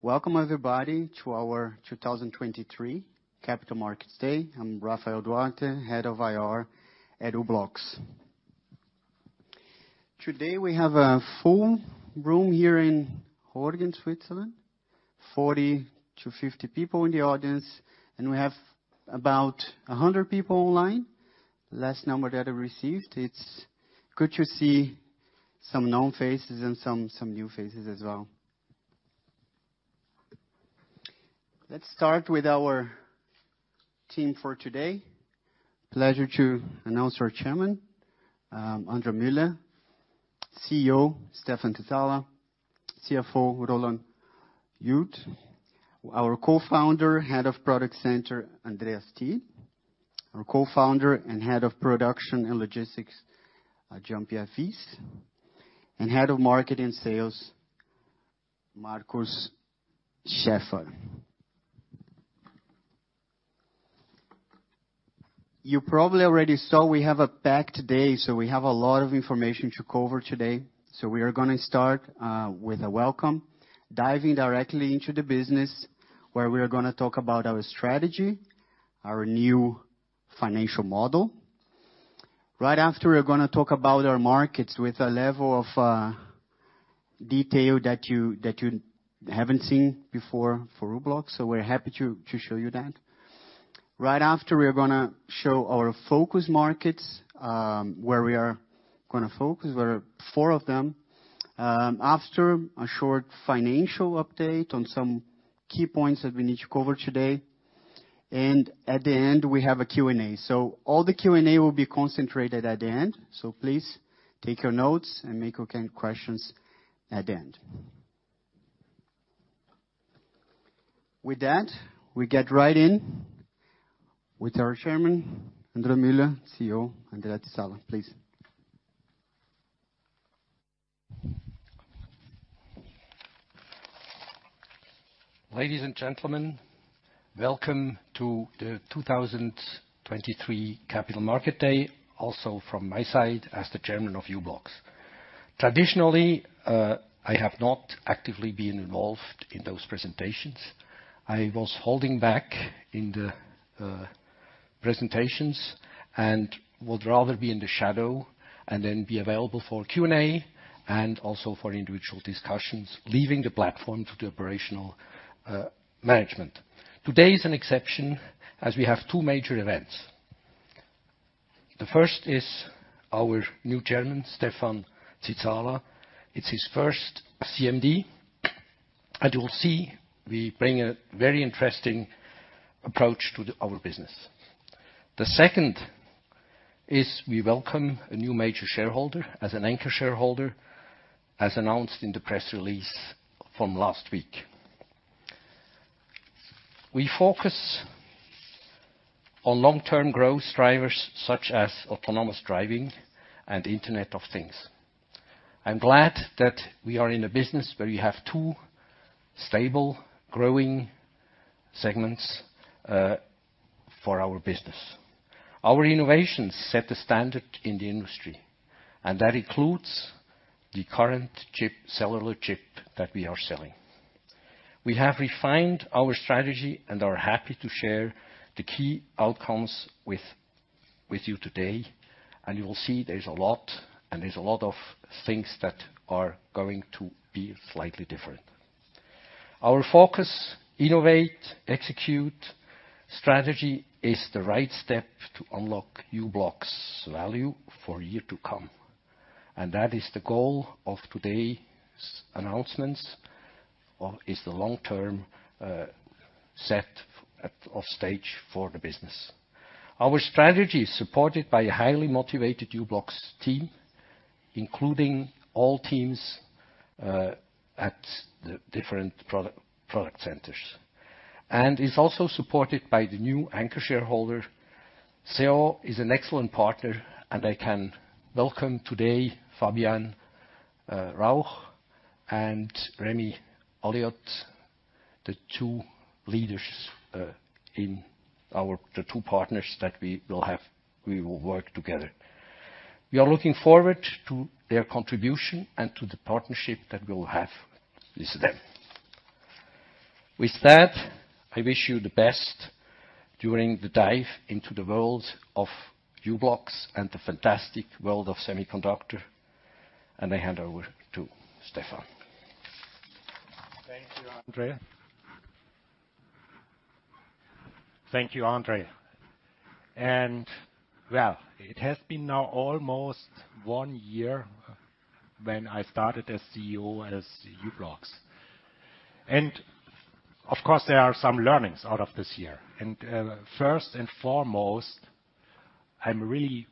Welcome everybody to our 2023 Capital Market Day. I'm Rafael Duarte, Head of IR at u-blox. Today, we have a full room here in Horgen, Switzerland. 40-50 people in the audience, and we have about 100 people online. Last number that I received. It's good to see some known faces and some new faces as well. Let's start with our team for today. Pleasure to announce our Chairman, André Müller, CEO, Stephan Zizala, CFO, Roland Jud. Our co-founder, Head of Product Center, Andreas Thiel. Our co-founder and Head of Production and Logistics, Jean-Pierre Wyss, and Head of Market and Sales, Markus Schäfer. You probably already saw we have a packed day, so we have a lot of information to cover today. So we are gonna start with a welcome, diving directly into the business, where we are gonna talk about our strategy, our new financial model. Right after, we're gonna talk about our markets with a level of detail that you haven't seen before for u-blox, so we're happy to show you that. Right after, we are gonna show our focus markets, where we are gonna focus. There are four of them. After a short financial update on some key points that we need to cover today, and at the end, we have a Q&A. So all the Q&A will be concentrated at the end, so please take your notes and make your questions at the end. With that, we get right in with our Chairman, André Müller, CEO Stephan Zizala. Please. Ladies and gentlemen, welcome to the 2023 Capital Market Day, also from my side as the Chairman of u-blox. Traditionally, I have not actively been involved in those presentations. I was holding back in the presentations and would rather be in the shadow and then be available for Q&A, and also for individual discussions, leaving the platform to the operational management. Today is an exception as we have two major events. The first is our new CEO, Stephan Zizala. It's his first CMD. As you will see, we bring a very interesting approach to our business. The second is we welcome a new major shareholder as an anchor shareholder, as announced in the press release from last week. We focus on long-term growth drivers such as autonomous driving and Internet of Things. I'm glad that we are in a business where we have two stable, growing segments for our business. Our innovations set the standard in the industry, and that includes the current chip, cellular chip that we are selling. We have refined our strategy and are happy to share the key outcomes with you today, and you will see there's a lot of things that are going to be slightly different. Our focus, innovate, execute strategy is the right step to unlock u-blox value for yearsto come, and that is the goal of today's announcements is the long term set the stage for the business. Our strategy is supported by a highly motivated u-blox team, including all teams at the different product centers, and is also supported by the new anchor shareholder. CEO is an excellent partner, and I can welcome today Fabian Rauch and Rémy Oullion, the two leaders. The two partners that we will have, we will work together. We are looking forward to their contribution and to the partnership that we'll have with them. With that, I wish you the best during the dive into the world of u-blox and the fantastic world of semiconductors, and I hand over to Stephan. Thank you, André. Thank you, André. And, well, it has been now almost one year when I started as CEO of u-blox, and of course, there are some learnings out of this year. And, first and foremost, I'm really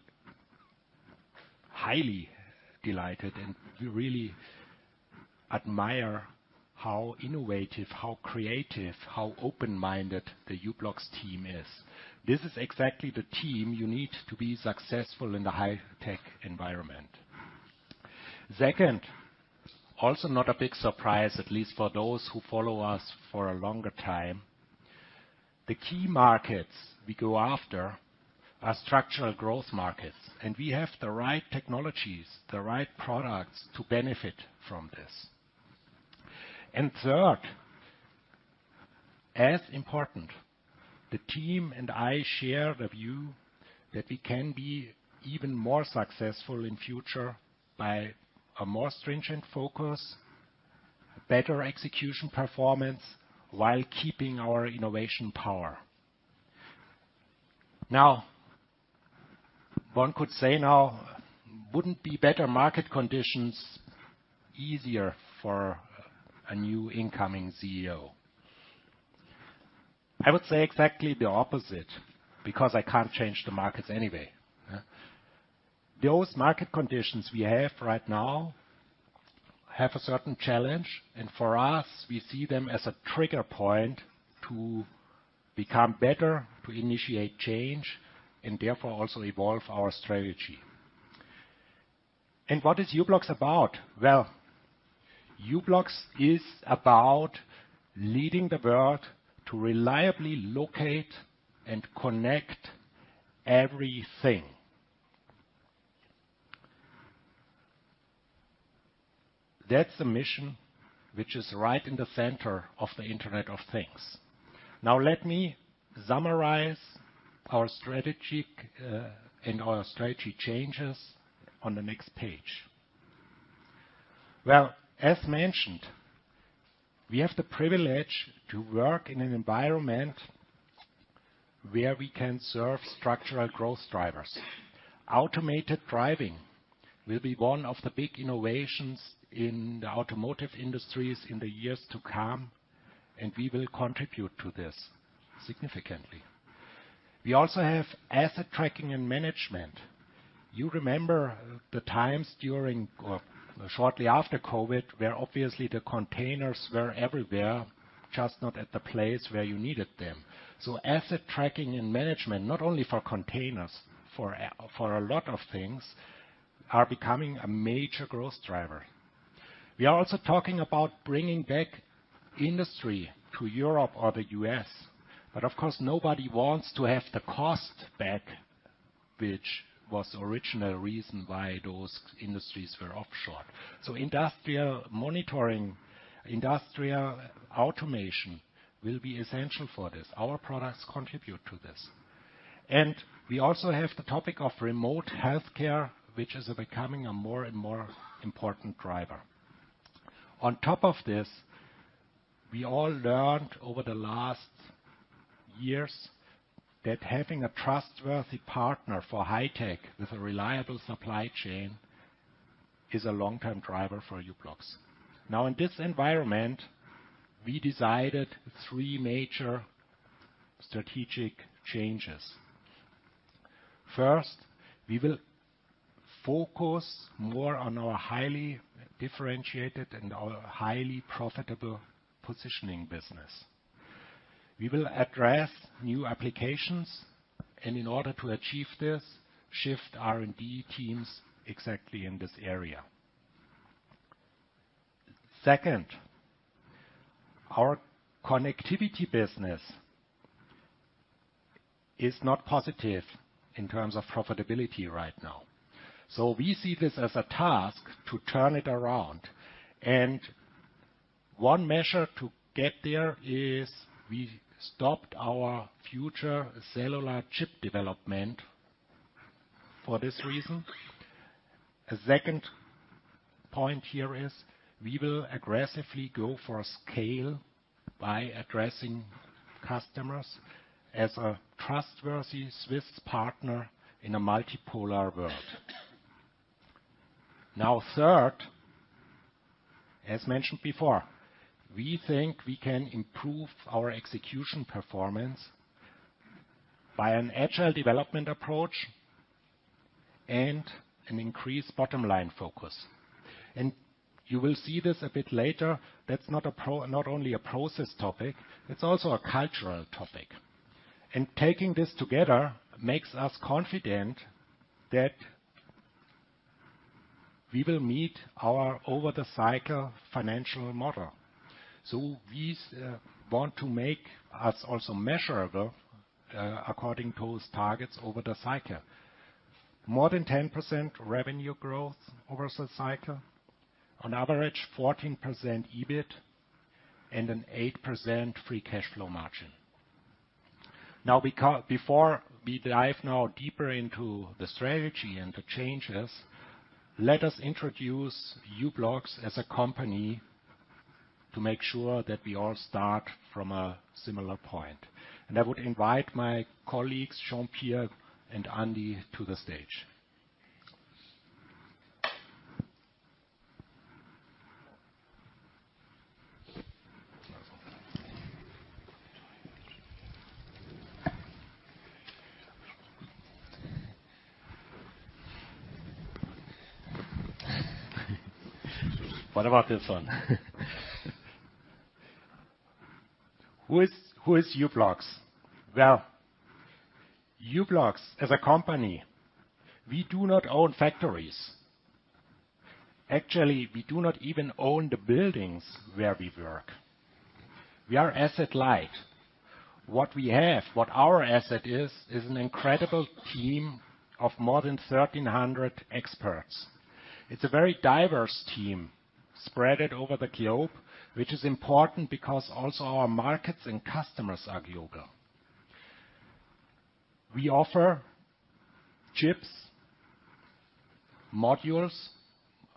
highly delighted, and we really admire how innovative, how creative, how open-minded the u-blox team is. This is exactly the team you need to be successful in the high-tech environment. Second, also not a big surprise, at least for those who follow us for a longer time. The key markets we go after are structural growth markets, and we have the right technologies, the right products to benefit from this. And third, as important, the team and I share the view that we can be even more successful in the future by a more stringent focus, better execution performance, while keeping our innovation power. Now, one could say now, wouldn't be better market conditions easier for a new incoming CEO? I would say exactly the opposite, because I can't change the markets anyway. Yeah. Those market conditions we have right now have a certain challenge, and for us, we see them as a trigger point to become better, to initiate change, and therefore, also evolve our strategy. And what is u-blox about? Well, u-blox is about leading the world to reliably locate and connect everything. That's the mission, which is right in the center of the Internet of Things. Now, let me summarize our strategy, and our strategy changes on the next page. Well, as mentioned, we have the privilege to work in an environment where we can serve structural growth drivers. Automated driving will be one of the big innovations in the automotive industry in the years to come, and we will contribute to this significantly. We also have asset tracking and management. You remember the times during or shortly after COVID, where obviously the containers were everywhere, just not at the place where you needed them. So asset tracking and management, not only for containers, for a lot of things, are becoming a major growth driver. We are also talking about bringing back industry to Europe or the U.S., but of course, nobody wants to have the cost back, which was the original reason why those industries were offshore. So industrial monitoring, industrial automation, will be essential for this. Our products contribute to this. We also have the topic of remote healthcare, which is becoming a more and more important driver. On top of this, we all learned over the last years that having a trustworthy partner for high tech, with a reliable supply chain, is a long-term driver for u-blox. Now, in this environment, we decided three major strategic changes. First, we will focus more on our highly differentiated and our highly profitable positioning business. We will address new applications, and in order to achieve this, shift R&D teams exactly in this area. Second, our connectivity business is not positive in terms of profitability right now, so we see this as a task to turn it around, and one measure to get there is we stopped our future cellular chip development for this reason. A second point here is we will aggressively go for scale by addressing customers as a trustworthy Swiss partner in a multipolar world. Now, third, as mentioned before, we think we can improve our execution performance by an agile development approach and an increased bottom line focus. And you will see this a bit later, that's not only a process topic, it's also a cultural topic. And taking this together makes us confident that we will meet our over the cycle financial model. So these want to make us also measurable according to those targets over the cycle. More than 10% revenue growth over the cycle, on average, 14% EBIT, and an 8% free cash flow margin. Now, before we dive now deeper into the strategy and the changes, let us introduce u-blox as a company to make sure that we all start from a similar point. And I would invite my colleagues, Jean-Pierre and Andi, to the stage. What about this one? Who is u-blox? Well, u-blox, as a company, we do not own factories. Actually, we do not even own the buildings where we work. We are asset light. What we have, what our asset is, is an incredible team of more than 1,300 experts. It's a very diverse team, spread over the globe, which is important because also our markets and customers are global. We offer chips, modules.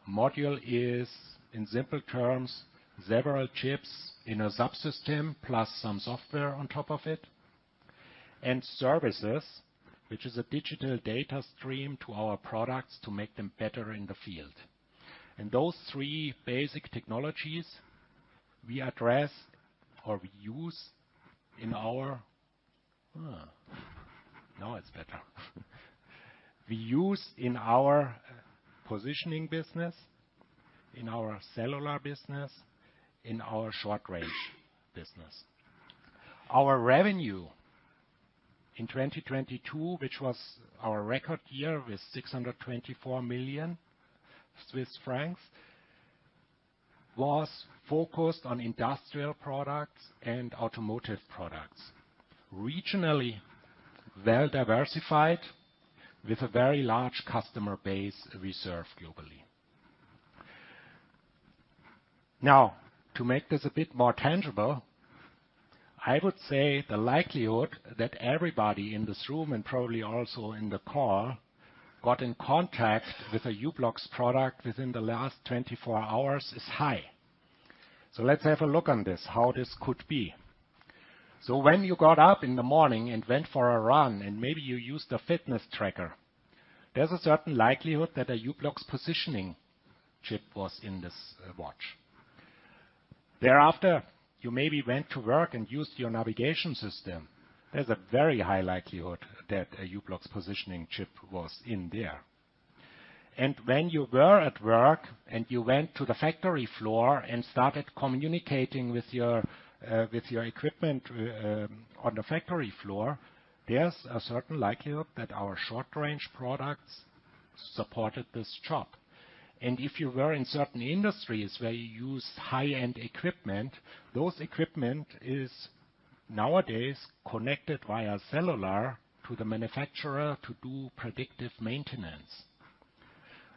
Module is, in simple terms, several chips in a subsystem, plus some software on top of it, and services, which is a digital data stream to our products to make them better in the field. And those three basic technologies we address or we use in our- Now it's better. We use in our positioning business, in our cellular business, in our short-range business. Our revenue in 2022, which was our record year, with 624 million Swiss francs, was focused on industrial products and automotive products. Regionally, well diversified, with a very large customer base we serve globally. Now, to make this a bit more tangible, I would say the likelihood that everybody in this room, and probably also in the call, got in contact with a u-blox product within the last 24 hours is high. So let's have a look on this, how this could be. So when you got up in the morning and went for a run, and maybe you used a fitness tracker, there's a certain likelihood that a u-blox positioning chip was in this watch. Thereafter, you maybe went to work and used your navigation system. There's a very high likelihood that a u-blox positioning chip was in there. When you were at work, and you went to the factory floor and started communicating with your, with your equipment on the factory floor, there's a certain likelihood that our short-range products supported this job. If you were in certain industries where you use high-end equipment, those equipment is nowadays connected via cellular to the manufacturer to do predictive maintenance.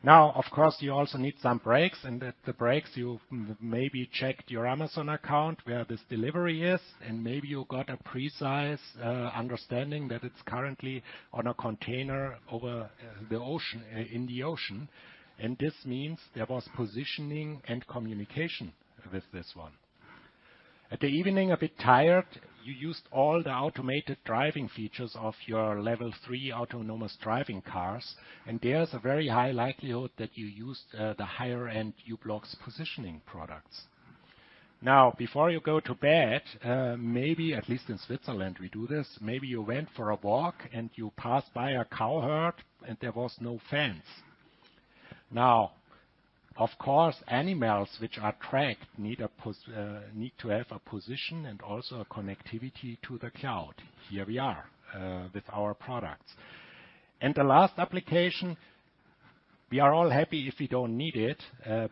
Now, of course, you also need some breaks, and at the breaks, you maybe checked your Amazon account, where this delivery is, and maybe you got a precise understanding that it's currently on a container over the ocean, in the ocean, and this means there was positioning and communication with this one. At the evening, a bit tired, you used all the automated driving features of your Level 3 autonomous driving cars, and there's a very high likelihood that you used the higher-end u-blox positioning products. Now, before you go to bed, maybe at least in Switzerland, we do this, maybe you went for a walk, and you passed by a cow herd, and there was no fence. Now, of course, animals which are tracked need a position and also a connectivity to the cloud. Here we are, with our products. The last application, we are all happy if you don't need it,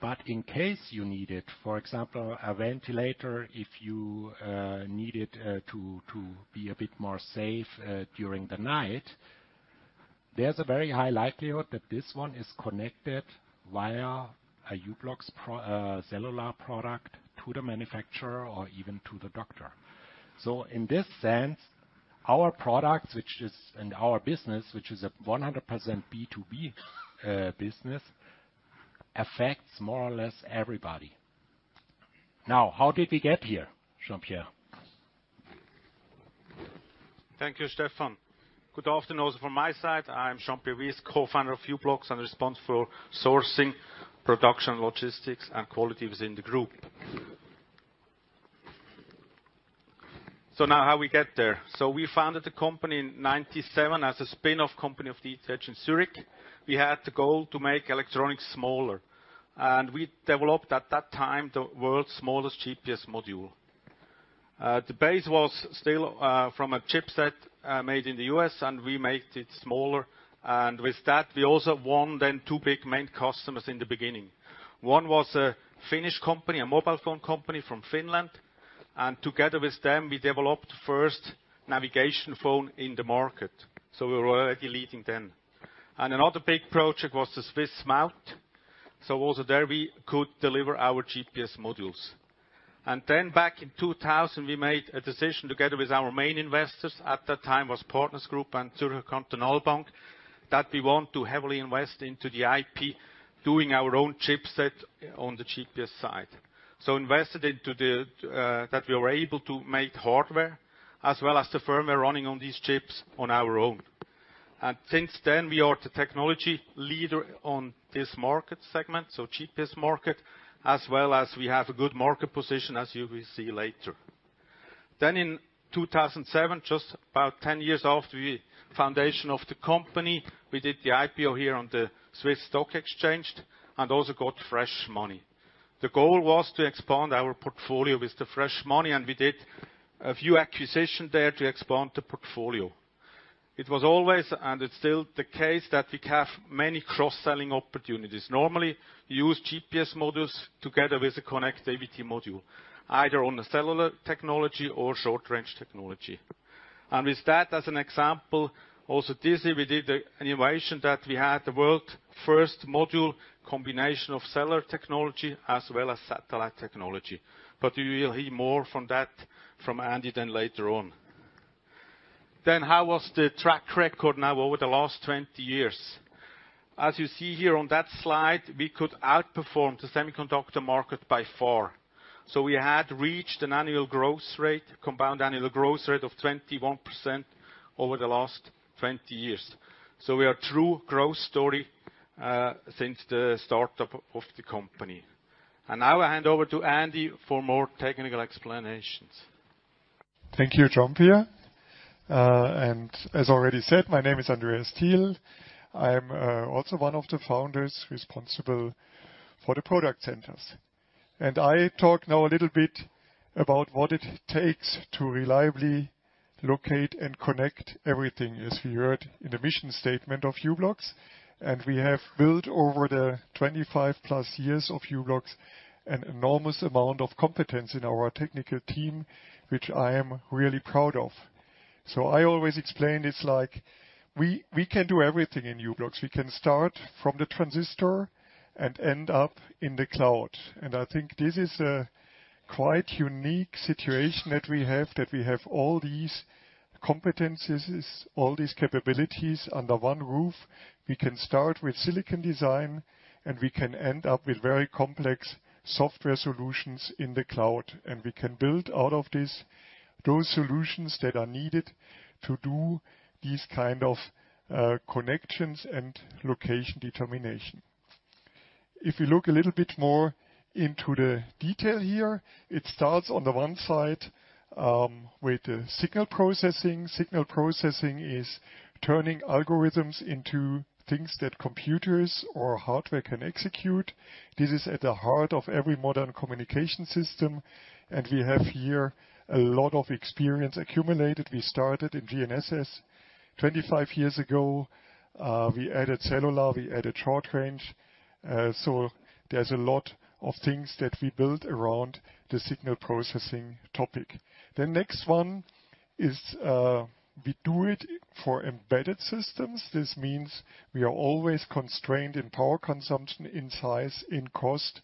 but in case you need it, for example, a ventilator, if you need it to be a bit more safe during the night, there's a very high likelihood that this one is connected via a u-blox cellular product to the manufacturer or even to the doctor. So in this sense, our products and our business, which is a 100% B2B business, affects more or less everybody. Now, how did we get here, Jean-Pierre? Thank you, Stephan. Good afternoon from my side. I'm Jean-Pierre Wyss, co-founder of u-blox, and responsible for sourcing, production, logistics, and quality within the group. So now, how we get there? So we founded the company in 1997 as a spin-off company of the ETH Zurich. We had the goal to make electronics smaller, and we developed, at that time, the world's smallest GPS module. The base was still from a chipset made in the U.S., and we made it smaller. And with that, we also won then two big main customers in the beginning. One was a Finnish company, a mobile phone company from Finland, and together with them, we developed first navigation phone in the market, so we were already leading then. And another big project was the Swiss Maut. So also there, we could deliver our GPS modules. And then back in 2000, we made a decision, together with our main investors, at that time was Partners Group and Zürcher Kantonalbank, that we want to heavily invest into the IP, doing our own chipset on the GPS side. So invested into the, that we were able to make hardware as well as the firmware running on these chips on our own. And since then, we are the technology leader on this market segment, so GPS market, as well as we have a good market position, as you will see later. Then in 2007, just about 10 years after the foundation of the company, we did the IPO here on the Swiss Stock Exchange and also got fresh money. The goal was to expand our portfolio with the fresh money, and we did a few acquisitions there to expand the portfolio. It was always, and it's still the case, that we have many cross-selling opportunities. Normally, we use GPS modules together with a connectivity module, either on a cellular technology or short-range technology. And with that, as an example, also this year, we did an innovation that we had the world first module combination of cellular technology as well as satellite technology. But you will hear more from that from Andy then later on. Then, how was the track record now over the last 20 years? As you see here on that slide, we could outperform the semiconductor market by far. So we had reached an annual growth rate, compound annual growth rate of 21% over the last 20 years. So we are true growth story, since the startup of the company. And now I hand over to Andy for more technical explanations. Thank you, Jean-Pierre. And as already said, my name is Andreas Thiel. I am also one of the founders responsible for the product centers. And I talk now a little bit about what it takes to reliably locate and connect everything, as we heard in the mission statement of u-blox. And we have built over the 25+ years of u-blox, an enormous amount of competence in our technical team, which I am really proud of. So I always explain it's like we, we can do everything in u-blox. We can start from the transistor and end up in the cloud, and I think this is a quite unique situation that we have, that we have all these competencies, all these capabilities under one roof. We can start with silicon design, and we can end up with very complex software solutions in the cloud, and we can build out of this, those solutions that are needed to do these kind of connections and location determination. If we look a little bit more into the detail here, it starts on the one side, with the signal processing. Signal processing is turning algorithms into things that computers or hardware can execute. This is at the heart of every modern communication system, and we have here a lot of experience accumulated. We started in GNSS 25 years ago, we added cellular, we added short range, so there's a lot of things that we built around the signal processing topic. The next one is, we do it for embedded systems. This means we are always constrained in power consumption, in size, in cost.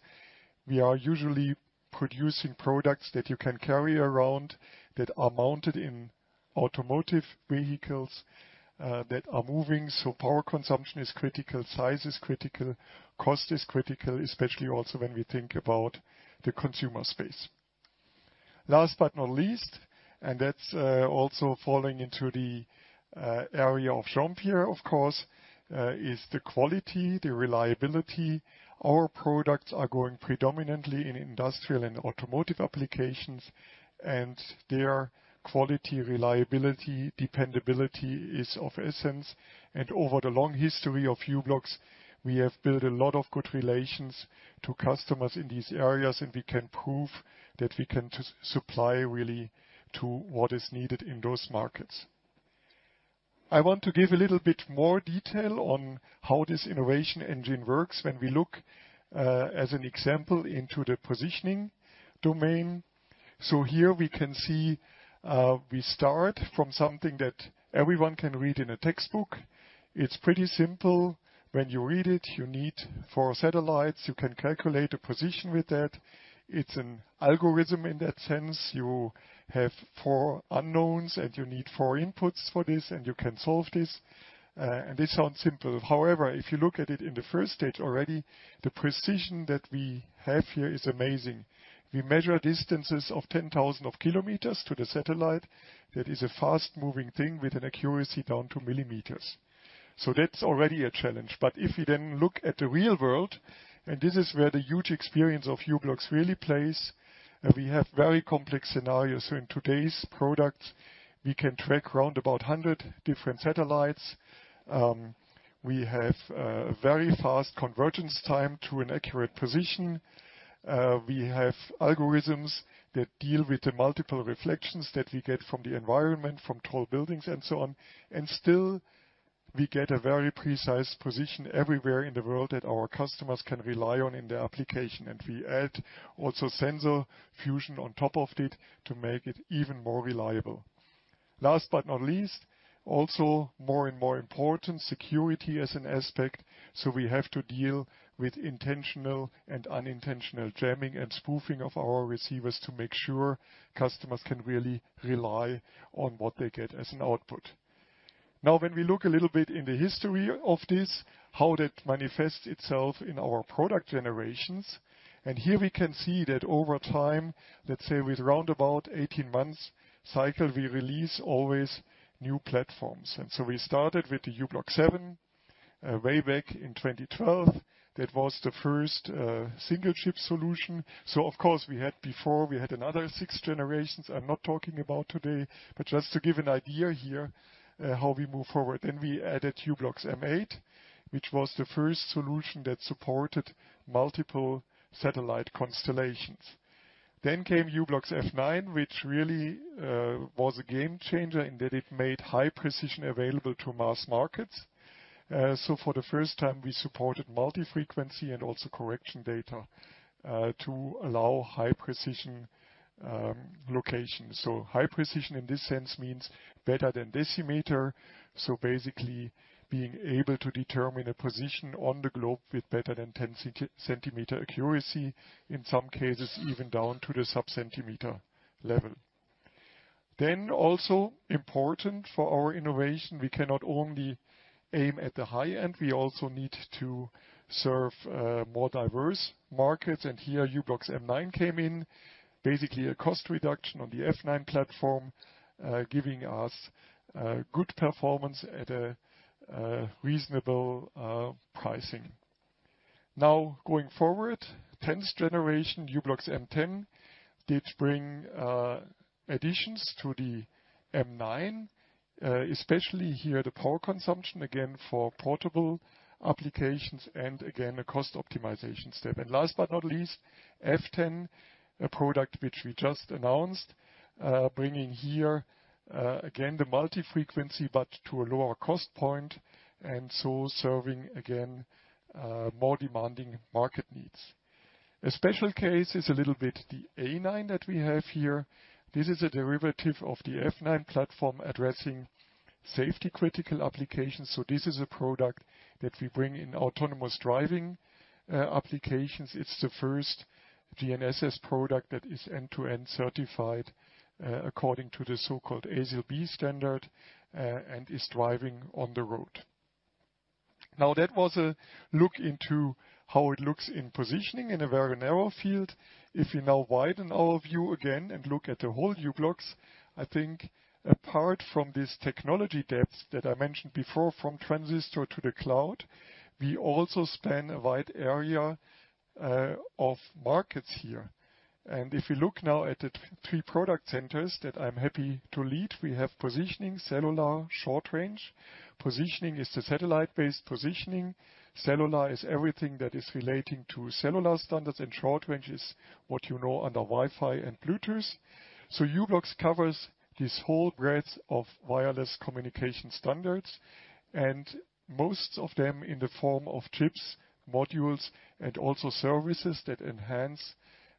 We are usually producing products that you can carry around, that are mounted in automotive vehicles, that are moving, so power consumption is critical, size is critical, cost is critical, especially also when we think about the consumer space. Last but not least, and that's also falling into the area of Jean-Pierre, of course, is the quality, the reliability. Our products are going predominantly in industrial and automotive applications, and their quality, reliability, dependability is of essence, and over the long history of u-blox, we have built a lot of good relations to customers in these areas, and we can prove that we can just supply really to what is needed in those markets. I want to give a little bit more detail on how this innovation engine works when we look, as an example, into the positioning domain. So here we can see, we start from something that everyone can read in a textbook. It's pretty simple. When you read it, you need four satellites. You can calculate a position with that. It's an algorithm in that sense. You have four unknowns, and you need four inputs for this, and you can solve this. And this sounds simple. However, if you look at it in the first stage, already, the precision that we have here is amazing. We measure distances of 10,000 km to the satellite. That is a fast-moving thing with an accuracy down to millimeters. So that's already a challenge. But if you then look at the real world, and this is where the huge experience of u-blox really plays, and we have very complex scenarios. So in today's product, we can track around about 100 different satellites. We have very fast convergence time to an accurate position. We have algorithms that deal with the multiple reflections that we get from the environment, from tall buildings and so on, and still, we get a very precise position everywhere in the world that our customers can rely on in their application. And we add also sensor fusion on top of it to make it even more reliable. Last but not least, also more and more important, security as an aspect, so we have to deal with intentional and unintentional jamming and spoofing of our receivers to make sure customers can really rely on what they get as an output. Now, when we look a little bit in the history of this, how that manifests itself in our product generations, and here we can see that over time, let's say with around 18 months cycle, we release always new platforms. So we started with the u-blox 7, way back in 2012. That was the first single chip solution. So of course, we had another 6 generations I'm not talking about today, but just to give an idea here, how we move forward. Then we added u-blox M8, which was the first solution that supported multiple satellite constellations. Then came u-blox F9, which really was a game changer in that it made high precision available to mass markets. So for the first time, we supported multi-frequency and also correction data to allow high precision location. So high precision in this sense means better than decimeter, so basically being able to determine a position on the globe with better than 10 centimeter accuracy, in some cases, even down to the sub-centimeter level. Then also important for our innovation, we cannot only aim at the high end, we also need to serve more diverse markets, and here, u-blox M9 came in. Basically, a cost reduction on the F9 platform, giving us good performance at a reasonable pricing. Now, going forward, 10th generation u-blox M10 did bring additions to the M9, especially here, the power consumption, again, for portable applications, and again, a cost optimization step. And last but not least, F10, a product which we just announced, bringing here again, the multi-frequency, but to a lower cost point, and so serving again more demanding market needs. A special case is a little bit the u-blox F9 that we have here. This is a derivative of the F9 platform addressing safety-critical applications, so this is a product that we bring in autonomous driving applications. It's the first GNSS product that is end-to-end certified according to the so-called ASIL B standard, and is driving on the road. Now, that was a look into how it looks in positioning in a very narrow field. If we now widen our view again and look at the whole u-blox, I think apart from this technology depth that I mentioned before, from transistor to the cloud, we also span a wide area of markets here. And if you look now at the three product centers that I'm happy to lead, we have positioning, cellular, short range. Positioning is the satellite-based positioning. Cellular is everything that is relating to cellular standards, and short range is what you know under Wi-Fi and Bluetooth. So u-blox covers this whole breadth of wireless communication standards, and most of them in the form of chips, modules, and also services that enhance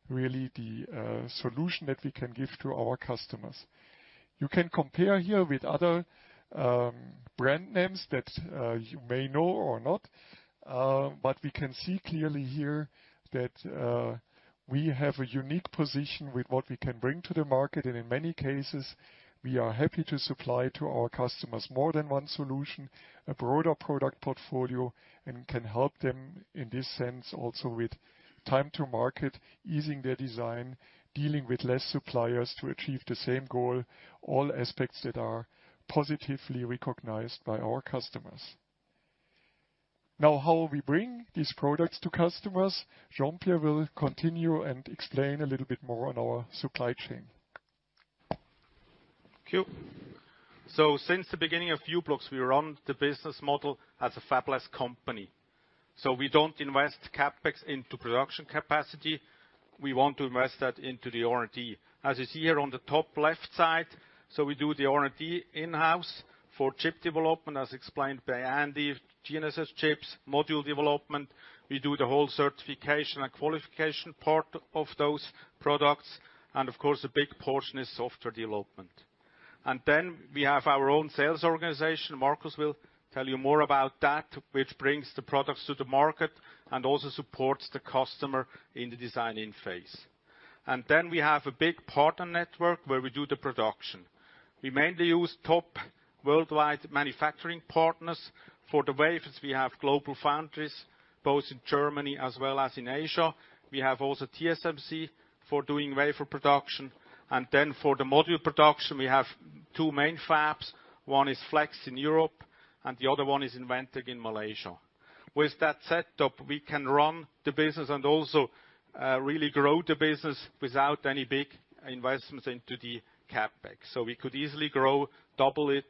really the solution that we can give to our customers. You can compare here with other brand names that you may know or not, but we can see clearly here that we have a unique position with what we can bring to the market, and in many cases, we are happy to supply to our customers more than one solution, a broader product portfolio, and can help them in this sense, also with time to market, easing their design, dealing with less suppliers to achieve the same goal, all aspects that are positively recognized by our customers. Now, how we bring these products to customers, Jean-Pierre will continue and explain a little bit more on our supply chain. Thank you. So since the beginning of u-blox, we run the business model as a fabless company. So we don't invest CapEx into production capacity; we want to invest that into the R&D. As you see here on the top left side, so we do the R&D in-house for chip development, as explained by Andy, GNSS chips, module development. We do the whole certification and qualification part of those products, and of course, a big portion is software development. And then we have our own sales organization; Markus will tell you more about that, which brings the products to the market and also supports the customer in the designing phase. And then we have a big partner network where we do the production. We mainly use top worldwide manufacturing partners. For the wafers, we have GlobalFoundries, both in Germany as well as in Asia. We have also TSMC for doing wafer production, and then for the module production, we have 2 main fabs. One is Flex in Europe, and the other one is Inventec in Malaysia. With that setup, we can run the business and also, really grow the business without any big investments into the CapEx. So we could easily grow, double it,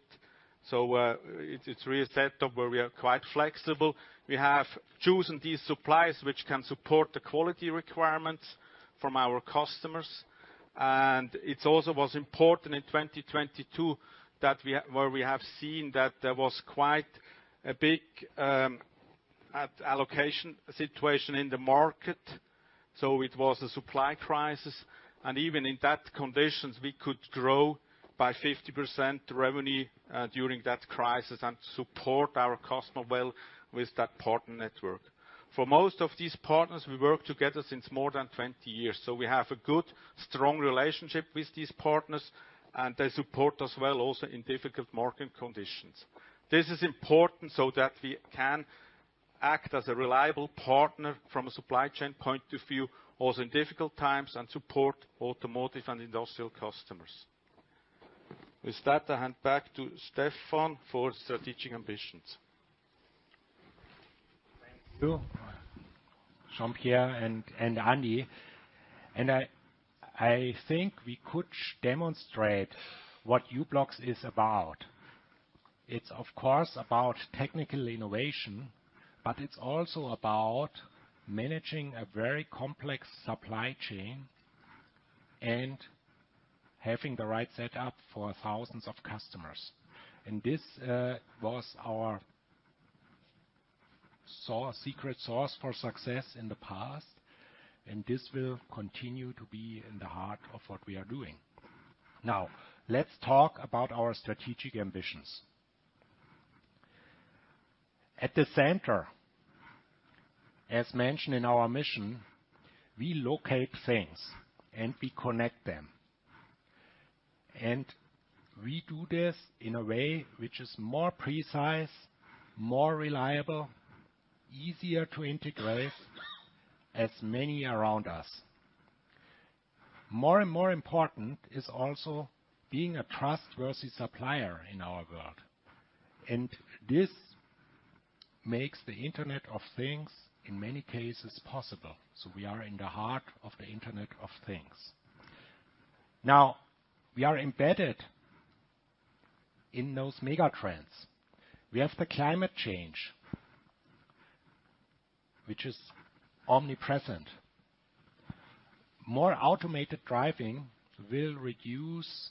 so, it's really a setup where we are quite flexible. We have chosen these suppliers, which can support the quality requirements from our customers, and it also was important in 2022, where we have seen that there was quite a big allocation situation in the market, so it was a supply crisis, and even in that conditions, we could grow by 50% revenue, during that crisis and support our customer well with that partner network. For most of these partners, we work together since more than 20 years, so we have a good, strong relationship with these partners, and they support us well, also in difficult market conditions. This is important so that we can act as a reliable partner from a supply chain point of view, also in difficult times, and support automotive and industrial customers. With that, I hand back to Stephan for strategic ambitions. Thank you, Jean-Pierre and Andy. I think we could demonstrate what u-blox is about. It's, of course, about technical innovation, but it's also about managing a very complex supply chain and having the right setup for thousands of customers. And this was our secret sauce for success in the past, and this will continue to be in the heart of what we are doing. Now, let's talk about our strategic ambitions. At the center, as mentioned in our mission, we locate things, and we connect them. And we do this in a way which is more precise, more reliable, easier to integrate, as many around us. More and more important is also being a trustworthy supplier in our world, and this makes the Internet of Things, in many cases, possible. So we are in the heart of the Internet of Things. Now, we are embedded in those mega trends. We have the climate change, which is omnipresent. More automated driving will reduce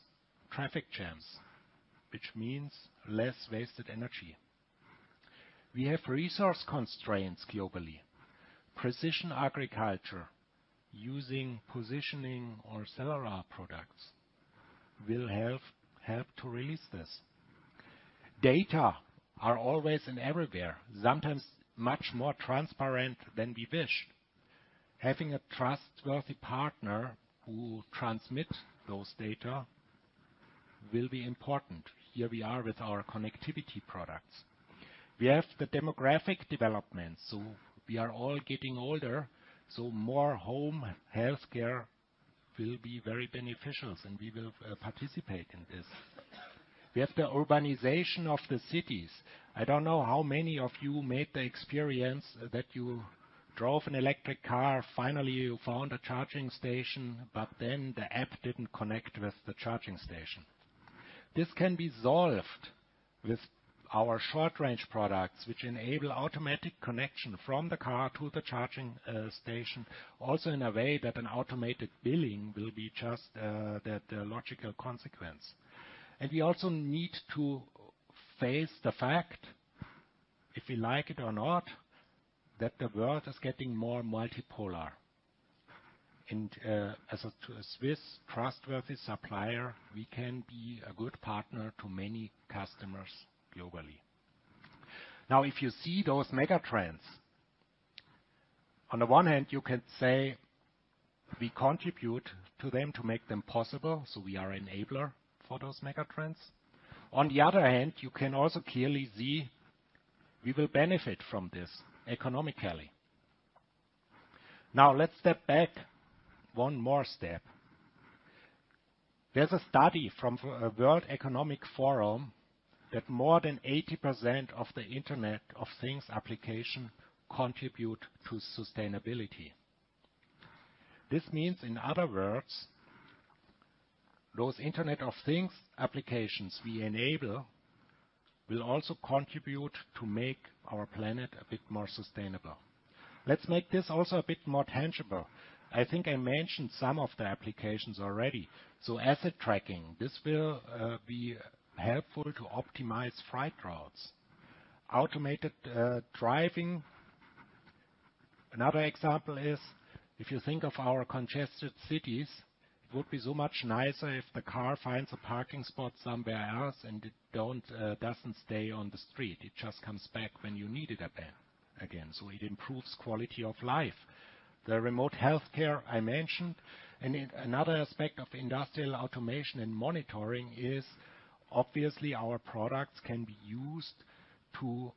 traffic jams, which means less wasted energy. We have resource constraints globally. Precision agriculture, using positioning or cellular products, will help, help to release this. Data are always and everywhere, sometimes much more transparent than we wish. Having a trustworthy partner who transmits those data will be important. Here we are with our connectivity products. We have the demographic development, so we are all getting older, so more home healthcare will be very beneficial, and we will, participate in this. We have the urbanization of the cities. I don't know how many of you made the experience that you drove an electric car, finally, you found a charging station, but then the app didn't connect with the charging station. This can be solved with our short-range products, which enable automatic connection from the car to the charging station, also in a way that an automated billing will be just the logical consequence. And we also need to face the fact, if you like it or not, that the world is getting more multipolar. And as a Swiss trustworthy supplier, we can be a good partner to many customers globally. Now, if you see those mega trends, on the one hand, you can say we contribute to them to make them possible, so we are enabler for those mega trends. On the other hand, you can also clearly see we will benefit from this economically. Now, let's step back one more step. There's a study from a World Economic Forum that more than 80% of the Internet of Things application contribute to sustainability. This means, in other words, those Internet of Things applications we enable will also contribute to make our planet a bit more sustainable. Let's make this also a bit more tangible. I think I mentioned some of the applications already. So asset tracking, this will be helpful to optimize flight routes. Automated driving. Another example is, if you think of our congested cities, it would be so much nicer if the car finds a parking spot somewhere else, and it doesn't stay on the street. It just comes back when you need it again. So it improves quality of life. The remote healthcare, I mentioned. And another aspect of industrial automation and monitoring is obviously, our products can be used to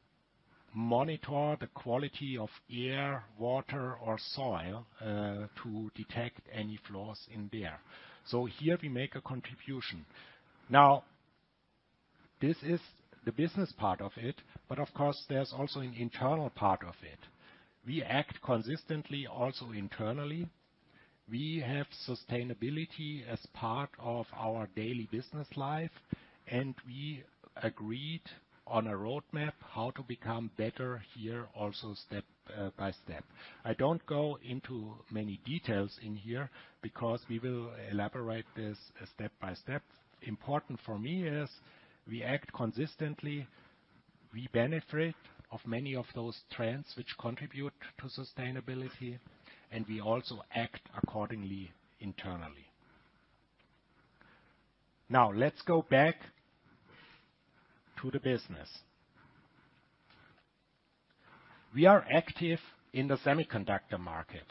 monitor the quality of air, water, or soil to detect any flaws in there. So here we make a contribution. Now, this is the business part of it, but of course, there's also an internal part of it. We act consistently also internally. We have sustainability as part of our daily business life, and we agreed on a roadmap how to become better here, also step by step. I don't go into many details in here because we will elaborate this step by step. Important for me is we act consistently, we benefit of many of those trends which contribute to sustainability, and we also act accordingly internally. Now, let's go back to the business. We are active in the semiconductor market,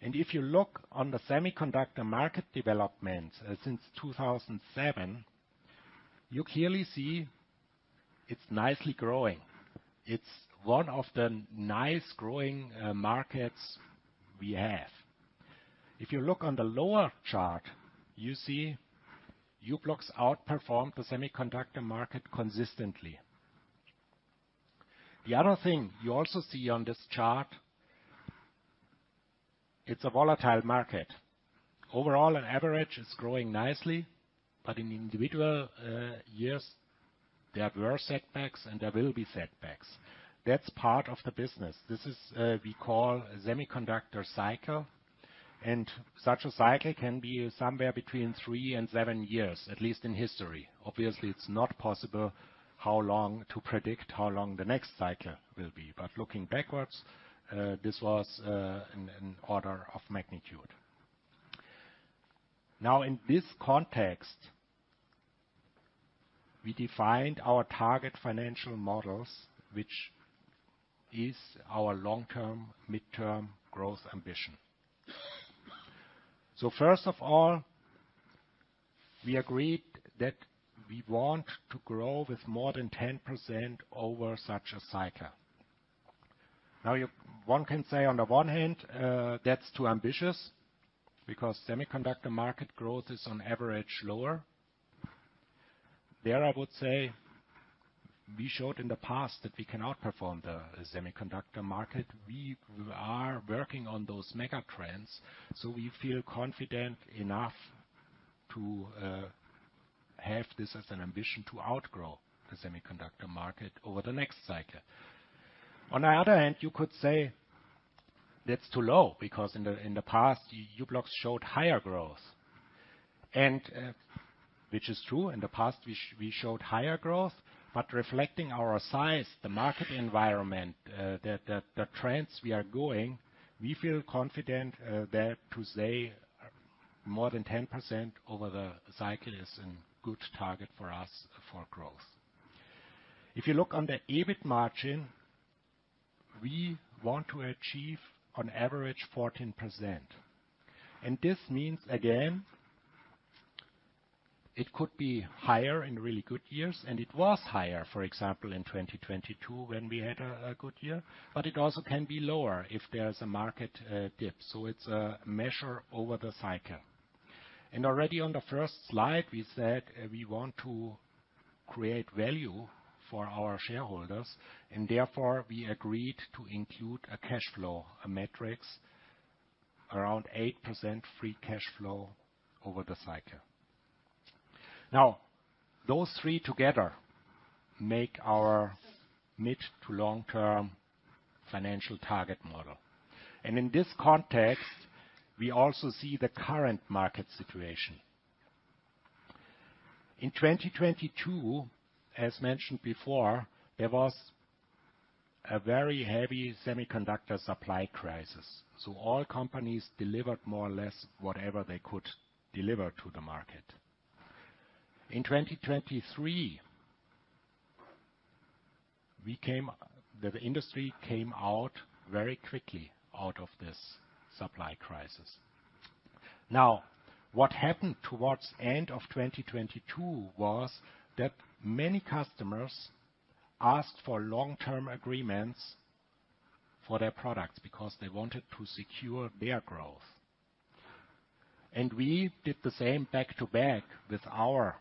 and if you look on the semiconductor market development since 2007, you clearly see it's nicely growing. It's one of the nice growing markets we have.... If you look on the lower chart, you see u-blox outperformed the semiconductor market consistently. The other thing you also see on this chart, it's a volatile market. Overall, on average, it's growing nicely, but in individual years, there were setbacks and there will be setbacks. That's part of the business. This is, we call a semiconductor cycle, and such a cycle can be somewhere between three and seven years, at least in history. Obviously, it's not possible to predict how long the next cycle will be. But looking backwards, this was, an order of magnitude. Now, in this context, we defined our target financial models, which is our long-term, midterm growth ambition. So first of all, we agreed that we want to grow with more than 10% over such a cycle. Now, one can say on the one hand, that's too ambitious, because semiconductor market growth is on average lower. There, I would say we showed in the past that we can outperform the semiconductor market. We are working on those mega trends, so we feel confident enough to have this as an ambition to outgrow the semiconductor market over the next cycle. On the other hand, you could say that's too low, because in the past, u-blox showed higher growth. And, which is true, in the past, we showed higher growth, but reflecting our size, the market environment, the trends we are going, we feel confident there to say more than 10% over the cycle is a good target for us for growth. If you look on the EBIT margin, we want to achieve on average 14%. This means, again, it could be higher in really good years, and it was higher, for example, in 2022 when we had a good year, but it also can be lower if there's a market dip. So it's a measure over the cycle. And already on the first slide, we said we want to create value for our shareholders, and therefore, we agreed to include a cash flow metrics around 8% free cash flow over the cycle. Now, those three together make our mid- to long-term financial target model. And in this context, we also see the current market situation. In 2022, as mentioned before, there was a very heavy semiconductor supply crisis, so all companies delivered more or less whatever they could deliver to the market. In 2023, the industry came out very quickly out of this supply crisis. Now, what happened towards end of 2022 was that many customers asked for long-term agreements for their products because they wanted to secure their growth. And we did the same back-to-back with our,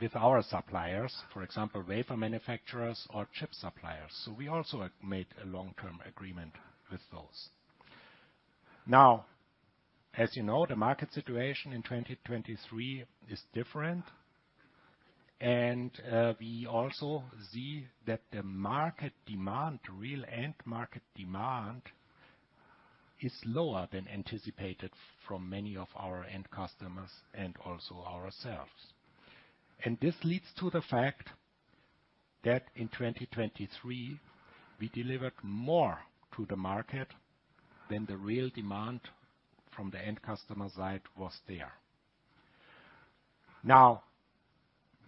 with our suppliers, for example, wafer manufacturers or chip suppliers. So we also made a long-term agreement with those. Now, as you know, the market situation in 2023 is different, and we also see that the market demand, real end market demand, is lower than anticipated from many of our end customers and also ourselves. And this leads to the fact that in 2023, we delivered more to the market than the real demand from the end customer side was there. Now,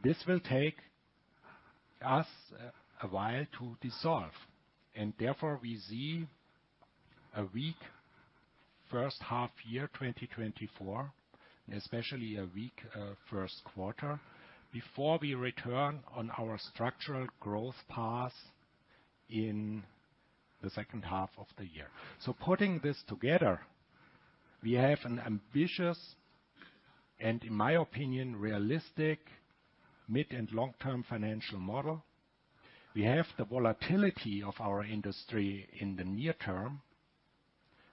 this will take us a while to dissolve, and therefore, we see a weak first half year, 2024, especially a weak first quarter, before we return on our structural growth path in the second half of the year. So putting this together, we have an ambitious and, in my opinion, realistic mid and long-term financial model. We have the volatility of our industry in the near term,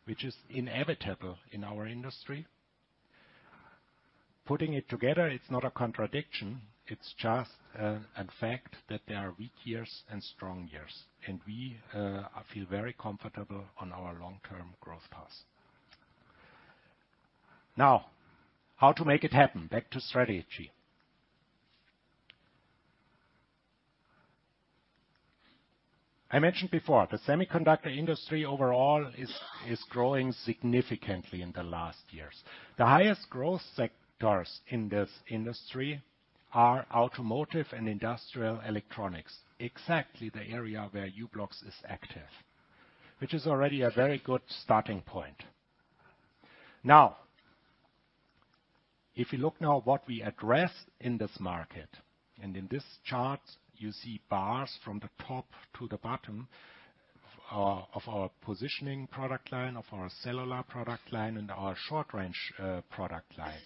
which is inevitable in our industry. Putting it together, it's not a contradiction, it's just a fact that there are weak years and strong years, and we feel very comfortable on our long-term growth path. Now, how to make it happen? Back to strategy. I mentioned before, the semiconductor industry overall is growing significantly in the last years. The highest growth sectors in this industry are automotive and industrial electronics, exactly the area where u-blox is active, which is already a very good starting point. Now, if you look now what we address in this market, and in this chart, you see bars from the top to the bottom of our positioning product line, of our cellular product line, and our short-range product line.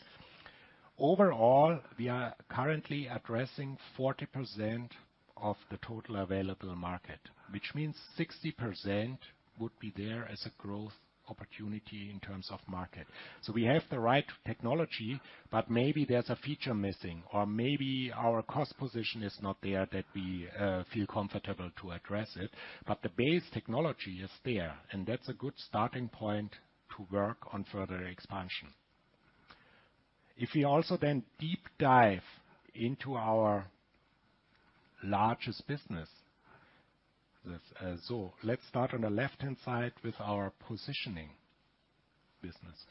Overall, we are currently addressing 40% of the total available market, which means 60% would be there as a growth opportunity in terms of market. So we have the right technology, but maybe there's a feature missing, or maybe our cost position is not there, that we feel comfortable to address it, but the base technology is there, and that's a good starting point to work on further expansion. If we also then deep dive into our largest business, this, so let's start on the left-hand side with our positioning business.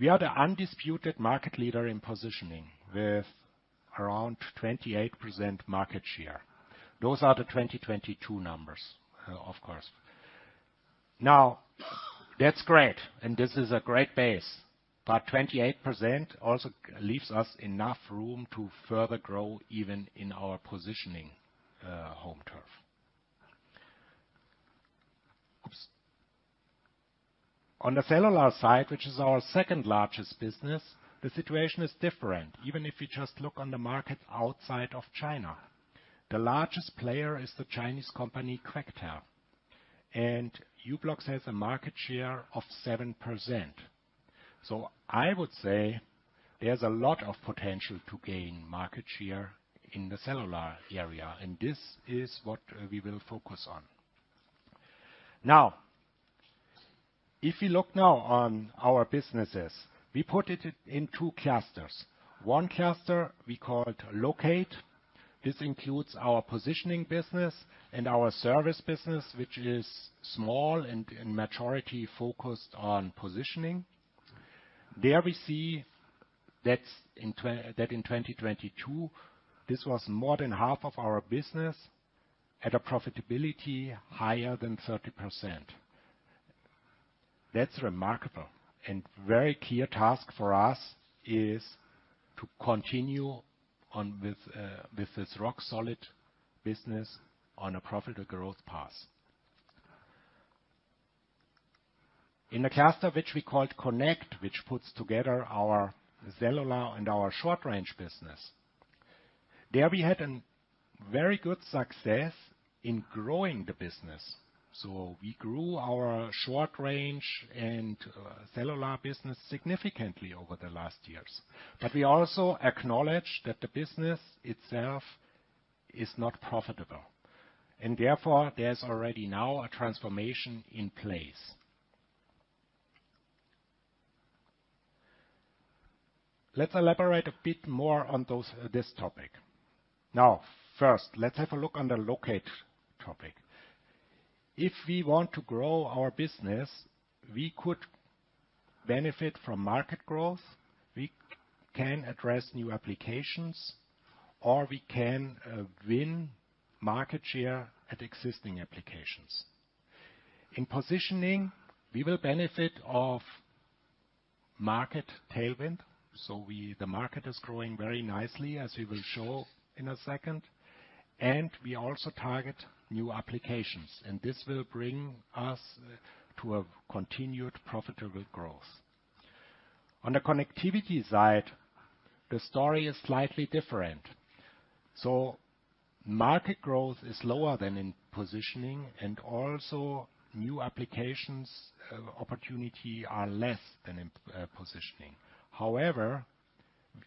We are the undisputed market leader in positioning, with around 28% market share. Those are the 2022 numbers, of course. Now, that's great, and this is a great base, but 28% also leaves us enough room to further grow, even in our positioning, home turf. Oops! On the cellular side, which is our second-largest business, the situation is different. Even if you just look on the market outside of China. The largest player is the Chinese company, Quectel, and u-blox has a market share of 7%. So I would say there's a lot of potential to gain market share in the cellular area, and this is what we will focus on. Now, if you look now on our businesses, we put it in two clusters. One cluster we call it Locate. This includes our positioning business and our service business, which is small and in majority focused on positioning. There we see that in 2022, this was more than half of our business at a profitability higher than 30%. That's remarkable, and very clear task for us is to continue on with this rock-solid business on a profitable growth path. In the cluster, which we called Connect, which puts together our cellular and our short-range business, there we had a very good success in growing the business. So we grew our short range and cellular business significantly over the last years. But we also acknowledge that the business itself is not profitable, and therefore, there's already now a transformation in place. Let's elaborate a bit more on those, this topic. Now, first, let's have a look on the location topic. If we want to grow our business, we could benefit from market growth. We can address new applications, or we can win market share at existing applications. In positioning, we will benefit of market tailwind, so the market is growing very nicely, as we will show in a second, and we also target new applications, and this will bring us to a continued profitable growth. On the connectivity side, the story is slightly different. So market growth is lower than in positioning, and also new applications opportunity are less than in positioning. However,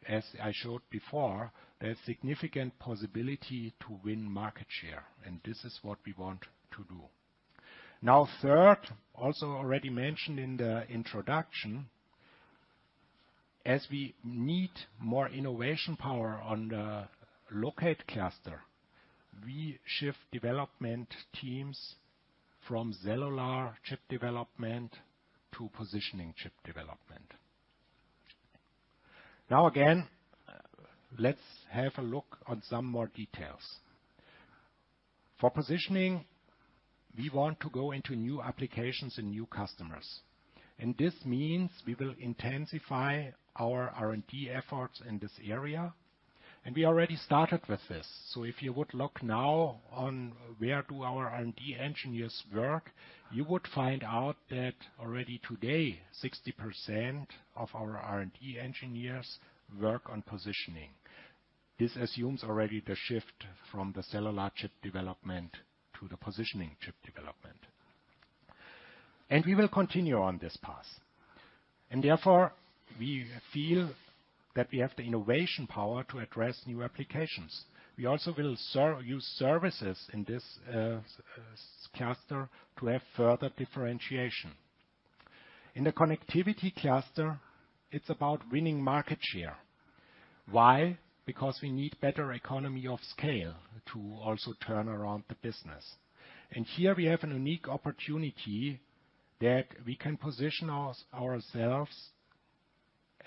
as I showed before, there's significant possibility to win market share, and this is what we want to do. Now, third, also already mentioned in the introduction, as we need more innovation power on the Locate cluster, we shift development teams from cellular chip development to positioning chip development. Now, again, let's have a look on some more details. For positioning, we want to go into new applications and new customers, and this means we will intensify our R&D efforts in this area, and we already started with this. So if you would look now on where do our R&D engineers work, you would find out that already today, 60% of our R&D engineers work on positioning. This assumes already the shift from the cellular chip development to the positioning chip development. And we will continue on this path, and therefore, we feel that we have the innovation power to address new applications. We also will use services in this cluster to have further differentiation. In the connectivity cluster, it's about winning market share. Why? Because we need better economy of scale to also turn around the business. And here we have a unique opportunity that we can position us, ourselves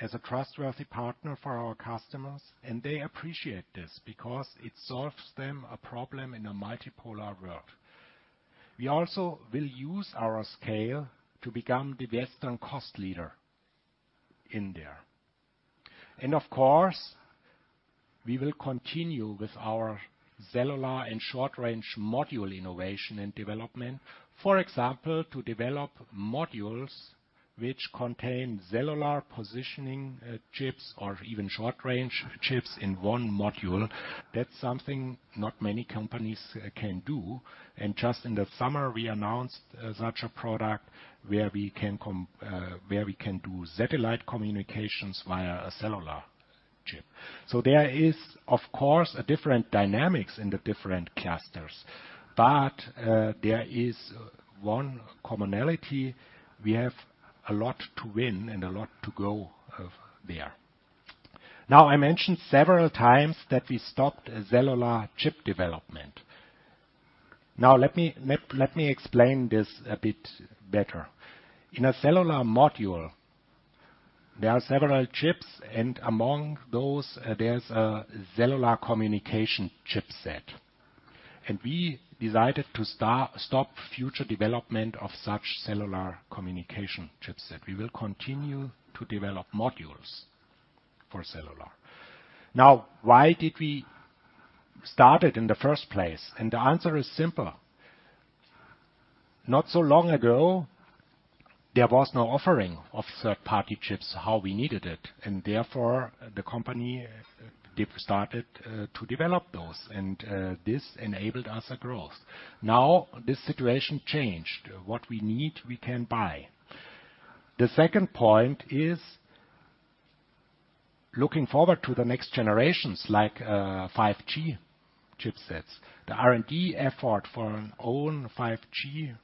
as a trustworthy partner for our customers, and they appreciate this because it solves them a problem in a multipolar world... We also will use our scale to become the best and cost leader in there. And of course, we will continue with our cellular and short range module innovation and development. For example, to develop modules which contain cellular positioning, chips or even short range chips in one module, that's something not many companies can do. And just in the summer, we announced such a product where we can do satellite communications via a cellular chip. So there is, of course, a different dynamics in the different clusters, but there is one commonality, we have a lot to win and a lot to go of there. Now, I mentioned several times that we stopped a cellular chip development. Now, let me explain this a bit better. In a cellular module, there are several chips, and among those, there's a cellular communication chipset. And we decided to stop future development of such cellular communication chipset. We will continue to develop modules for cellular. Now, why did we start it in the first place? And the answer is simple. Not so long ago, there was no offering of third-party chips how we needed it, and therefore, the company they started to develop those, and this enabled us a growth. Now, this situation changed. What we need, we can buy. The second point is looking forward to the next generations, like 5G chipsets. The R&D effort for an own 5G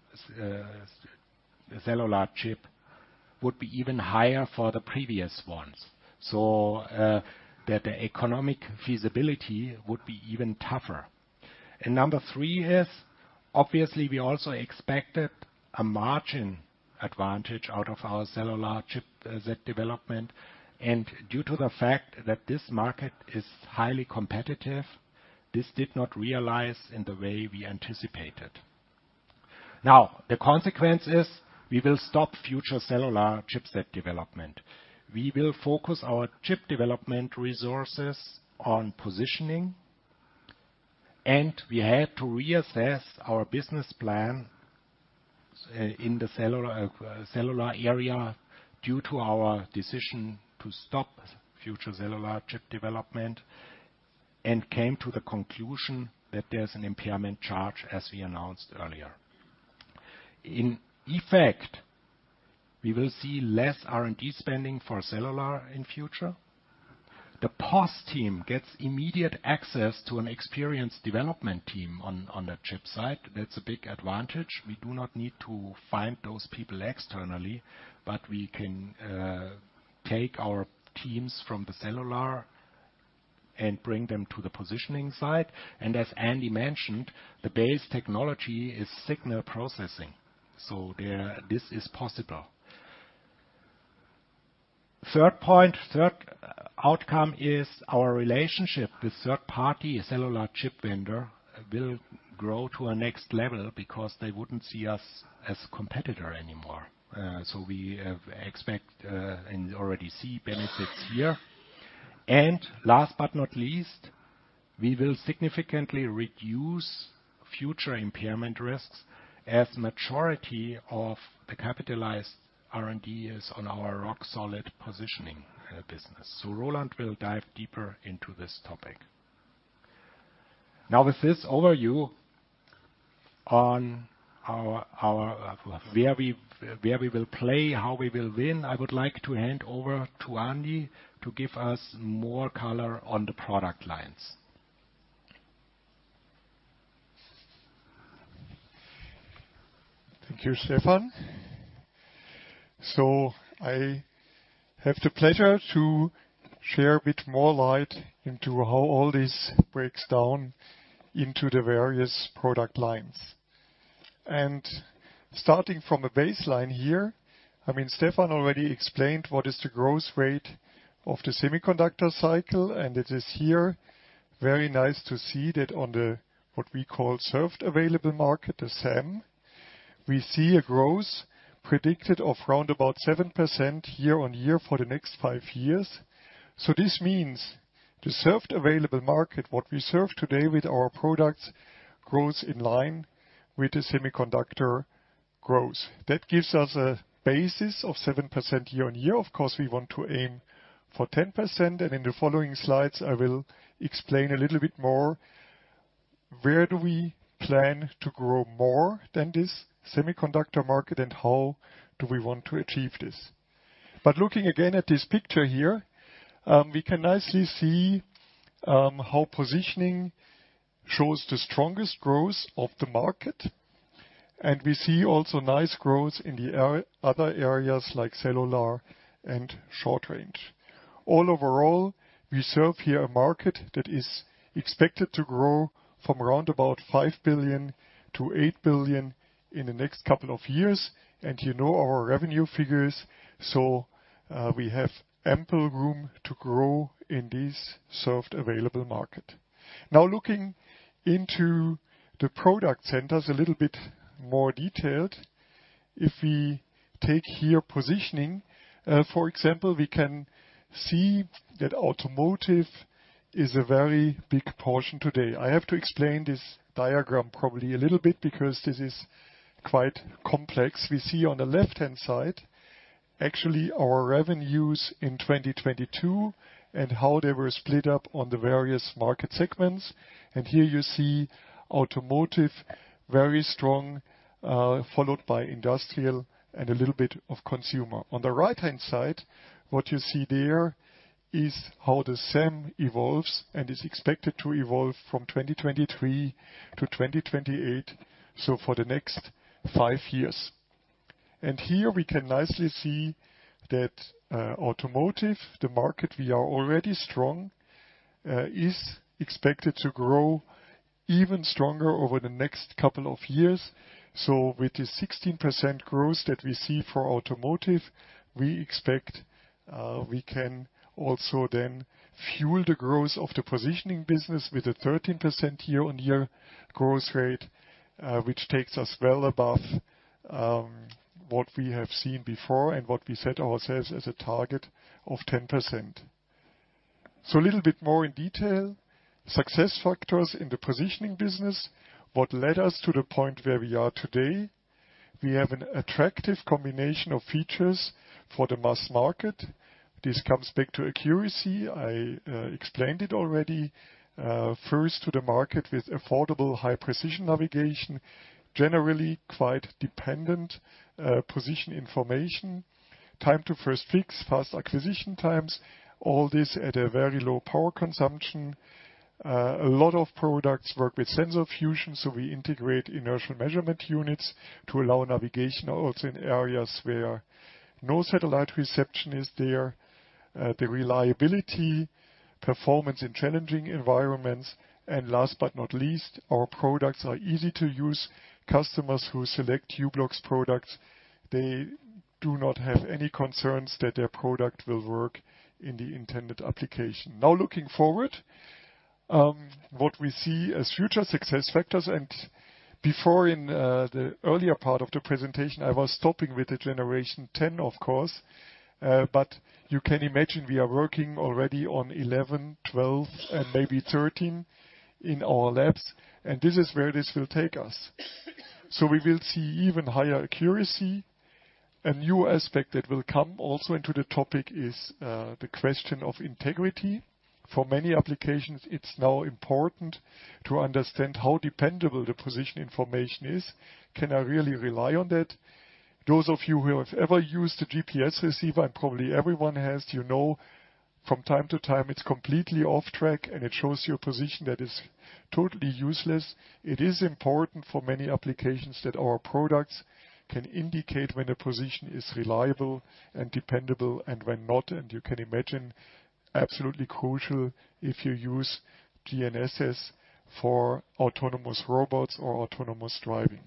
cellular chip would be even higher for the previous ones, so that the economic feasibility would be even tougher. Number three is, obviously, we also expected a margin advantage out of our cellular chip development, and due to the fact that this market is highly competitive, this did not realize in the way we anticipated. Now, the consequence is we will stop future cellular chipset development. We will focus our chip development resources on positioning, and we had to reassess our business plan in the cellular area, due to our decision to stop future cellular chip development, and came to the conclusion that there's an impairment charge, as we announced earlier. In effect, we will see less R&D spending for cellular in future. The POS team gets immediate access to an experienced development team on, on the chip side. That's a big advantage. We do not need to find those people externally, but we can take our teams from the cellular and bring them to the positioning side. And as Andy mentioned, the base technology is signal processing, so there, this is possible. Third point, third outcome is our relationship with third-party cellular chip vendor will grow to a next level because they wouldn't see us as a competitor anymore. So we have expect, and already see benefits here. And last but not least, we will significantly reduce future impairment risks, as majority of the capitalized R&D is on our rock-solid positioning, business. So Roland will dive deeper into this topic. Now, with this overview on where we will play, how we will win, I would like to hand over to Andy to give us more color on the product lines. Thank you, Stephan. So I have the pleasure to share a bit more light into how all this breaks down into the various product lines. And starting from a baseline here, I mean, Stephan already explained what is the growth rate of the semiconductor cycle, and it is here very nice to see that on the, what we call Served Available Market, the SAM, we see a growth predicted of around 7% year-on-year for the next five years. So this means the Served Available Market, what we serve today with our products, grows in line with the semiconductor growth. That gives us a basis of 7% year-on-year. Of course, we want to aim for 10%, and in the following slides, I will explain a little bit more, where do we plan to grow more than this semiconductor market, and how do we want to achieve this? But looking again at this picture here, we can nicely see how positioning shows the strongest growth of the market, and we see also nice growth in the other areas like cellular and short range. Overall, we serve here a market that is expected to grow from around about $5 to 8 billion in the next couple of years, and you know our revenue figures, so we have ample room to grow in this Served Available Market. Now looking into the Product Centers a little bit more detailed. If we take here positioning, for example, we can see that automotive is a very big portion today. I have to explain this diagram probably a little bit, because this is quite complex. We see on the left-hand side, actually, our revenues in 2022, and how they were split up on the various market segments. And here you see automotive, very strong, followed by industrial and a little bit of consumer. On the right-hand side, what you see there is how the SAM evolves and is expected to evolve from 2023 to 2028, so for the next five years. And here we can nicely see that, automotive, the market we are already strong, is expected to grow even stronger over the next couple of years. So with the 16% growth that we see for automotive, we expect, we can also then fuel the growth of the positioning business with a 13% year-on-year growth rate, which takes us well above, what we have seen before and what we set ourselves as a target of 10%. So a little bit more in detail, success factors in the positioning business, what led us to the point where we are today. We have an attractive combination of features for the mass market. This comes back to accuracy, I explained it already. First to the market with affordable high-precision navigation, generally quite dependent, position information, time to first fix, fast acquisition times, all this at a very low power consumption. A lot of products work with sensor fusion, so we integrate inertial measurement units to allow navigation also in areas where no satellite reception is there. The reliability, performance in challenging environments, and last but not least, our products are easy to use. Customers who select u-blox products, they do not have any concerns that their product will work in the intended application. Now, looking forward, what we see as future success factors, and before, in the earlier part of the presentation, I was stopping with the generation 10, of course, but you can imagine we are working already on 11, 12, and maybe 13 in our labs, and this is where this will take us. So we will see even higher accuracy. A new aspect that will come also into the topic is the question of integrity. For many applications, it's now important to understand how dependable the position information is. Can I really rely on that? Those of you who have ever used a GPS receiver, and probably everyone has, you know, from time to time, it's completely off track, and it shows you a position that is totally useless. It is important for many applications that our products can indicate when a position is reliable and dependable and when not, and you can imagine, absolutely crucial if you use GNSS for autonomous robots or autonomous driving.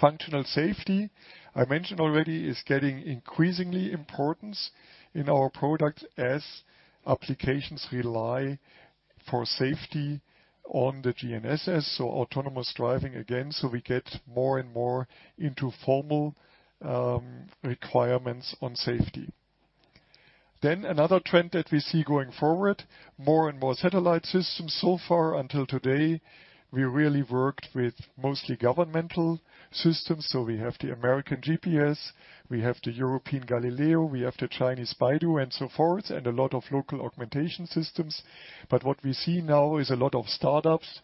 Functional safety, I mentioned already, is getting increasingly importance in our product as applications rely for safety on the GNSS, so autonomous driving again. So we get more and more into formal requirements on safety. Then another trend that we see going forward, more and more satellite systems. So far, until today, we really worked with mostly governmental systems. So we have the American GPS, we have the European Galileo, we have the Chinese BeiDou, and so forth, and a lot of local augmentation systems. But what we see now is a lot of startups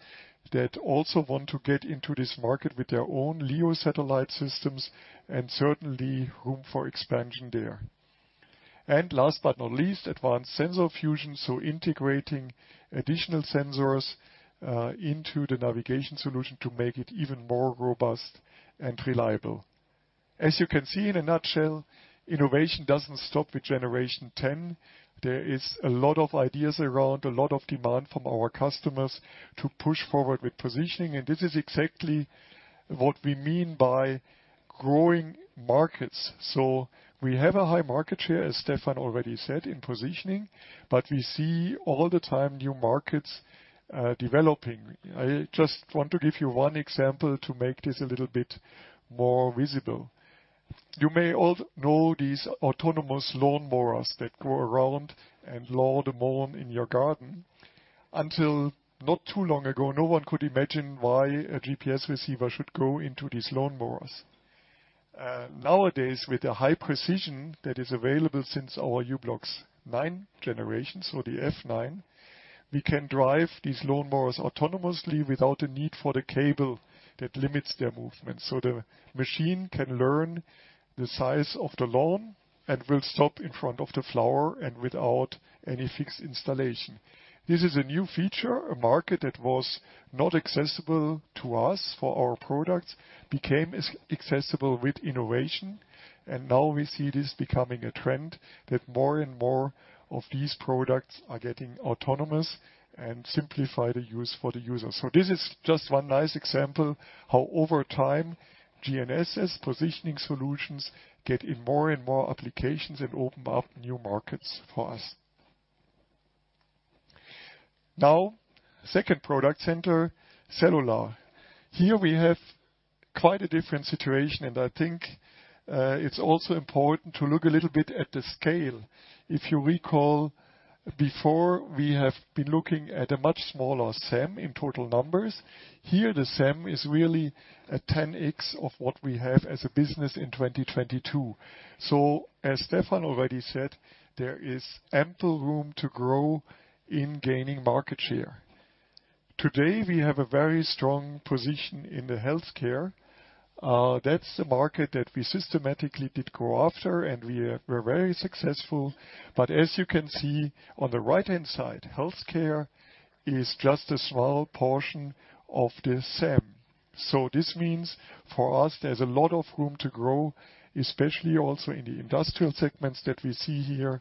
that also want to get into this market with their own LEO satellite systems, and certainly room for expansion there. And last but not least, advanced sensor fusion, so integrating additional sensors, into the navigation solution to make it even more robust and reliable. As you can see in a nutshell, innovation doesn't stop with generation 10. There is a lot of ideas around, a lot of demand from our customers to push forward with positioning, and this is exactly what we mean by growing markets. So we have a high market share, as Stephan already said, in positioning, but we see all the time new markets, developing. I just want to give you one example to make this a little bit more visible. You may all know these autonomous lawnmowers that go around and mow the lawn in your garden. Until not too long ago, no one could imagine why a GPS receiver should go into these lawnmowers. Nowadays, with the high precision that is available since our u-blox 9 generation, so the F9, we can drive these lawnmowers autonomously without the need for the cable that limits their movement. So the machine can learn the size of the lawn and will stop in front of the flower and without any fixed installation. This is a new feature, a market that was not accessible to us for our products, became accessible with innovation, and now we see this becoming a trend that more and more of these products are getting autonomous and simplify the use for the user. So this is just one nice example how over time, GNSS positioning solutions get in more and more applications and open up new markets for us. Now, second product center, cellular. Here we have quite a different situation, and I think, it's also important to look a little bit at the scale. If you recall, before, we have been looking at a much smaller SAM in total numbers. Here, the SAM is really a 10x of what we have as a business in 2022. So as Stephan already said, there is ample room to grow in gaining market share. Today, we have a very strong position in the healthcare. That's a market that we systematically did go after, and we are, we're very successful. But as you can see on the right-hand side, healthcare is just a small portion of the SAM. So this means for us, there's a lot of room to grow, especially also in the industrial segments that we see here,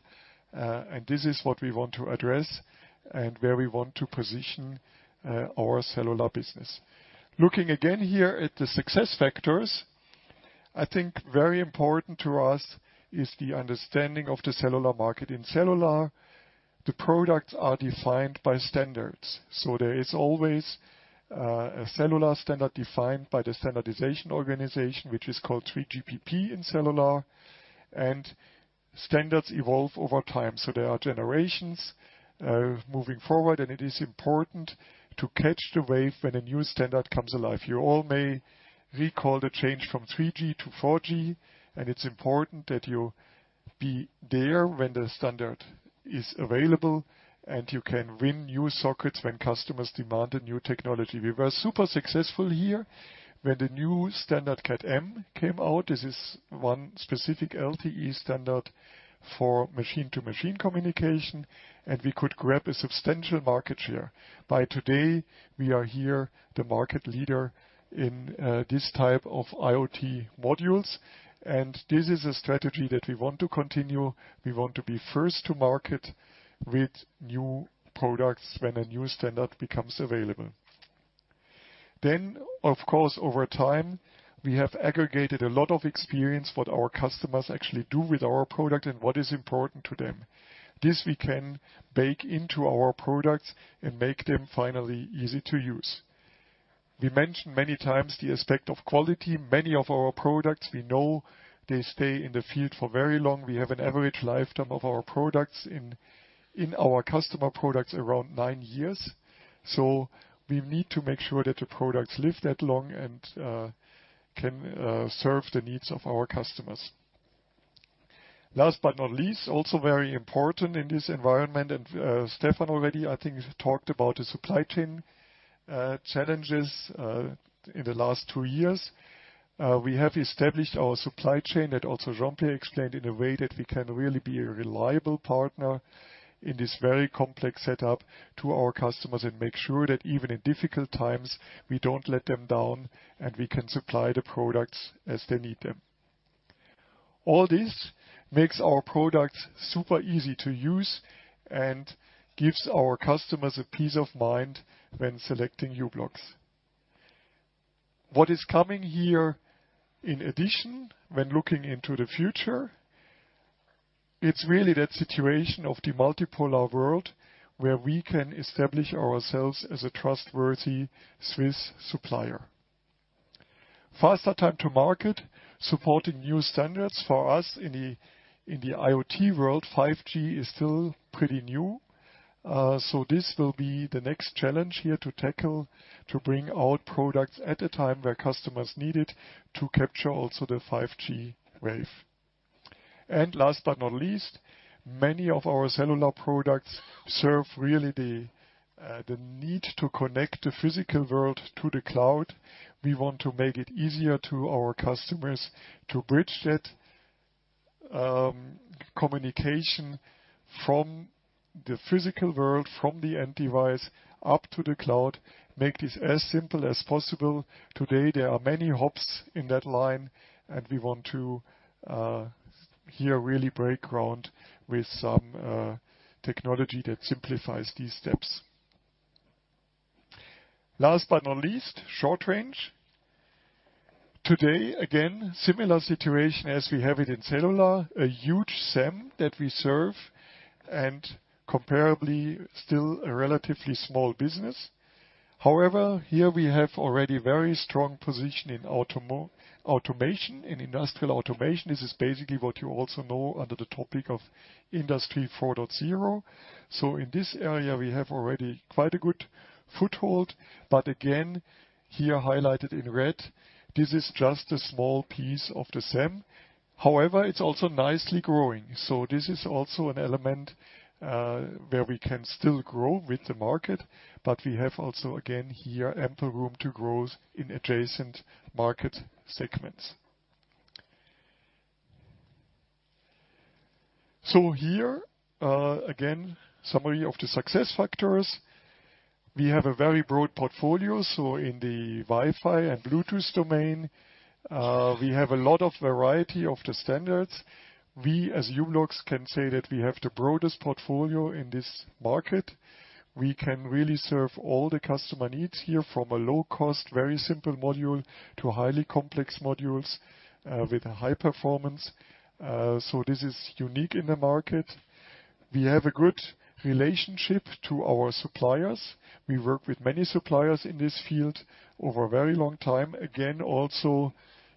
and this is what we want to address and where we want to position our cellular business. Looking again here at the success factors, I think very important to us is the understanding of the cellular market. In cellular, the products are defined by standards, so there is always a cellular standard defined by the standardization organization, which is called 3GPP in cellular, and standards evolve over time. There are generations moving forward, and it is important to catch the wave when a new standard comes alive. You all may recall the change from 3G to 4G, and it's important that you be there when the standard is available, and you can win new sockets when customers demand a new technology. We were super successful here when the new standard Cat-M came out. This is one specific LTE standard for machine-to-machine communication, and we could grab a substantial market share. By today, we are here, the market leader in this type of IoT modules, and this is a strategy that we want to continue. We want to be first to market with new products when a new standard becomes available. Then, of course, over time, we have aggregated a lot of experience what our customers actually do with our product and what is important to them. This we can bake into our products and make them finally easy to use. We mentioned many times the aspect of quality. Many of our products, we know they stay in the field for very long. We have an average lifetime of our products in our customer products around nine years, so we need to make sure that the products live that long and can serve the needs of our customers. Last but not least, also very important in this environment, and Stephan already, I think, talked about the supply chain challenges in the last two years. We have established our supply chain, that also Jean-Pierre explained, in a way that we can really be a reliable partner in this very complex setup to our customers and make sure that even in difficult times, we don't let them down, and we can supply the products as they need them. All this makes our products super easy to use and gives our customers a peace of mind when selecting u-blox. What is coming here in addition, when looking into the future, it's really that situation of the multipolar world, where we can establish ourselves as a trustworthy Swiss supplier. Faster time to market, supporting new standards for us in the, in the IoT world, 5G is still pretty new, so this will be the next challenge here to tackle, to bring out products at a time where customers need it to capture also the 5G wave. And last but not least, many of our cellular products serve really the the need to connect the physical world to the cloud. We want to make it easier to our customers to bridge that, communication from the physical world, from the end device up to the cloud, make this as simple as possible. Today, there are many hops in that line, and we want to, here really break ground with some, technology that simplifies these steps. Last but not least, short range. Today, again, similar situation as we have it in cellular, a huge SAM that we serve and comparably, still a relatively small business. However, here we have already very strong position in automation, in industrial automation. This is basically what you also know under the topic of Industry 4.0. So in this area, we have already quite a good foothold, but again, here highlighted in red, this is just a small piece of the SAM. However, it's also nicely growing, so this is also an element, where we can still grow with the market, but we have also, again, here, ample room to grow in adjacent market segments. So here, again, summary of the success factors. We have a very broad portfolio, so in the Wi-Fi and Bluetooth domain, we have a lot of variety of the standards. We, as u-blox, can say that we have the broadest portfolio in this market. We can really serve all the customer needs here, from a low cost, very simple module, to highly complex modules, with a high performance. So this is unique in the market.... We have a good relationship to our suppliers. We work with many suppliers in this field over a very long time. Again, also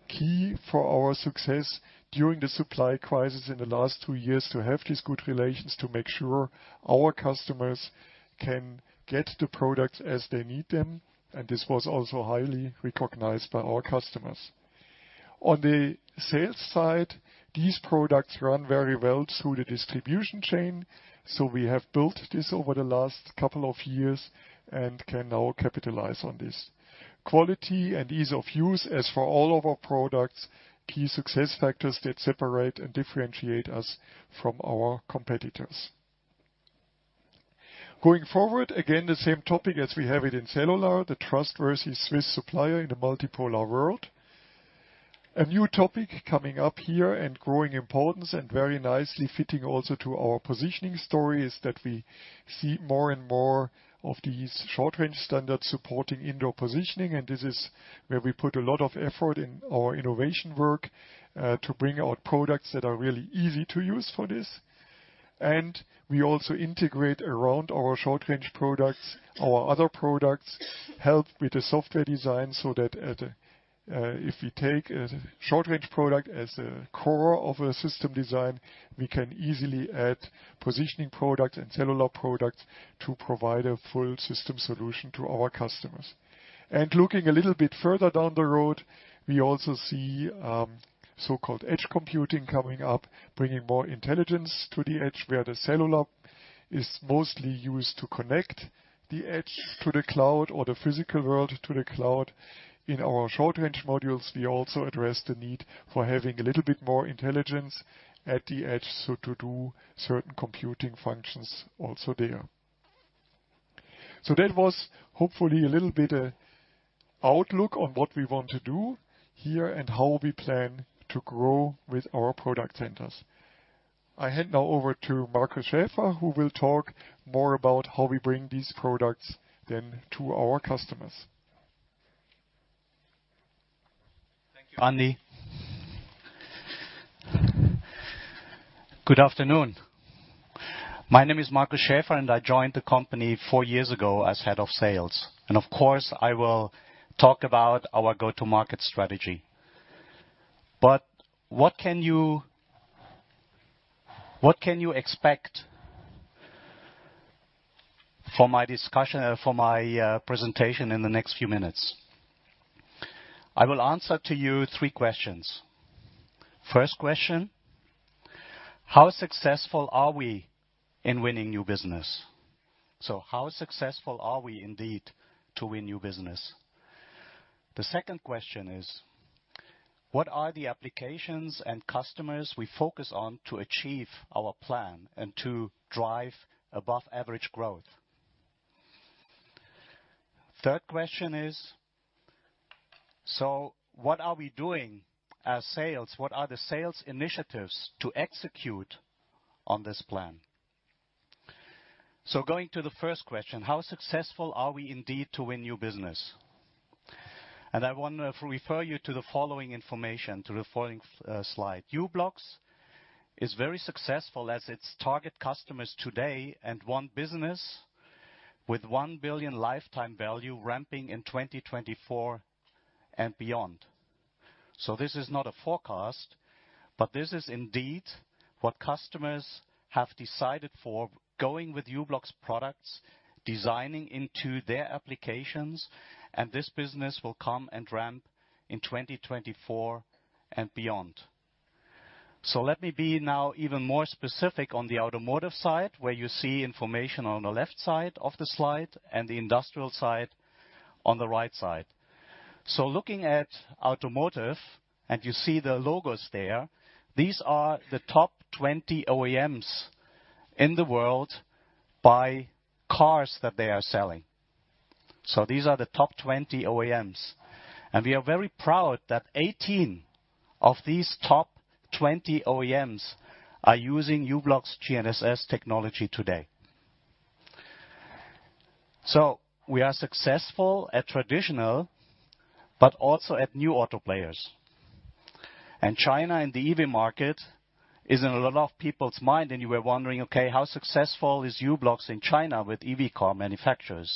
key for our success during the supply crisis in the last two years, to have these good relations, to make sure our customers can get the products as they need them, and this was also highly recognized by our customers. On the sales side, these products run very well through the distribution chain, so we have built this over the last couple of years and can now capitalize on this. Quality and ease of use, as for all of our products, key success factors that separate and differentiate us from our competitors. Going forward, again, the same topic as we have it in cellular, the trustworthy Swiss supplier in the multipolar world. A new topic coming up here, and growing importance, and very nicely fitting also to our positioning story, is that we see more and more of these short-range standards supporting indoor positioning, and this is where we put a lot of effort in our innovation work, to bring out products that are really easy to use for this. And we also integrate around our short-range products, our other products, help with the software design so that if we take a short-range product as a core of a system design, we can easily add positioning products and cellular products to provide a full system solution to our customers. Looking a little bit further down the road, we also see so-called edge computing coming up, bringing more intelligence to the edge, where the cellular is mostly used to connect the edge to the cloud or the physical world to the cloud. In our short-range modules, we also address the need for having a little bit more intelligence at the edge, so to do certain computing functions also there. So that was hopefully a little bit outlook on what we want to do here and how we plan to grow with our product centers. I hand now over to Markus Schäfer, who will talk more about how we bring these products then to our customers. Thank you, Andy. Good afternoon. My name is Markus Schäfer, and I joined the company four years ago as head of sales, and of course, I will talk about our go-to-market strategy. But what can you expect for my discussion for my presentation in the next few minutes? I will answer to you three questions. First question: How successful are we in winning new business? So how successful are we indeed to win new business? The second question is: What are the applications and customers we focus on to achieve our plan and to drive above-average growth? Third question is: So what are we doing as sales? What are the sales initiatives to execute on this plan? So going to the first question: How successful are we indeed to win new business? I want to refer you to the following information, to the following, slide. u-blox is very successful as its target customers today, and won business with 1 billion lifetime value, ramping in 2024 and beyond. So this is not a forecast, but this is indeed what customers have decided for going with u-blox products, designing into their applications, and this business will come and ramp in 2024 and beyond. So let me be now even more specific on the automotive side, where you see information on the left side of the slide and the industrial side on the right side. So looking at automotive, and you see the logos there, these are the top 20 OEMs in the world by cars that they are selling. So these are the top 20 OEMs, and we are very proud that 18 of these top 20 OEMs are using u-blox GNSS technology today. So we are successful at traditional, but also at new auto players. And China in the EV market is in a lot of people's mind, and you were wondering, "Okay, how successful is u-blox in China with EV car manufacturers?"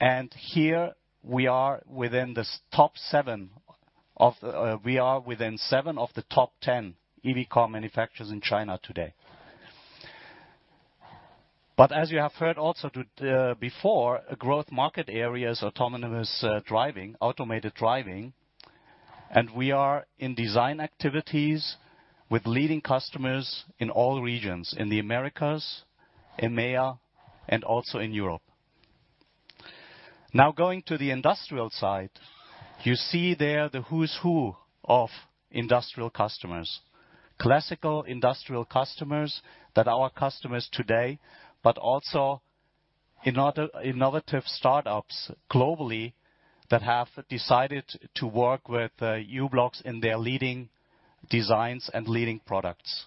And here we are within seven of the top 10 EV car manufacturers in China today. But as you have heard also too, before, a growth market area is autonomous, driving, automated driving, and we are in design activities with leading customers in all regions, in the Americas, in MEA, and also in Europe. Now, going to the industrial side, you see there the who's who of industrial customers. Classical industrial customers that are our customers today, but also innovative startups globally, that have decided to work with u-blox in their leading designs and leading products.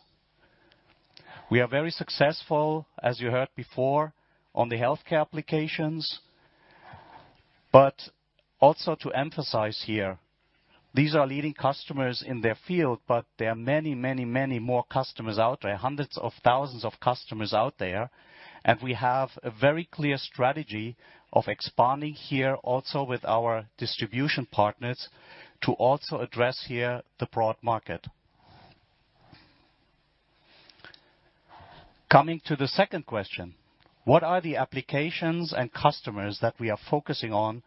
We are very successful, as you heard before, on the healthcare applications. But also to emphasize here, these are leading customers in their field, but there are many, many, many more customers out there, hundreds of thousands of customers out there, and we have a very clear strategy of expanding here also with our distribution partners, to also address here the broad market. Coming to the second question: What are the applications and customers that we are focusing on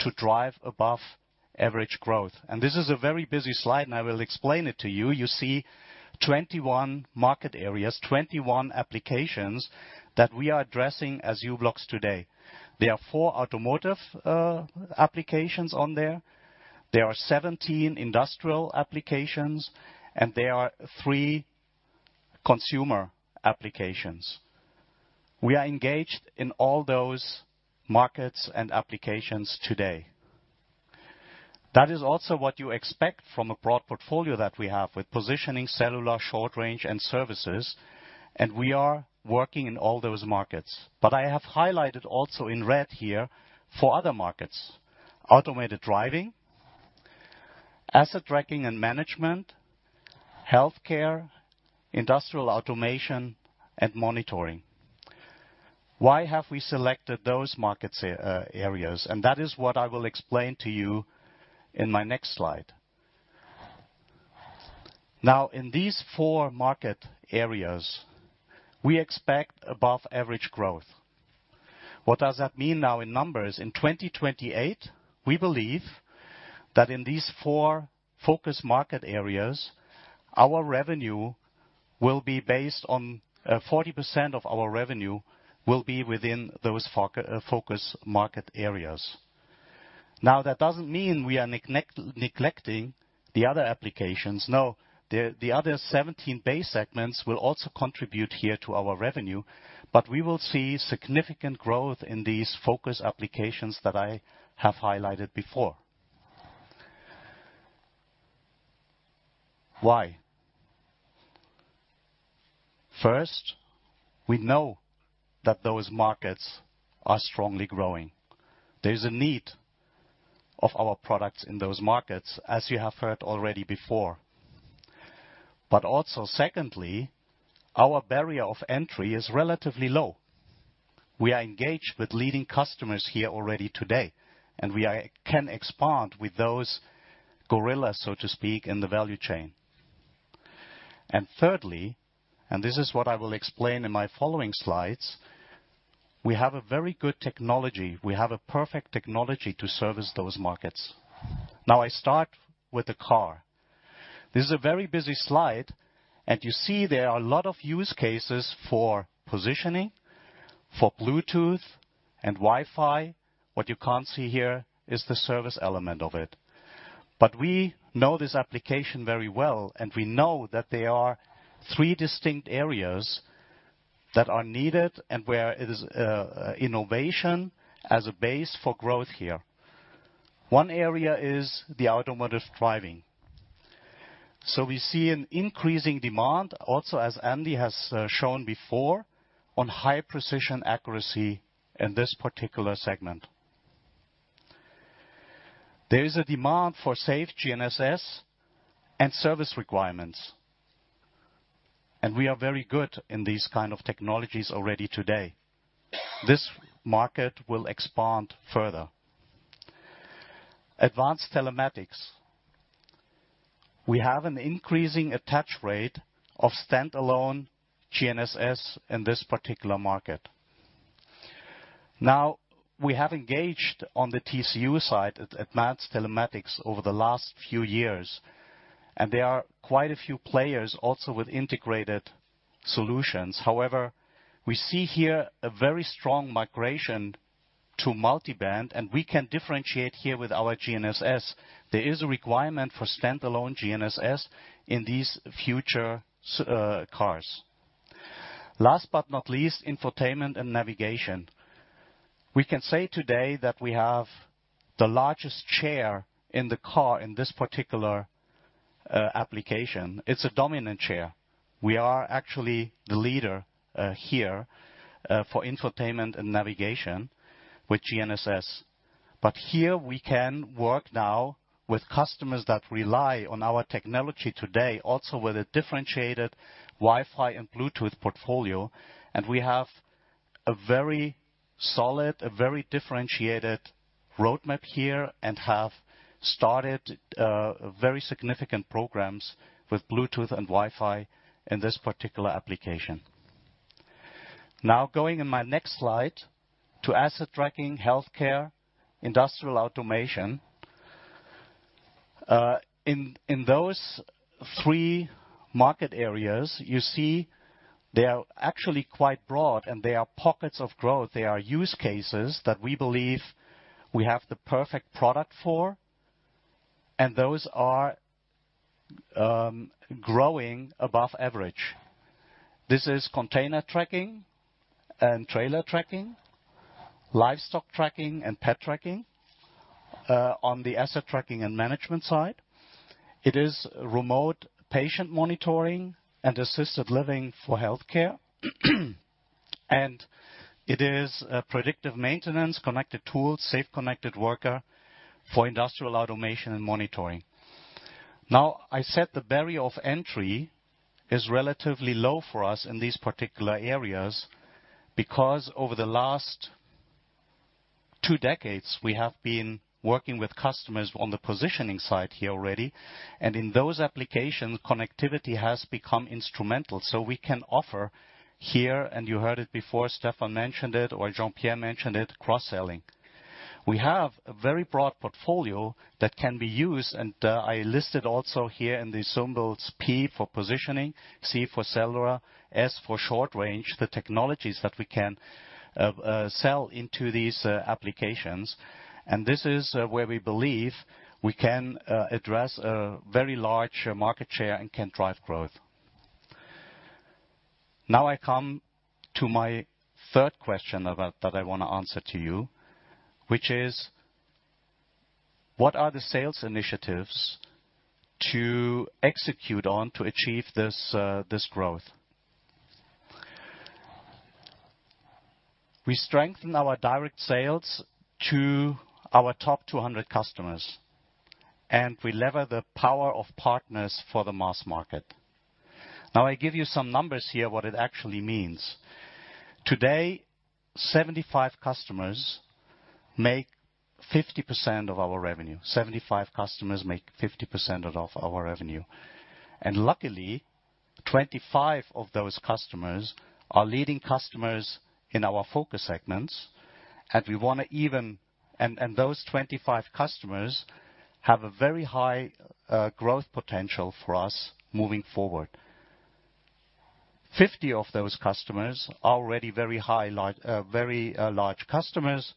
to drive above-average growth? And this is a very busy slide, and I will explain it to you. You see 21 market areas, 21 applications that we are addressing as u-blox today. There are four automotive applications on there. There are 17 industrial applications, and there are 3 consumer applications. We are engaged in all those markets and applications today. That is also what you expect from a broad portfolio that we have with positioning, cellular, short range, and services, and we are working in all those markets. But I have highlighted also in red here, for other markets: automated driving, asset tracking and management, healthcare, industrial automation, and monitoring. Why have we selected those markets, areas? That is what I will explain to you in my next slide. Now, in these four market areas, we expect above-average growth. What does that mean now in numbers? In 2028, we believe that in these 4 focus market areas, our revenue will be based on 40% of our revenue will be within those focus market areas. Now, that doesn't mean we are neglect, neglecting the other applications. No, the other 17 base segments will also contribute here to our revenue, but we will see significant growth in these focus applications that I have highlighted before. Why? First, we know that those markets are strongly growing. There is a need of our products in those markets, as you have heard already before. But also, secondly, our barrier of entry is relatively low. We are engaged with leading customers here already today, and we can expand with those gorillas, so to speak, in the value chain. And thirdly, and this is what I will explain in my following slides, we have a very good technology. We have a perfect technology to service those markets. Now, I start with the car. This is a very busy slide, and you see there are a lot of use cases for positioning, for Bluetooth, and Wi-Fi. What you can't see here is the service element of it. But we know this application very well, and we know that there are three distinct areas that are needed and where it is, innovation as a base for growth here. One area is the automoted driving. So we see an increasing demand, also, as Andy has shown before, on high precision accuracy in this particular segment. There is a demand for safe GNSS and service requirements, and we are very good in these kind of technologies already today. This market will expand further. Advanced telematics. We have an increasing attach rate of standalone GNSS in this particular market. Now, we have engaged on the TCU side at advanced telematics over the last few years, and there are quite a few players also with integrated solutions. However, we see here a very strong migration to multiband, and we can differentiate here with our GNSS. There is a requirement for standalone GNSS in these future cars. Last but not least, infotainment and navigation. We can say today that we have the largest share in the car in this particular application. It's a dominant share. We are actually the leader here for infotainment and navigation with GNSS. But here we can work now with customers that rely on our technology today, also with a differentiated Wi-Fi and Bluetooth portfolio, and we have a very solid, a very differentiated roadmap here and have started very significant programs with Bluetooth and Wi-Fi in this particular application. Now, going in my next slide to asset tracking, healthcare, industrial automation. In those three market areas, you see they are actually quite broad, and they are pockets of growth. They are use cases that we believe we have the perfect product for, and those are growing above average. This is container tracking and trailer tracking, livestock tracking, and pet tracking on the asset tracking and management side. It is remote patient monitoring and assisted living for healthcare. It is predictive maintenance, connected tools, safe, connected worker for industrial automation and monitoring. Now, I said the barrier of entry is relatively low for us in these particular areas, because over the last two decades, we have been working with customers on the positioning side here already, and in those applications, connectivity has become instrumental. So we can offer here, and you heard it before, Stephan mentioned it, or Jean-Pierre mentioned it, cross-selling. We have a very broad portfolio that can be used, and I listed also here in the symbols, P for positioning, C for cellular, S for short range, the technologies that we can sell into these applications. And this is where we believe we can address a very large market share and can drive growth. Now, I come to my third question about that I want to answer to you, which is: What are the sales initiatives to execute on to achieve this growth? We strengthen our direct sales to our top 200 customers, and we lever the power of partners for the mass market. Now, I give you some numbers here, what it actually means. Today, 75 customers make 50% of our revenue. 75 customers make 50% of our revenue. And luckily, 25 of those customers are leading customers in our focus segments, and those 25 customers have a very high growth potential for us moving forward. 50 of those customers are already very high, very large customers.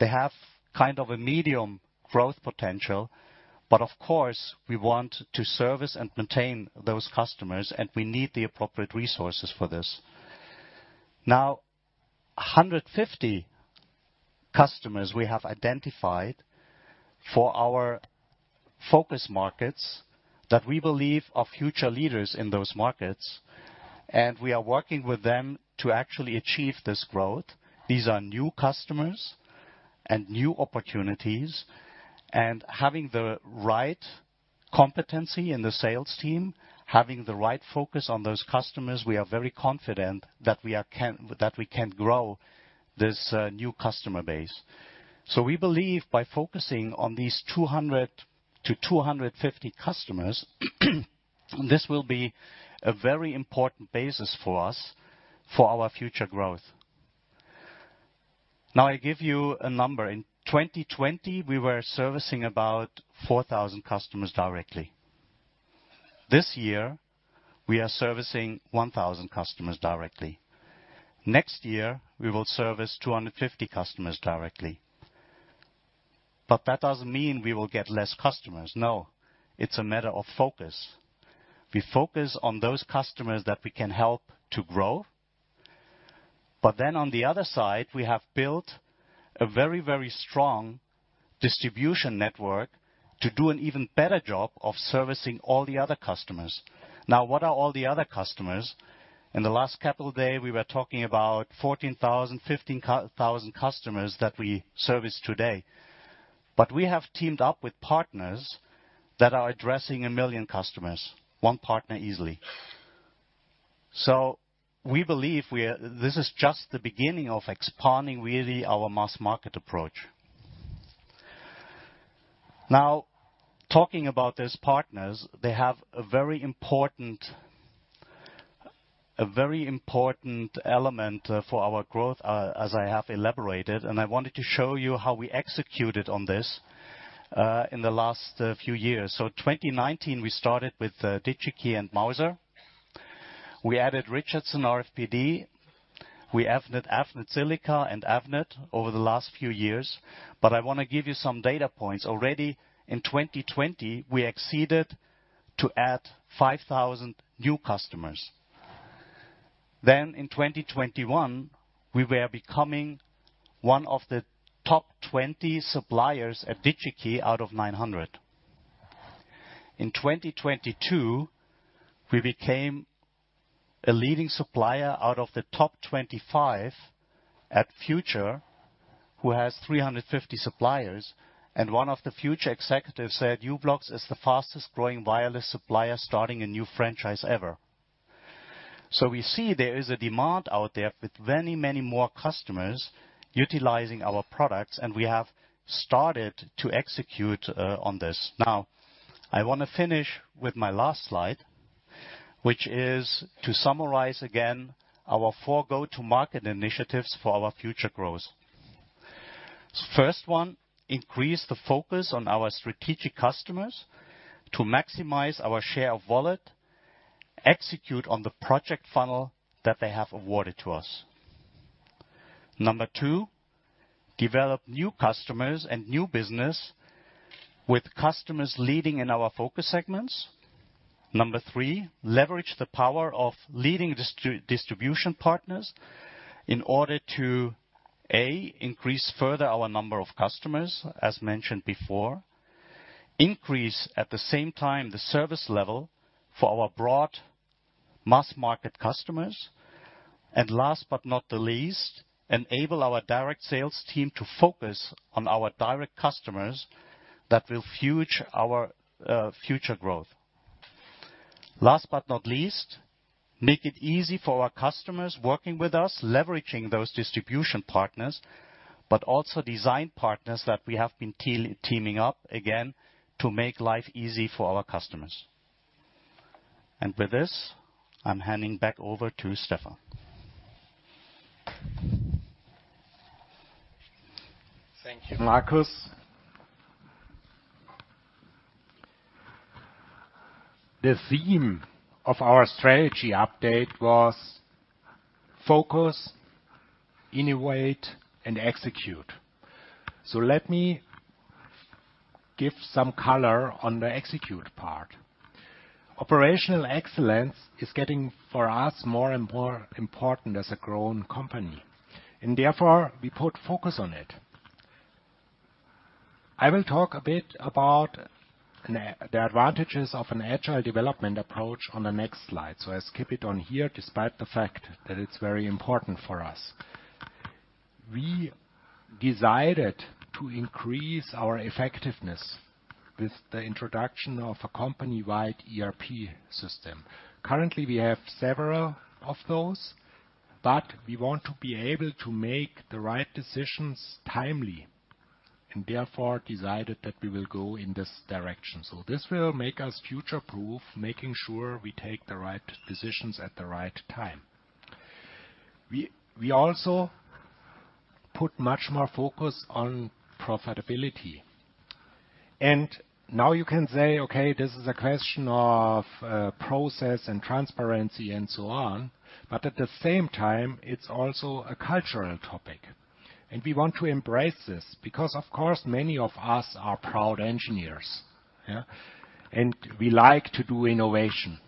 They have kind of a medium growth potential, but of course, we want to service and maintain those customers, and we need the appropriate resources for this. Now, 150 customers we have identified for our focus markets that we believe are future leaders in those markets, and we are working with them to actually achieve this growth. These are new customers and new opportunities, and having the right competency in the sales team, having the right focus on those customers, we are very confident that we can grow this new customer base. So we believe by focusing on these 200-250 customers, this will be a very important basis for us for our future growth. Now, I give you a number. In 2020, we were servicing about 4,000 customers directly. This year, we are servicing 1,000 customers directly. Next year, we will service 250 customers directly. But that doesn't mean we will get less customers. No, it's a matter of focus. We focus on those customers that we can help to grow. But then on the other side, we have built a very, very strong distribution network to do an even better job of servicing all the other customers. Now, what are all the other customers? In the last Capital Day, we were talking about 14,000, 15,000 customers that we service today. But we have teamed up with partners that are addressing a million customers, one partner easily. So we believe we are, this is just the beginning of expanding, really, our mass market approach. Now, talking about these partners, they have a very important, a very important element, for our growth, as I have elaborated, and I wanted to show you how we executed on this, in the last, few years. So 2019, we started with, Digi-Key and Mouser. We added Richardson RFPD. With Avnet, Avnet Silica and Avnet over the last few years. But I want to give you some data points. Already in 2020, we exceeded to add 5,000 new customers. Then in 2021, we were becoming one of the top 20 suppliers at Digi-Key out of 900. In 2022, we became a leading supplier out of the top 25 at Future, who has 350 suppliers, and one of the Future executives said u-blox is the fastest-growing wireless supplier starting a new franchise ever. So we see there is a demand out there with many, many more customers utilizing our products, and we have started to execute on this. Now, I want to finish with my last slide, which is to summarize again our four go-to-market initiatives for our future growth. First one, increase the focus on our strategic customers to maximize our share of wallet, execute on the project funnel that they have awarded to us. Number two, develop new customers and new business with customers leading in our focus segments. Number three, leverage the power of leading distribution partners in order to, A, increase further our number of customers, as mentioned before. Increase, at the same time, the service level for our broad mass market customers. And last but not the least, enable our direct sales team to focus on our direct customers that will fuel our future growth. Last but not the least, make it easy for our customers working with us, leveraging those distribution partners, but also design partners that we have been teaming up, again, to make life easy for our customers. And with this, I'm handing back over to Stephan. Thank you, Markus. The theme of our strategy update was: focus, innovate, and execute. So let me give some color on the execute part. Operational excellence is getting, for us, more and more important as a growing company, and therefore, we put focus on it. I will talk a bit about the advantages of an agile development approach on the next slide, so I skip it on here, despite the fact that it's very important for us. We decided to increase our effectiveness with the introduction of a company-wide ERP system. Currently, we have several of those, but we want to be able to make the right decisions timely, and therefore decided that we will go in this direction. So this will make us future-proof, making sure we take the right decisions at the right time. We also put much more focus on profitability. And now you can say, okay, this is a question of process and transparency and so on, but at the same time, it's also a cultural topic, and we want to embrace this. Because, of course, many of us are proud engineers, yeah? And we like to do innovation.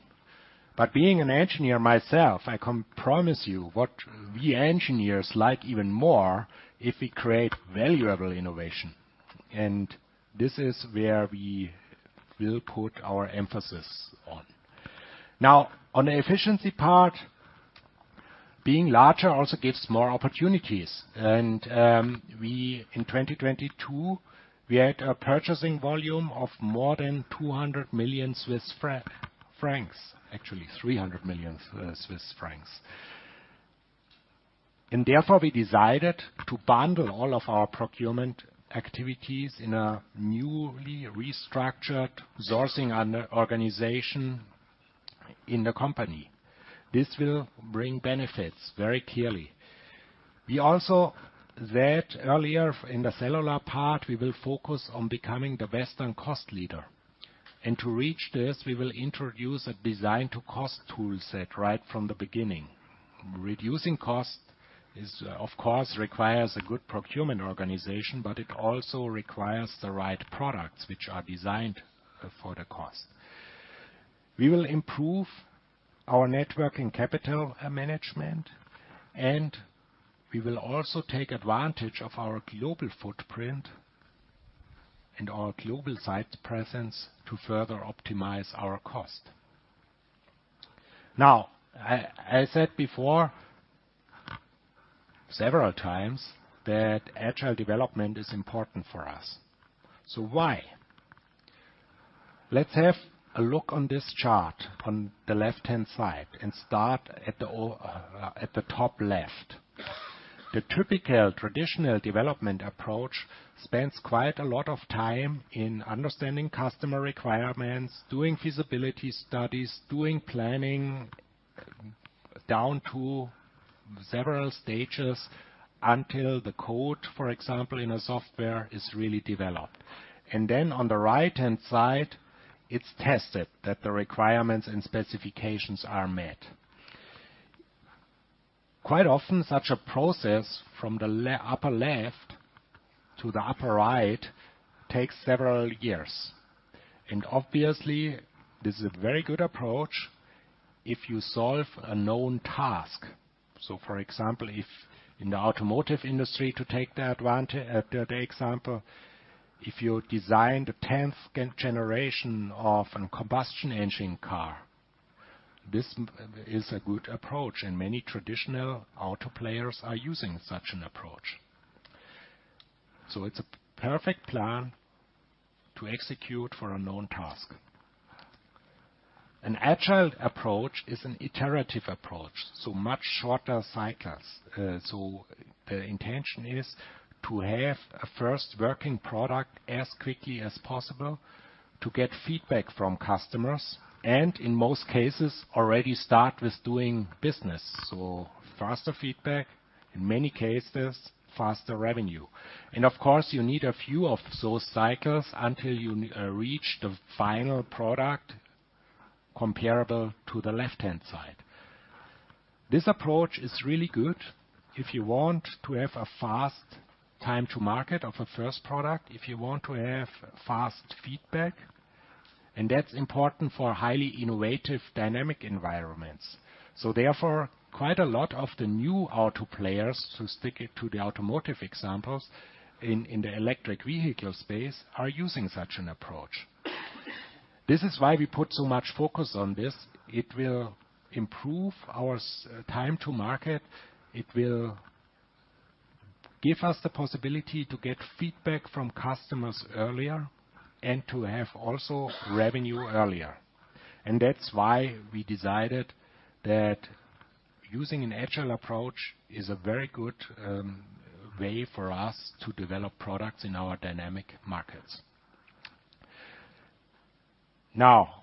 But being an engineer myself, I can promise you what we engineers like even more, if we create valuable innovation, and this is where we will put our emphasis on. Now, on the efficiency part, being larger also gives more opportunities, and we in 2022 had a purchasing volume of more than 200 million Swiss francs. Actually, 300 million Swiss francs. And therefore, we decided to bundle all of our procurement activities in a newly restructured sourcing and organization in the company. This will bring benefits, very clearly. We also said earlier in the cellular part, we will focus on becoming the best and cost leader. To reach this, we will introduce a design-to-cost toolset right from the beginning. Reducing cost is, of course, requires a good procurement organization, but it also requires the right products, which are designed for the cost. We will improve our working capital management, and we will also take advantage of our global footprint and our global site presence to further optimize our cost. Now, I said before, several times, that agile development is important for us. So why? Let's have a look at this chart on the left-hand side and start at the top left. The typical traditional development approach spends quite a lot of time in understanding customer requirements, doing feasibility studies, doing planning, down to several stages until the code, for example, in a software, is really developed. And then on the right-hand side, it's tested that the requirements and specifications are met. Quite often, such a process from the upper left to the upper right takes several years. And obviously, this is a very good approach if you solve a known task. So for example, if in the automotive industry, to take the advantage, the example, if you design the tenth generation of a combustion engine car, this is a good approach, and many traditional auto players are using such an approach. So it's a perfect plan to execute for a known task. An agile approach is an iterative approach, so much shorter cycles. So the intention is to have a first working product as quickly as possible, to get feedback from customers, and in most cases, already start with doing business. So faster feedback, in many cases, faster revenue. And of course, you need a few of those cycles until you reach the final product, comparable to the left-hand side. This approach is really good if you want to have a fast time to market of a first product, if you want to have fast feedback, and that's important for highly innovative, dynamic environments. So therefore, quite a lot of the new auto players, to stick to the automotive examples, in the electric vehicle space, are using such an approach. This is why we put so much focus on this. It will improve our time to market, it will give us the possibility to get feedback from customers earlier, and to have also revenue earlier. And that's why we decided that using an agile approach is a very good way for us to develop products in our dynamic markets. Now,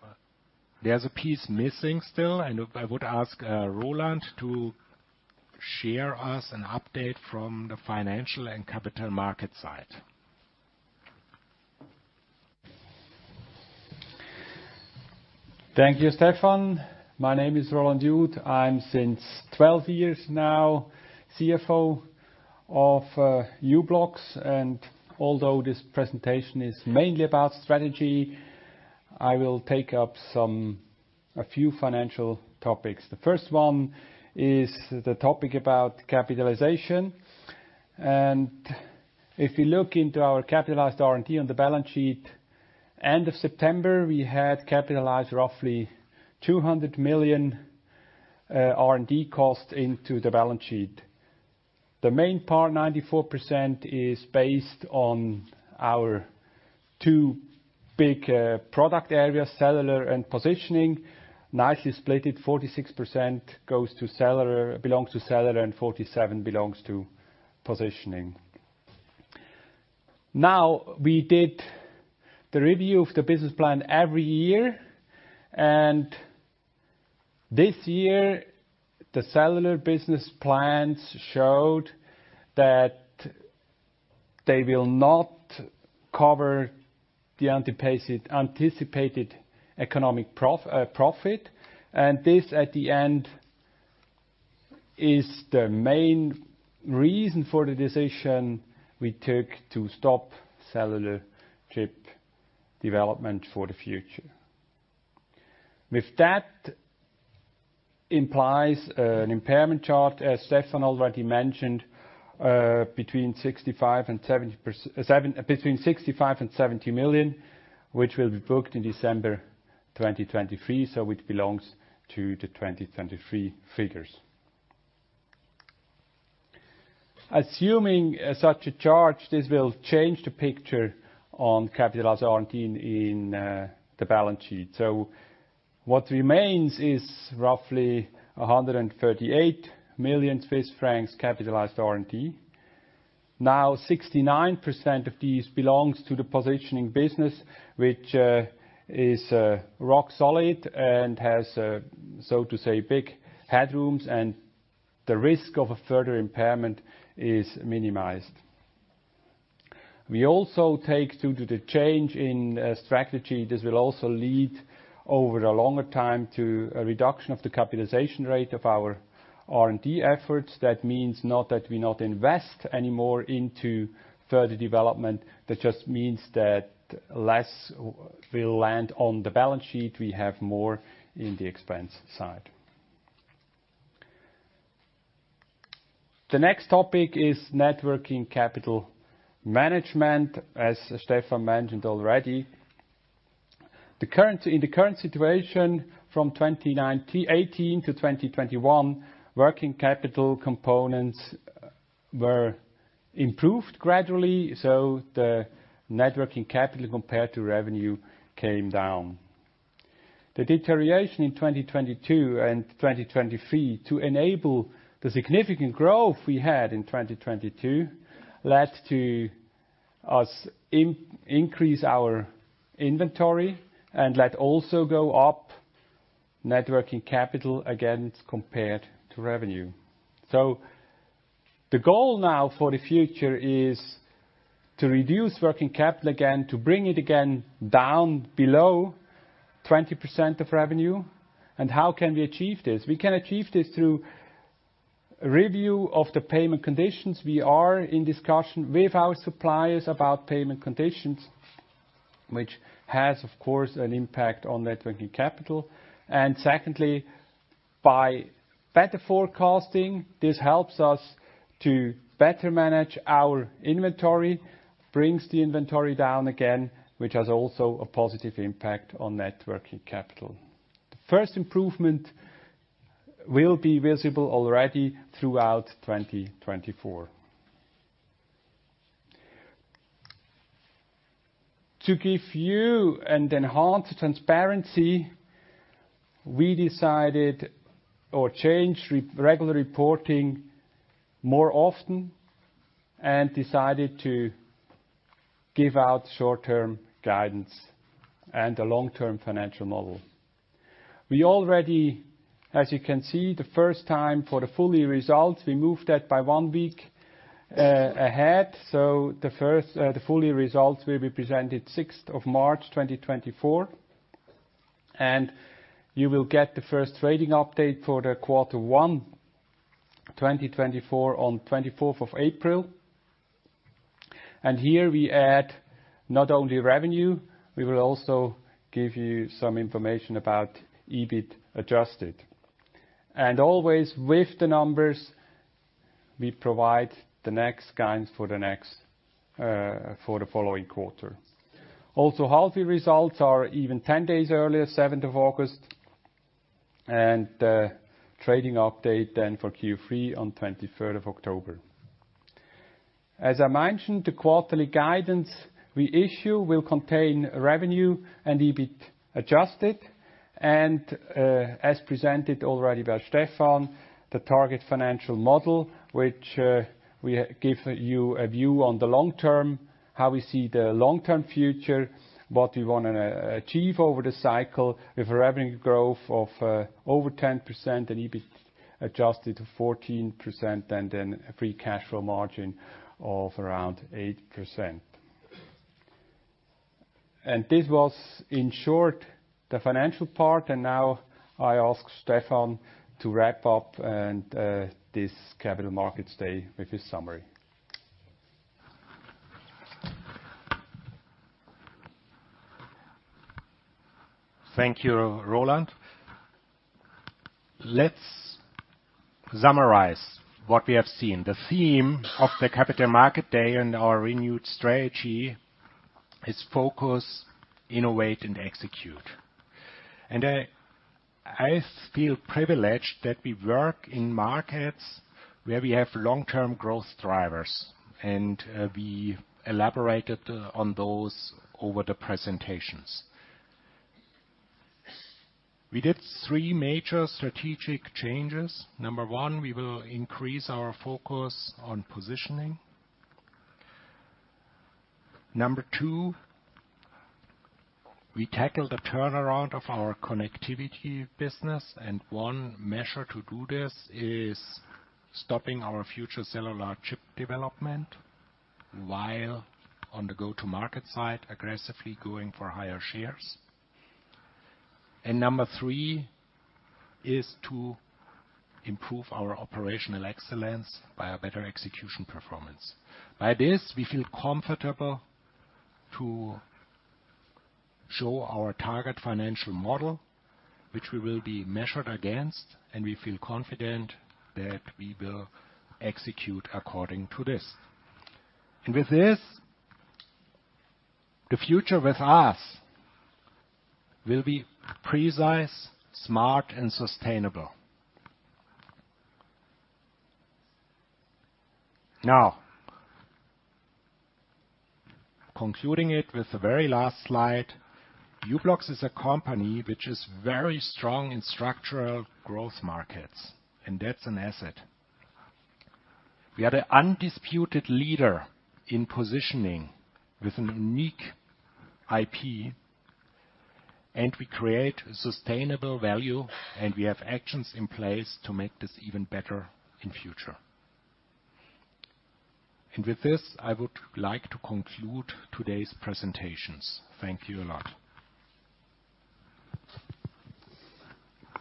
there's a piece missing still, and I would ask Roland to share us an update from the financial and capital market side. Thank you, Stephan. My name is Roland Jud. I'm since 12 years, CFO of u-blox, and although this presentation is mainly about strategy, I will take up some a few financial topics. The first one is the topic about capitalization, and if you look into our capitalized R&D on the balance sheet, end of September, we had capitalized roughly 200 million R&D cost into the balance sheet. The main part, 94%, is based on our two big product areas, cellular and positioning, nicely split it, 46% goes to cellular belongs to cellular, and 47% belongs to positioning. Now, we did the review of the business plan every year, and this year, the cellular business plans showed that they will not cover the anticipated economic profit, and this, at the end, is the main reason for the decision we took to stop cellular chip development for the future. With that, implies an impairment charge, as Stefan already mentioned, between 65 million and 70 million, which will be booked in December 2023, so which belongs to the 2023 figures. Assuming such a charge, this will change the picture on capitalized R&D in the balance sheet. So what remains is roughly 138 million Swiss francs capitalized R&D. Now, 69% of these belongs to the positioning business, which is rock solid and has so to say big headrooms, and the risk of a further impairment is minimized. We also take, due to the change in strategy, this will also lead over a longer time to a reduction of the capitalization rate of our R&D efforts. That means not that we not invest anymore into further development, that just means that less will land on the balance sheet, we have more in the expense side. The next topic is net working capital management, as Stephan mentioned already. In the current situation, from 2018 to 2021, working capital components were improved gradually, so the net working capital, compared to revenue, came down. The deterioration in 2022 and 2023, to enable the significant growth we had in 2022, led us to increase our inventory and let also go up net working capital against, compared to revenue. So the goal now for the future is to reduce working capital again, to bring it again down below 20% of revenue. And how can we achieve this? We can achieve this through review of the payment conditions. We are in discussion with our suppliers about payment conditions, which has, of course, an impact on net working capital. And secondly, by better forecasting, this helps us to better manage our inventory, brings the inventory down again, which has also a positive impact on net working capital. The first improvement will be visible already throughout 2024. To give you an enhanced transparency, we decided or changed regular reporting more often and decided to give out short-term guidance and a long-term financial model. We already, as you can see, the first time for the full year results, we moved that by one week ahead. So the first, the full year results will be presented March 6, 2024. And you will get the first trading update for quarter one 2024 on April 24. And here we add not only revenue, we will also give you some information about EBIT adjusted. And always, with the numbers, we provide the next guidance for the next, for the following quarter. Also, half-year results are even 10 days earlier, August 7, and trading update then for Q3 on October 23. As I mentioned, the quarterly guidance we issue will contain revenue and EBIT adjusted, and, as presented already by Stephan, the target financial model, which, we give you a view on the long term, how we see the long-term future, what we wanna achieve over the cycle, with a revenue growth of, over 10% and EBIT adjusted to 14%, and then a free cash flow margin of around 8%. And this was, in short, the financial part, and now I ask Stephan to wrap up and, this Capital Markets Day with his summary. Thank you, Roland. Let's summarize what we have seen. The theme of the Capital Market Day and our renewed strategy is focus, innovate and execute. And I, I feel privileged that we work in markets where we have long-term growth drivers, and we elaborated on those over the presentations. We did three major strategic changes. Number one, we will increase our focus on positioning. Number two, we tackle the turnaround of our connectivity business, and one measure to do this is stopping our future cellular chip development, while on the go-to-market side, aggressively going for higher shares. And number three is to improve our operational excellence by a better execution performance. By this, we feel comfortable to show our target financial model, which we will be measured against, and we feel confident that we will execute according to this. With this, the future with us will be precise, smart and sustainable. Now, concluding it with the very last slide, u-blox is a company which is very strong in structural growth markets, and that's an asset. We are the undisputed leader in positioning with a unique IP, and we create sustainable value, and we have actions in place to make this even better in future. With this, I would like to conclude today's presentations. Thank you a lot.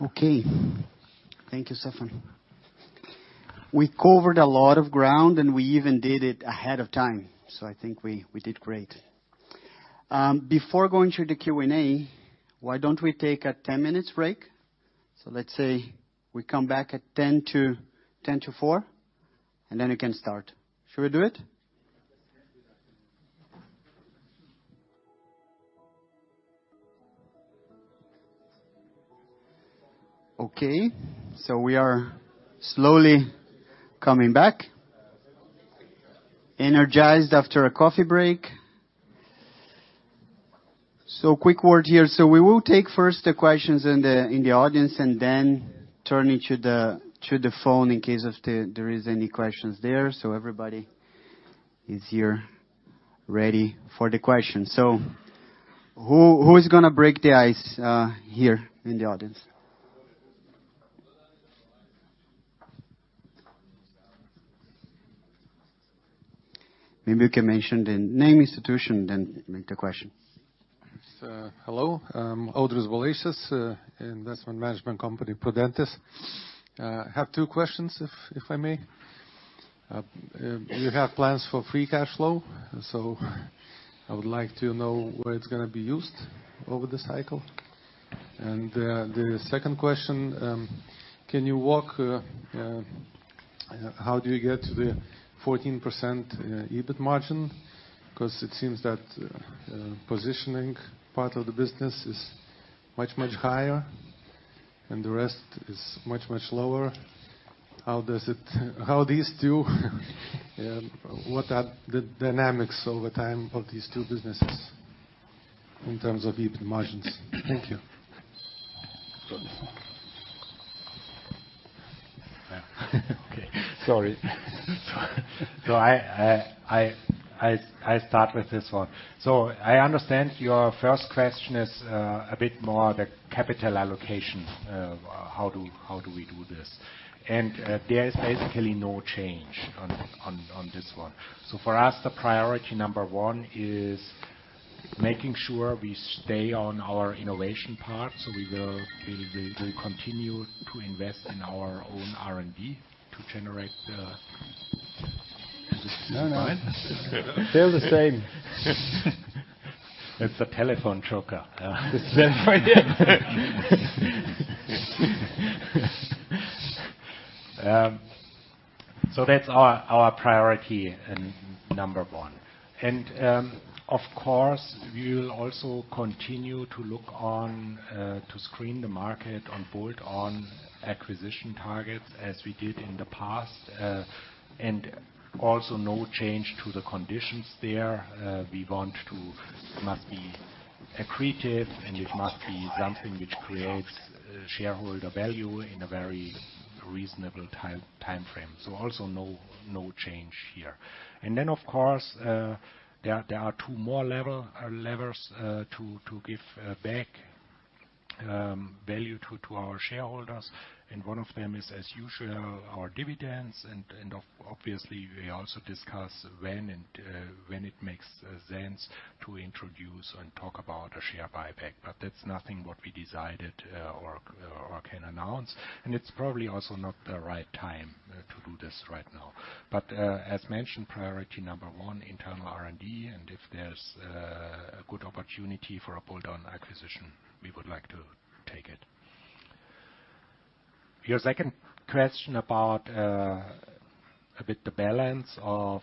Okay. Thank you, Stephan. We covered a lot of ground, and we even did it ahead of time, so I think we, we did great. Before going to the Q&A, why don't we take a 10 minutes break? So let's say we come back at 10 to, 10 to 4, and then we can start. Should we do it? Okay, so we are slowly coming back, energized after a coffee break. So quick word here. So we will take first the questions in the, in the audience and then turning to the, to the phone in case if there is any questions there. So everybody is here ready for the questions. So who, who is gonna break the ice, here in the audience? Maybe you can mention the name, institution, then make the question. Hello, Audrius Balaišis, Investment Management Company, Prudentis. I have two questions, if I may. You have plans for free cash flow, so I would like to know where it's gonna be used over the cycle. And, the second question: can you walk, how do you get to the 14% EBIT margin? Because it seems that, positioning part of the business is much, much higher, and the rest is much, much lower. How does it—how these two, what are the dynamics over time of these two businesses in terms of EBIT margins? Thank you. Okay, sorry. So I start with this one. So I understand your first question is a bit more the capital allocation, how do we do this? And there is basically no change on this one. So for us, the priority number one is making sure we stay on our innovation path, so we will continue to invest in our own R&D to generate the. No, no, automotive industry. Still the same. It's a telephone choker. So that's our priority, number one. And, of course, we will also continue to look on to screen the market on board on acquisition targets, as we did in the past. And also no change to the conditions there. We want to—must be accretive, and it must be something which creates shareholder value in a very reasonable time, timeframe. So also no change here. And then, of course, there are two more levers to give back value to our shareholders, and one of them is, as usual, our dividends. And obviously, we also discuss when and when it makes sense to introduce and talk about a share buyback. But that's nothing what we decided, or can announce, and it's probably also not the right time to do this right now. But, as mentioned, priority number one, internal R&D, and if there's a good opportunity for a bolt-on acquisition, we would like to take it. Your second question about a bit the balance of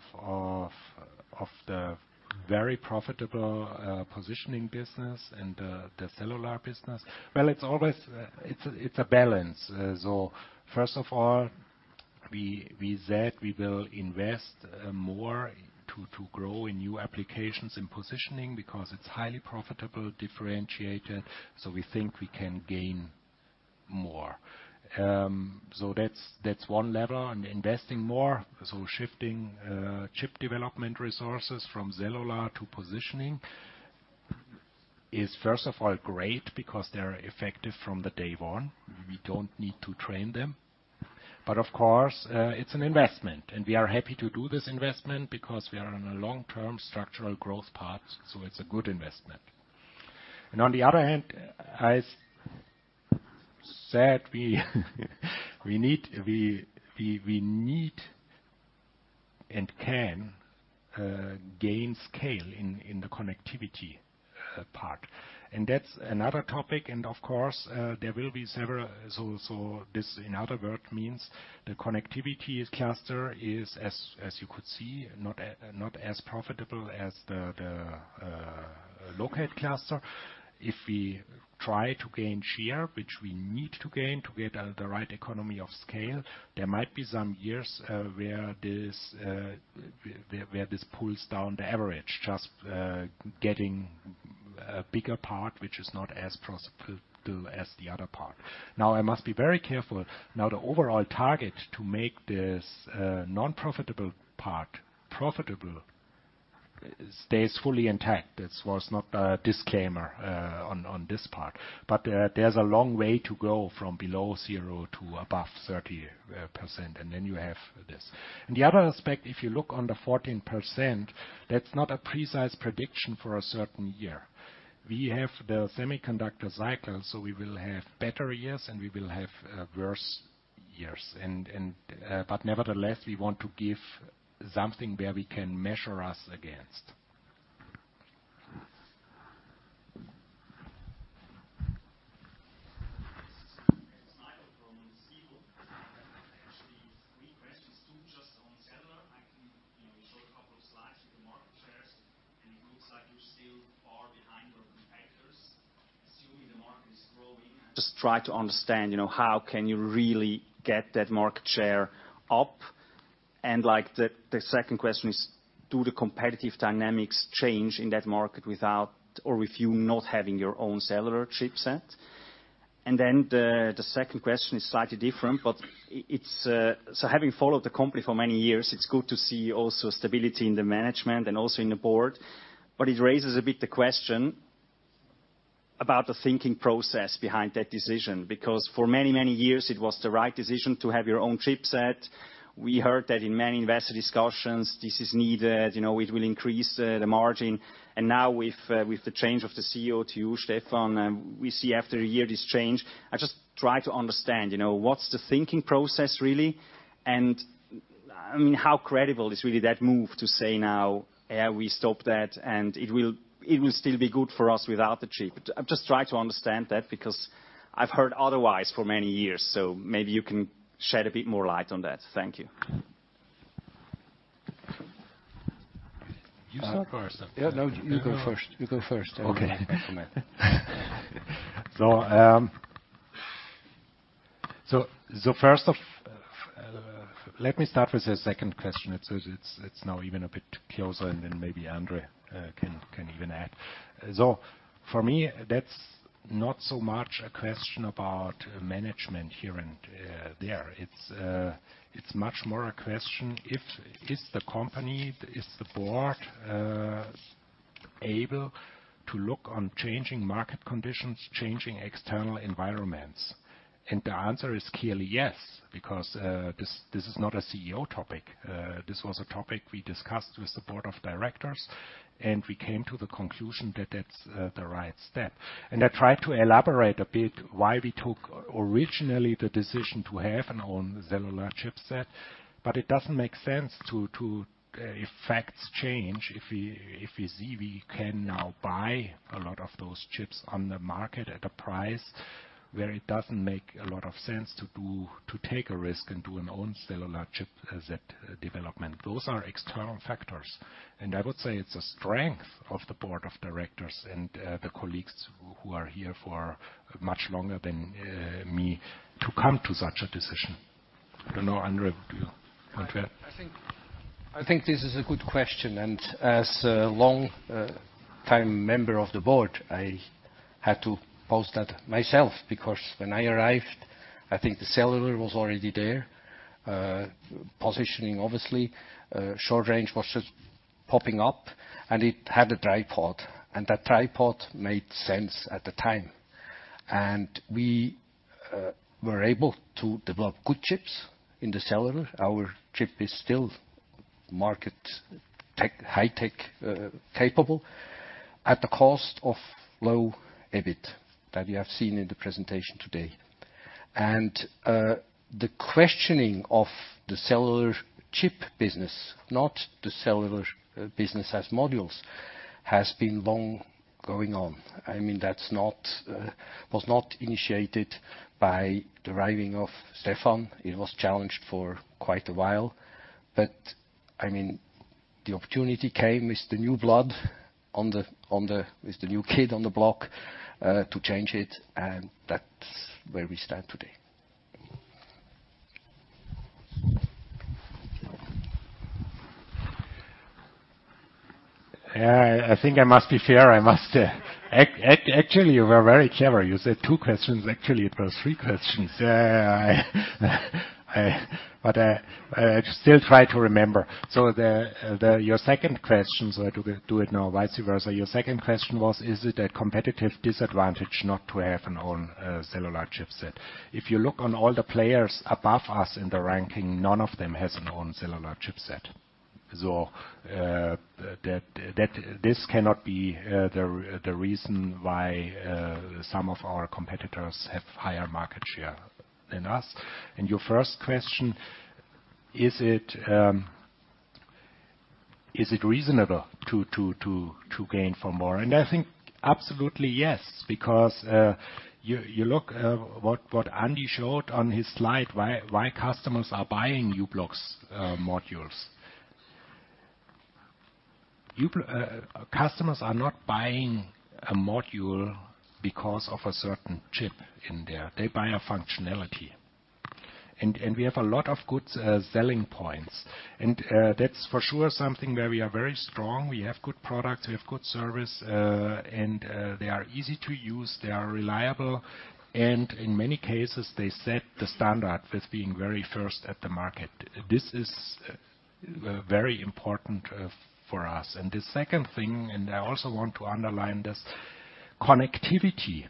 the very profitable positioning business and the cellular business. Well, it's always a balance. So first of all, we said we will invest more to grow in new applications in positioning because it's highly profitable, differentiated, so we think we can gain more. So that's one level. And investing more, so shifting chip development resources from cellular to positioning, is first of all great because they're effective from the day one. We don't need to train them. But of course, it's an investment, and we are happy to do this investment because we are on a long-term structural growth path, so it's a good investment. And on the other hand, I said we need and can gain scale in the connectivity part. And that's another topic. And of course, there will be several... So this, in other words, means the connectivity cluster is, as you could see, not as profitable as the location cluster. If we try to gain share, which we need to gain to get the right economy of scale, there might be some years where this pulls down the average. Just getting a bigger part, which is not as profitable as the other part. Now, I must be very careful. Now, the overall target to make this non-profitable part profitable stays fully intact. This was not a disclaimer on this part, but there, there's a long way to go from below 0 to above 30%, and then you have this. And the other aspect, if you look on the 14%, that's not a precise prediction for a certain year. We have the semiconductor cycle, so we will have better years, and we will have worse years. But nevertheless, we want to give something where we can measure us against. Actually, three questions. Two, just on cellular. I can, you know, show a couple of slides with the market shares, and it looks like you're still far behind your competitors. Assuming the market is growing, just try to understand, you know, how can you really get that market share up? And like, the, the second question is: Do the competitive dynamics change in that market without or with you not having your own cellular chipset? And then the, the second question is slightly different, but it, it's. So having followed the company for many years, it's good to see also stability in the management and also in the board. But it raises a bit the question about the thinking process behind that decision, because for many, many years it was the right decision to have your own chipset. We heard that in many investor discussions, this is needed, you know, it will increase the margin. And now with the change of the CEO to you, Stephan, we see after a year, this change. I just try to understand, you know, what's the thinking process, really? And, I mean, how credible is really that move to say now, "Yeah, we stop that," and it will still be good for us without the chip? I'm just trying to understand that, because I've heard otherwise for many years, so maybe you can shed a bit more light on that. Thank you. You start first. Yeah. No, you go first. You go first. Okay. Let me start with the second question. It's now even a bit closer, and then maybe André can even add. So for me, that's not so much a question about management here and there. It's much more a question if the company, the board is able to look on changing market conditions, changing external environments. And the answer is clearly yes, because this is not a CEO topic. This was a topic we discussed with the board of directors, and we came to the conclusion that that's the right step. I tried to elaborate a bit why we took originally the decision to have an own cellular chipset, but it doesn't make sense to if facts change, if we see we can now buy a lot of those chips on the market at a price where it doesn't make a lot of sense to take a risk and do an own cellular chipset development. Those are external factors, and I would say it's a strength of the board of directors and the colleagues who are here for much longer than me, to come to such a decision. I don't know, André, would you want to? I think, I think this is a good question, and as a long-time member of the board, I had to pose that myself, because when I arrived, I think the cellular was already there. Positioning, obviously, short range was just popping up, and it had a tripod, and that tripod made sense at the time. And we were able to develop good chips in the cellular. Our chip is still market high tech, capable at the cost of low EBIT that you have seen in the presentation today. And the questioning of the cellular chip business, not the cellular business as modules, has been long going on. I mean, that's not was not initiated by the arriving of Stephan. It was challenged for quite a while, but, I mean, the opportunity came with the new blood on the—with the new kid on the block to change it, and that's where we stand today. Yeah, I think I must be fair. I must actually, you were very clever. You said two questions. Actually, it was three questions. But I still try to remember. So your second question, so I do it now, vice versa. Your second question was, is it a competitive disadvantage not to have an own cellular chipset? If you look on all the players above us in the ranking, none of them has an own cellular chipset. So that this cannot be the reason why some of our competitors have higher market share than us. And your first question, is it reasonable to gain for more? And I think absolutely yes, because you look what Andy showed on his slide, why customers are buying u-blox modules. Customers are not buying a module because of a certain chip in there. They buy a functionality. And, and we have a lot of good selling points, and, that's for sure something where we are very strong. We have good products, we have good service, and, they are easy to use, they are reliable, and in many cases, they set the standard with being very first at the market. This is, very important, for us. And the second thing, and I also want to underline this, connectivity.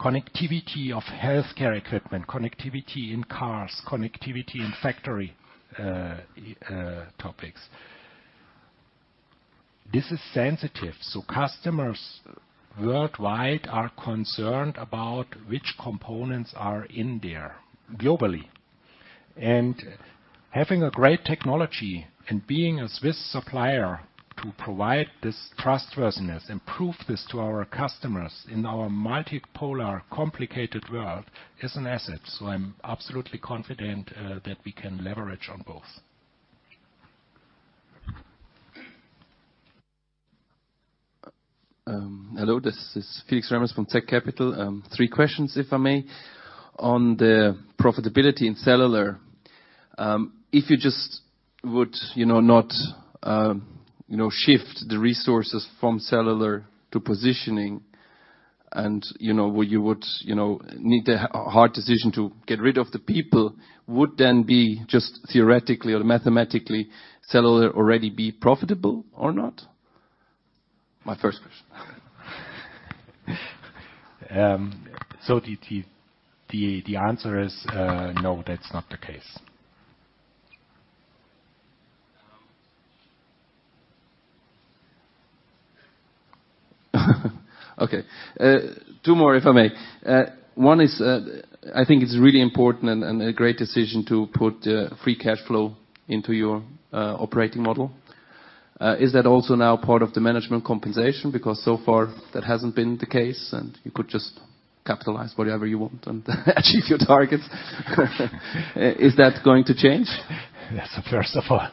Connectivity of healthcare equipment, connectivity in cars, connectivity in factory, topics. This is sensitive, so customers worldwide are concerned about which components are in there, globally. Having a great technology and being a Swiss supplier to provide this trustworthiness and prove this to our customers in our multipolar, complicated world, is an asset. I'm absolutely confident that we can leverage on both. Hello, this is Felix Remmers from zCapital. Three questions, if I may. On the profitability in cellular, if you just would, you know, not, you know, shift the resources from cellular to positioning and, you know, well, you would, you know, need a hard decision to get rid of the people, would then be, just theoretically or mathematically, cellular already be profitable or not? My first question. So the answer is, no, that's not the case. Okay, two more, if I may. One is, I think it's really important and a great decision to put Free Cash Flow into your operating model. Is that also now part of the management compensation? Because so far, that hasn't been the case, and you could just capitalize whatever you want and achieve your targets. Is that going to change? So first of all,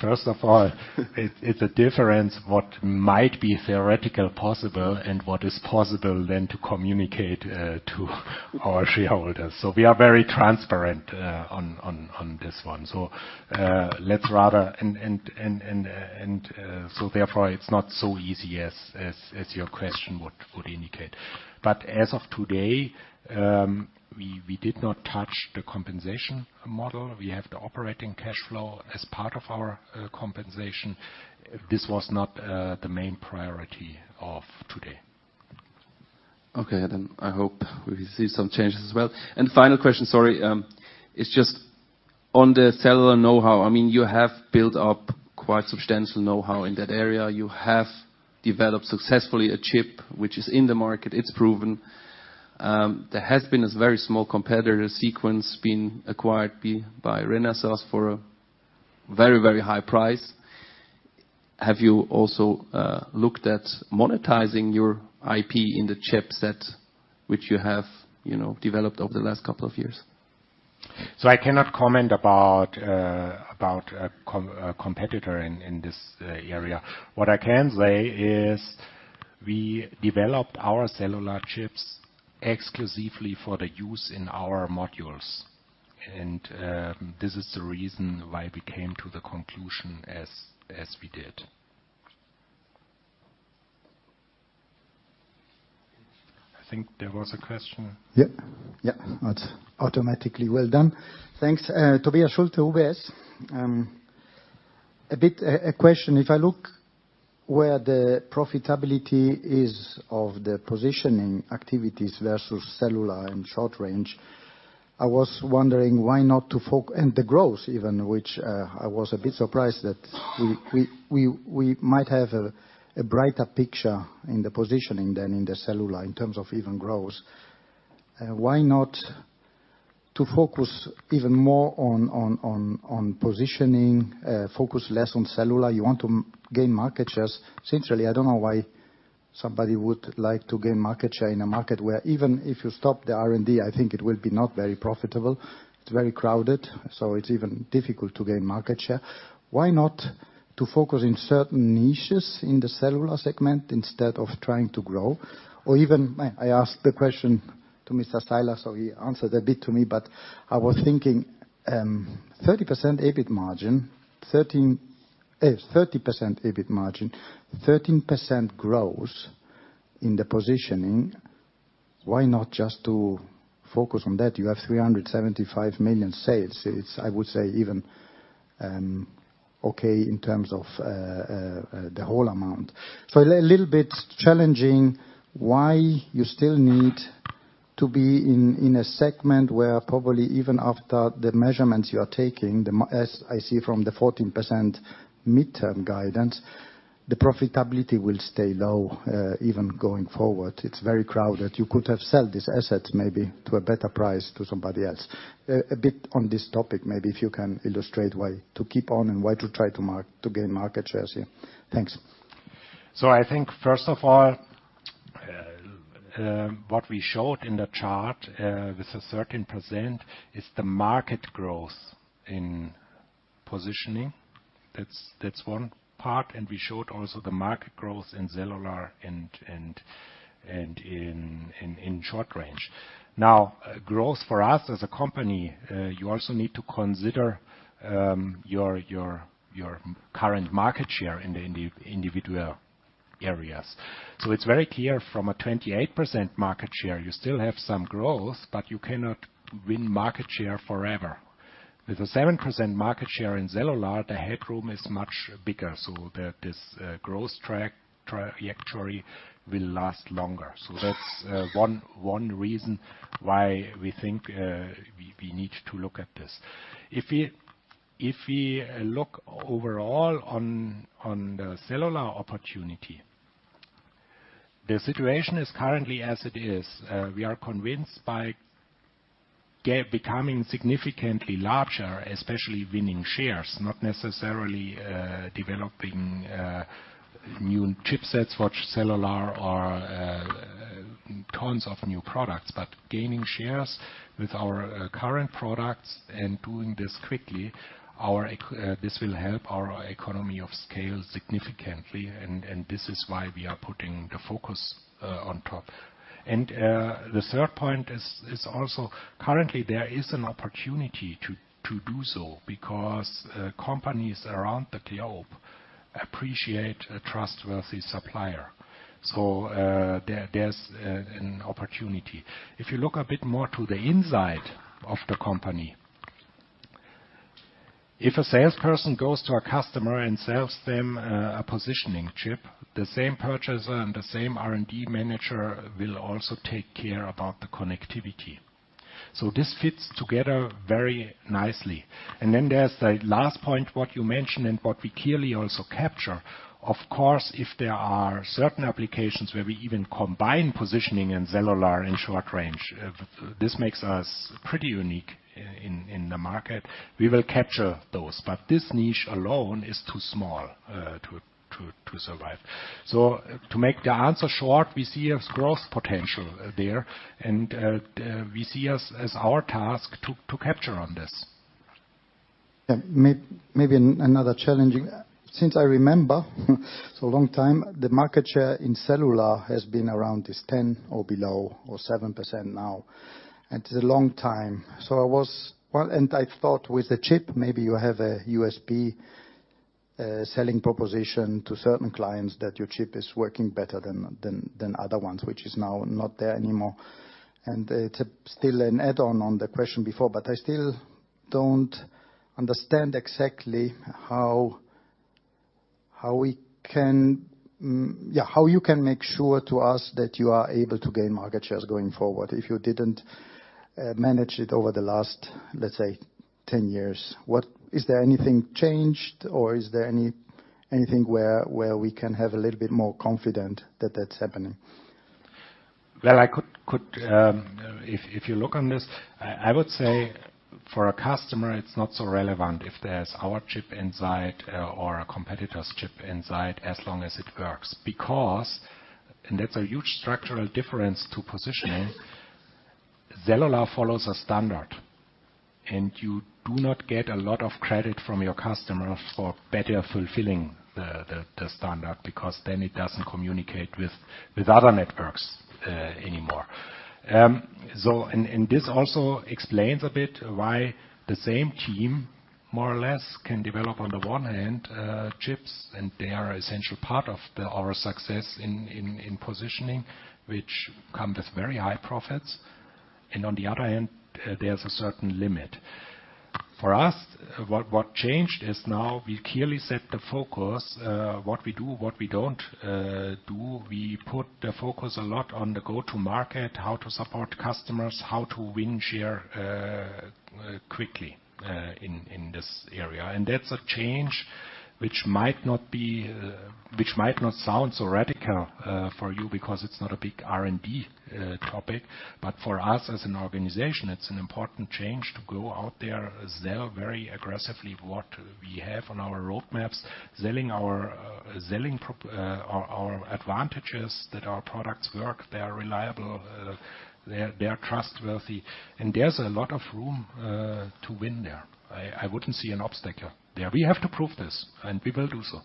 first of all, it's a difference what might be theoretically possible and what is possible then to communicate to our shareholders. So we are very transparent on this one. So, let's rather... so therefore, it's not so easy as your question would indicate. But as of today, we did not touch the compensation model. We have the operating cash flow as part of our compensation. This was not the main priority of today. Okay, then I hope we will see some changes as well. Final question, sorry. It's just on the cellular know-how, I mean, you have built up quite substantial know-how in that area. You have developed successfully a chip, which is in the market. It's proven. There has been a very small competitor, Sequans, being acquired by Renesas for a very, very high price. Have you also looked at monetizing your IP in the chipset, which you have, you know, developed over the last couple of years? I cannot comment about a competitor in this area. What I can say is we developed our cellular chips exclusively for the use in our modules, and this is the reason why we came to the conclusion as we did. I think there was a question. Yep. Yep, that's automatically well done. Thanks. Tobias Schulte, UBS. A bit, a question: If I look where the profitability is of the positioning activities versus cellular and short range, I was wondering why not to focus and the growth even, which, I was a bit surprised that we might have a brighter picture in the positioning than in the cellular in terms of even growth. Why not to focus even more on positioning, focus less on cellular? You want to gain market shares. Essentially, I don't know why somebody would like to gain market share in a market where even if you stop the R&D, I think it will be not very profitable. It's very crowded, so it's even difficult to gain market share. Why not to focus in certain niches in the cellular segment instead of trying to grow? Or even, I asked the question to Mr. Seiler, so he answered a bit to me, but I was thinking, 30% EBIT margin, 13% growth in the positioning. Why not just to focus on that? You have 375 million sales. It's, I would say, even okay in terms of the whole amount. So a little bit challenging, why you still need to be in a segment where probably even after the measurements you are taking, as I see from the 14% midterm guidance, the profitability will stay low, even going forward. It's very crowded. You could have sold this asset maybe to a better price to somebody else. A bit on this topic, maybe if you can illustrate why to keep on and why to try to market to gain market shares here? Thanks. So I think, first of all, what we showed in the chart, with the 13%, is the market growth in positioning. That's one part, and we showed also the market growth in cellular and in short range. Now, growth for us as a company, you also need to consider, your current market share in the individual areas. So it's very clear from a 28% market share, you still have some growth, but you cannot win market share forever. With a 7% market share in cellular, the headroom is much bigger, so this growth track, trajectory will last longer. So that's one reason why we think, we need to look at this. If we look overall on the cellular opportunity, the situation is currently as it is. We are convinced by 5G becoming significantly larger, especially winning shares, not necessarily developing new chipsets for cellular or tons of new products. But gaining shares with our current products and doing this quickly, this will help our economy of scale significantly, and this is why we are putting the focus on top. And the third point is also currently there is an opportunity to do so, because companies around the globe appreciate a trustworthy supplier. So, there is an opportunity. If you look a bit more to the inside of the company, if a salesperson goes to a customer and sells them a positioning chip, the same purchaser and the same R&D manager will also take care about the connectivity. So this fits together very nicely. And then there's the last point, what you mentioned and what we clearly also capture. Of course, if there are certain applications where we even combine positioning and cellular and short range, this makes us pretty unique in the market. We will capture those, but this niche alone is too small to survive. So to make the answer short, we see a growth potential there, and we see as our task to capture on this. Yeah, maybe another challenging. Since I remember, so long time, the market share in cellular has been around this 10 or below, or 7% now, and it's a long time. Well, and I thought with the chip, maybe you have a USP selling proposition to certain clients that your chip is working better than other ones, which is now not there anymore. And it's still an add-on on the question before, but I still don't understand exactly how we can, how you can make sure to us that you are able to gain market shares going forward if you didn't manage it over the last, let's say, 10 years. Is there anything changed, or is there anything where we can have a little bit more confident that that's happening? Well, if you look on this, I would say for a customer, it's not so relevant if there's our chip inside or a competitor's chip inside, as long as it works. Because, and that's a huge structural difference to positioning, cellular follows a standard, and you do not get a lot of credit from your customer for better fulfilling the standard, because then it doesn't communicate with other networks anymore. And this also explains a bit why the same team, more or less, can develop, on the one hand, chips, and they are an essential part of our success in positioning, which come with very high profits. And on the other hand, there's a certain limit. For us, what changed is now we clearly set the focus, what we do, what we don't do. We put the focus a lot on the go-to market, how to support customers, how to win share quickly in this area. That's a change which might not sound so radical for you, because it's not a big R&D topic. But for us, as an organization, it's an important change to go out there, sell very aggressively what we have on our roadmaps, selling our advantages, that our products work, they are reliable, they are trustworthy. And there's a lot of room to win there. I wouldn't see an obstacle. Yeah, we have to prove this, and we will do so.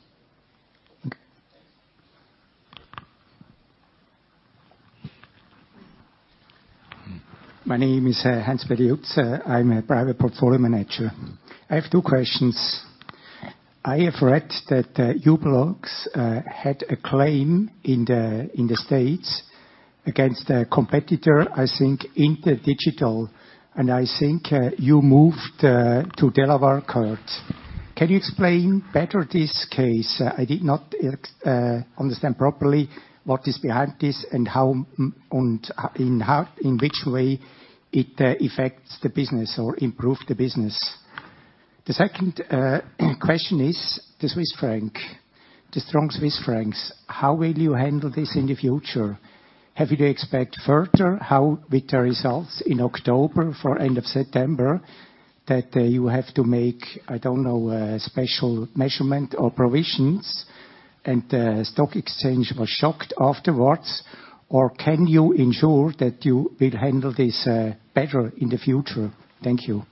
Okay. My name is Hans Berryutz. I'm a private portfolio manager. I have two questions. I have read that u-blox had a claim in the States against a competitor, I think, InterDigital, and I think you moved to Delaware court. Can you explain better this case? I did not understand properly what is behind this and how in which way it affects the business or improve the business. The second question is the Swiss franc, the strong Swiss francs. How will you handle this in the future? Have you to expect further? How with the results in October, for end of September, that you have to make, I don't know, a special measurement or provisions, and the stock exchange was shocked afterwards, or can you ensure that you will handle this better in the future? Thank you.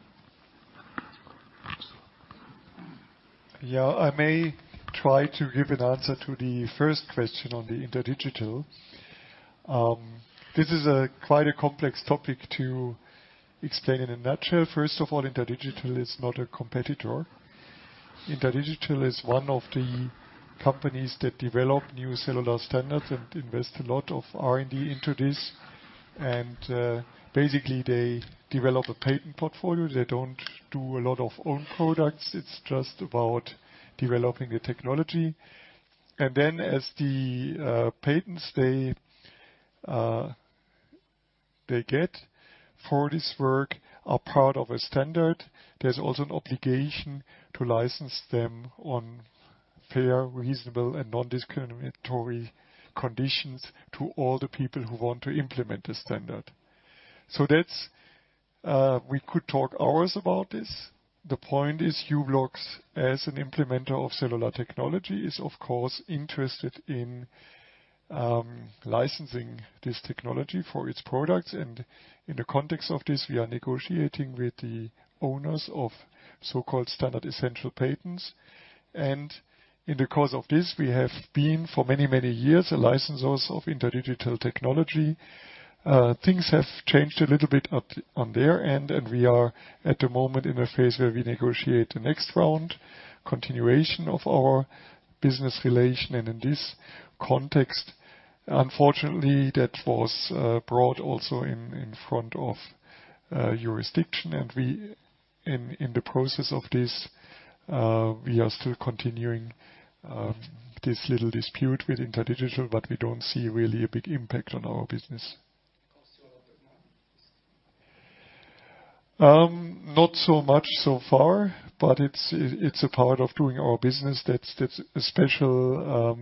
Yeah, I may try to give an answer to the first question on the InterDigital. This is quite a complex topic to explain in a nutshell. First of all, InterDigital is not a competitor. InterDigital is one of the companies that develop new cellular standards and invest a lot of R&D into this. And, basically, they develop a patent portfolio. They don't do a lot of own products. It's just about developing the technology. And then as the patents they get for this work are part of a standard, there's also an obligation to license them on fair, reasonable and non-discriminatory conditions to all the people who want to implement the standard. So that's, we could talk hours about this. The point is, u-blox, as an implementer of cellular technology, is of course interested in licensing this technology for its products, and in the context of this, we are negotiating with the owners of so-called Standard Essential Patents. In the course of this, we have been for many, many years a licensors of InterDigital technology. Things have changed a little bit on their end, and we are at the moment in a phase where we negotiate the next round, continuation of our business relation, and in this context, unfortunately, that was brought also in front of jurisdiction. We in the process of this are still continuing this little dispute with InterDigital, but we don't see really a big impact on our business. Cost you a lot more? Not so much so far, but it's a part of doing our business. That's a special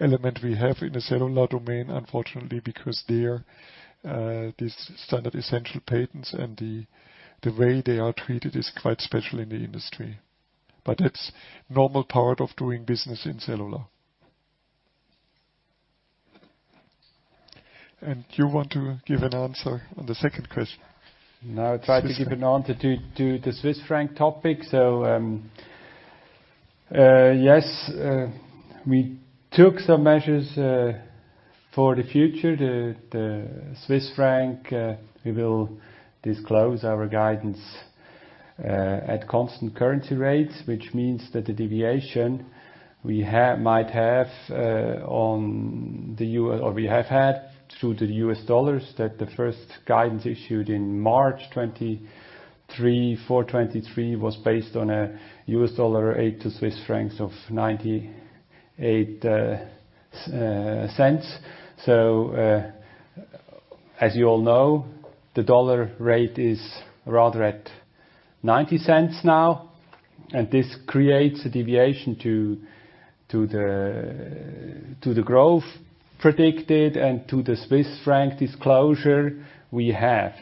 element we have in the cellular domain, unfortunately, because there these Standard Essential Patents and the way they are treated is quite special in the industry. But that's normal part of doing business in cellular. And you want to give an answer on the second question? No, I tried to give an answer to the Swiss franc topic. So, we took some measures for the future. The Swiss franc, we will disclose our guidance at constant currency rates, which means that the deviation we might have, or we have had, through the US dollars, that the first guidance issued in March 2023 for 2023 was based on a US dollar rate to Swiss francs of 0.98. So, as you all know, the dollar rate is rather at 0.90 now, and this creates a deviation to the growth predicted and to the Swiss franc disclosure we have.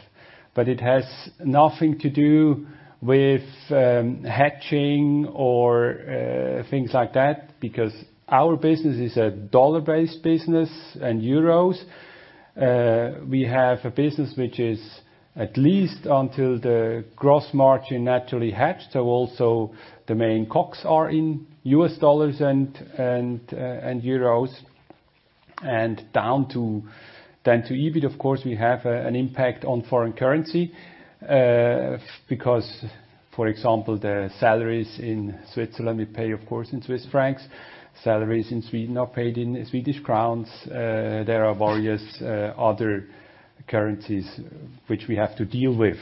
But it has nothing to do with hedging or things like that, because our business is a dollar-based business, and euros. We have a business which is at least until the gross margin naturally hedged, so also the main costs are in US dollars and euros. Down to EBIT, of course, we have an impact on foreign currency, because, for example, the salaries in Switzerland we pay, of course, in Swiss francs. Salaries in Sweden are paid in Swedish crowns. There are various other currencies which we have to deal with,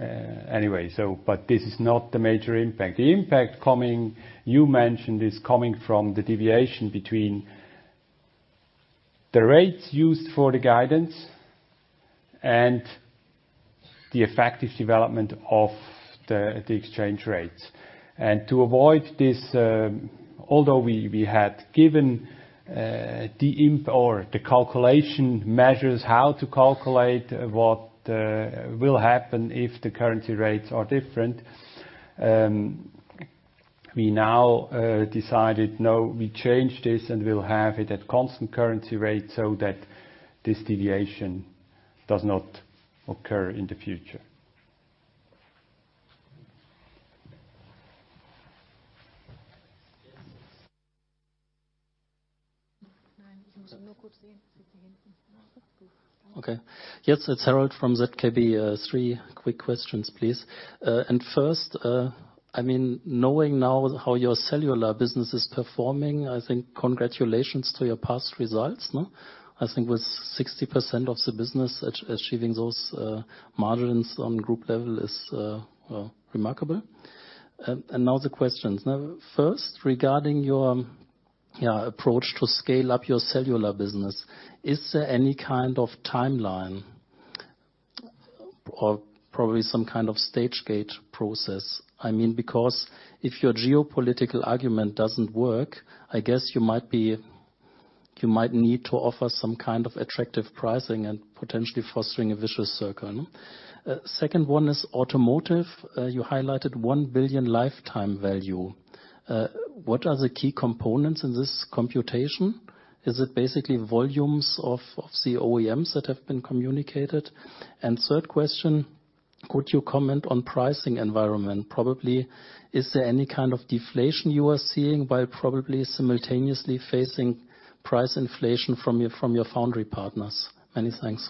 anyway. But this is not the major impact. The impact coming, you mentioned, is coming from the deviation between the rates used for the guidance and the effective development of the exchange rates. And to avoid this, although we had given the calculation measures, how to calculate what will happen if the currency rates are different, we now decided, no, we change this, and we'll have it at constant currency rates so that this deviation does not occur in the future. Okay. Yes, it's Harold from ZKB. Three quick questions, please. And first, I mean, knowing now how your cellular business is performing, I think congratulations to your past results, no? I think with 60% of the business achieving those margins on group level is well remarkable. And now the questions. Now, first, regarding your approach to scale up your cellular business, is there any kind of timeline or probably some kind of stage gate process? I mean, because if your geopolitical argument doesn't work, I guess you might be-- you might need to offer some kind of attractive pricing and potentially fostering a vicious circle, no? Second one is automotive. You highlighted 1 billion lifetime value. What are the key components in this computation? Is it basically volumes of the OEMs that have been communicated? Third question: Could you comment on pricing environment? Probably, is there any kind of deflation you are seeing, while probably simultaneously facing price inflation from your, from your foundry partners? Many thanks.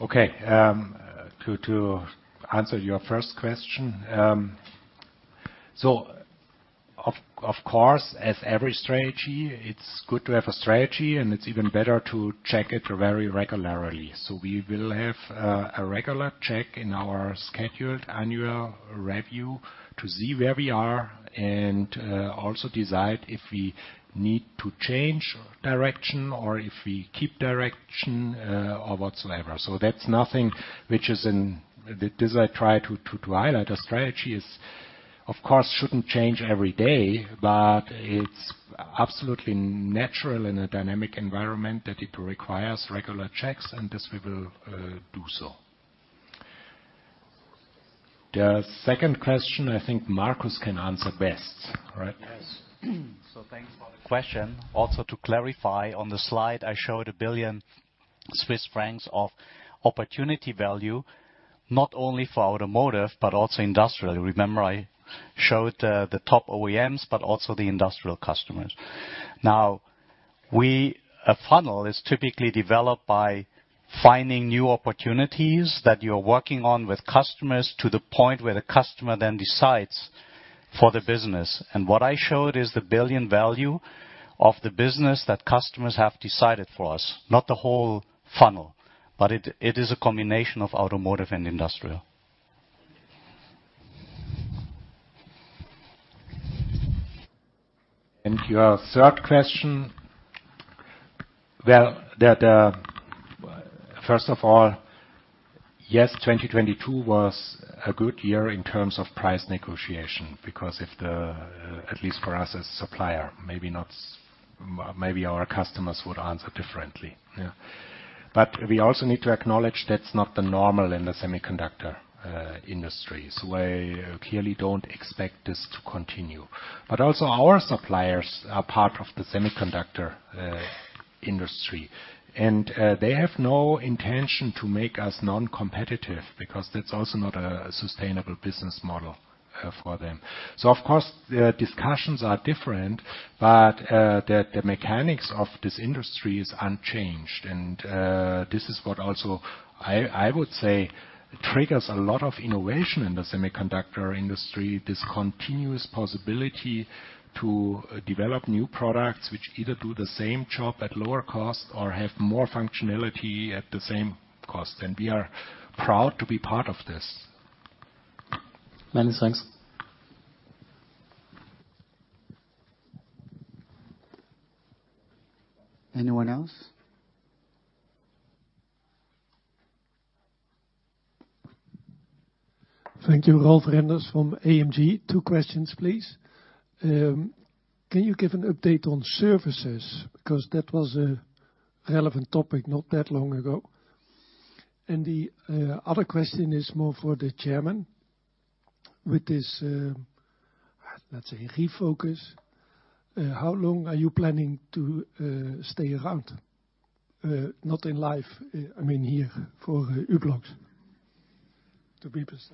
Okay, to answer your first question, so of course, as every strategy, it's good to have a strategy, and it's even better to check it very regularly. So we will have a regular check in our scheduled annual review to see where we are and also decide if we need to change direction or if we keep direction or whatsoever. So that's nothing which is in... This I try to highlight. A strategy is, of course, shouldn't change every day, but it's absolutely natural in a dynamic environment that it requires regular checks, and this we will do so. The second question, I think Markus can answer best, right? Yes. So thanks for the question. Also, to clarify, on the slide, I showed 1 billion Swiss francs of opportunity value, not only for automotive, but also industrial. Remember, I showed the top OEMs, but also the industrial customers. Now, a funnel is typically developed by finding new opportunities that you're working on with customers to the point where the customer then decides for the business. And what I showed is the 1 billion value of the business that customers have decided for us, not the whole funnel. Bu it is a combination of automotive and industrial. And your third question, well, that, first of all, yes, 2022 was a good year in terms of price negotiation, because at least for us as supplier, maybe not so. Maybe our customers would answer differently, yeah. But we also need to acknowledge that's not the normal in the semiconductor industry. So I clearly don't expect this to continue. But also, our suppliers are part of the semiconductor industry, and they have no intention to make us non-competitive, because that's also not a sustainable business model for them. So of course, the discussions are different, but the mechanics of this industry is unchanged. This is what also I would say triggers a lot of innovation in the semiconductor industry, this continuous possibility to develop new products, which either do the same job at lower cost or have more functionality at the same cost. We are proud to be part of this. Margnus, thanks. Anyone else? Thank you. Rolf Renders from AMG. Two questions, please. Can you give an update on services? Because that was a relevant topic not that long ago. The other question is more for the Chairman: With this, let's say, refocus, how long are you planning to stay around? Not in life, I mean here, for u-blox, to be precise.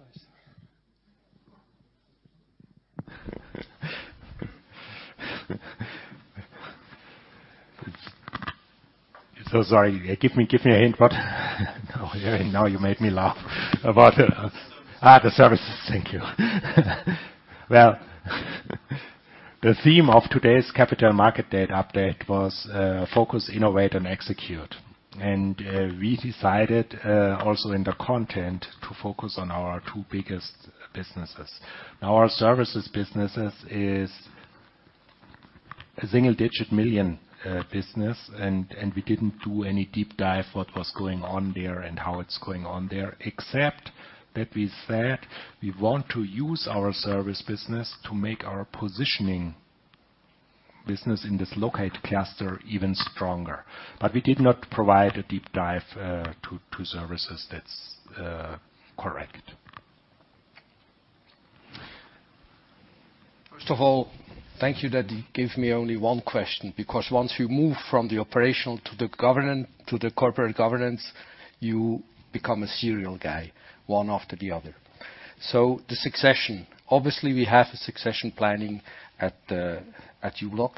So sorry, give me, give me a hint, what? Now, you made me laugh. About... Ah, the services. Thank you. Well, the theme of today's Capital Market Day update was focus, innovate, and execute. And we decided also in the content to focus on our two biggest businesses. Now, our services businesses is a single-digit million CHF business, and we didn't do any deep dive what was going on there and how it's going on there, except that we said we want to use our service business to make our positioning business in this locate cluster even stronger. But we did not provide a deep dive to services. That's correct. First of all, thank you that you give me only one question, because once you move from the operational to the governance to the corporate governance, you become a serial guy, one after the other. So the succession. Obviously, we have a succession planning at u-blox.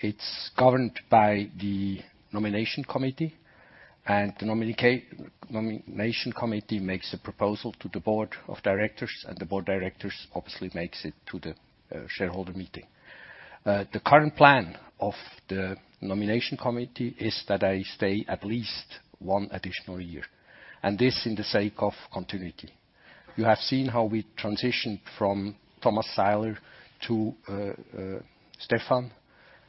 It's governed by the nomination committee, and the nomination committee makes a proposal to the board of directors, and the board of directors obviously makes it to the shareholder meeting. The current plan of the nomination committee is that I stay at least one additional year, and this in the sake of continuity. You have seen how we transitioned from Thomas Seiler to Stephan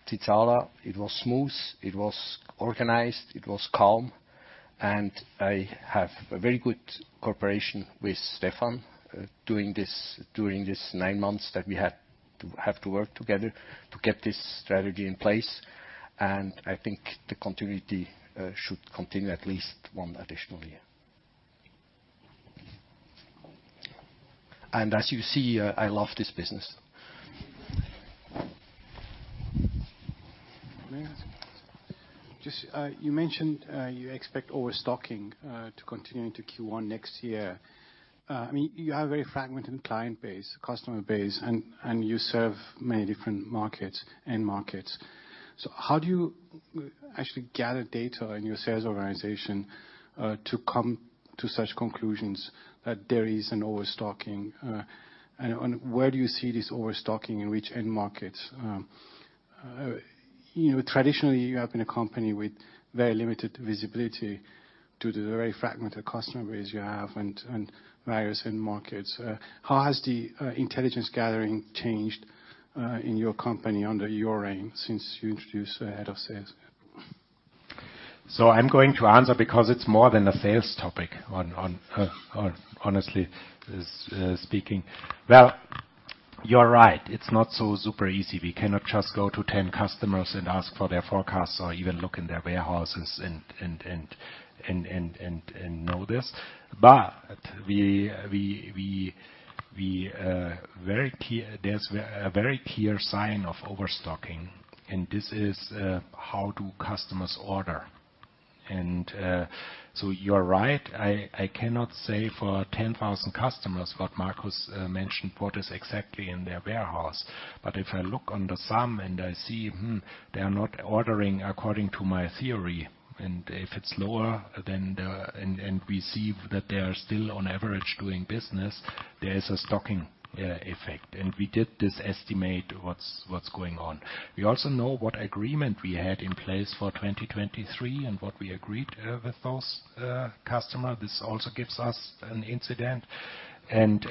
Zizala. It was smooth, it was organized, it was calm, and I have a very good cooperation with Stephan during this nine months that we had to, have to work together to get this strategy in place. I think the continuity should continue at least one additional year. And as you see, I love this business. Just, you mentioned you expect overstocking to continue into Q1 next year. I mean, you have a very fragmented client base, customer base, and you serve many different markets, end markets. So how do you actually gather data in your sales organization to come to such conclusions that there is an overstocking? And where do you see this overstocking, in which end markets? You know, traditionally, you have been a company with very limited visibility due to the very fragmented customer base you have and various end markets. How has the intelligence gathering changed in your company under your reign since you introduced the head of sales? So I'm going to answer, because it's more than a sales topic, on honestly speaking. Well, you're right. It's not so super easy. We cannot just go to 10 customers and ask for their forecasts or even look in their warehouses and know this. But we very clear, there's a very clear sign of overstocking, and this is how do customers order? And so you're right, I cannot say for 10,000 customers, what Markus mentioned, what is exactly in their warehouse. But if I look on the sum and I see, hmm, they are not ordering according to my theory, and if it's lower than the... and we see that they are still, on average, doing business, there is a stocking effect. We did this estimate, what's going on. We also know what agreement we had in place for 2023 and what we agreed with those customer. This also gives us an insight, and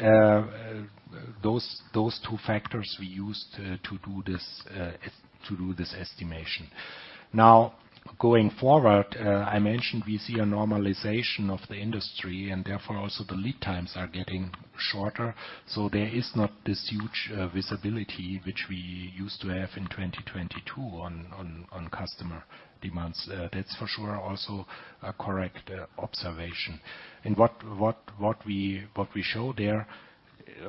those two factors we used to do this estimation. Now, going forward, I mentioned we see a normalization of the industry, and therefore, also the lead times are getting shorter. So there is not this huge visibility which we used to have in 2022 on customer demands. That's for sure also a correct observation. And what we show there,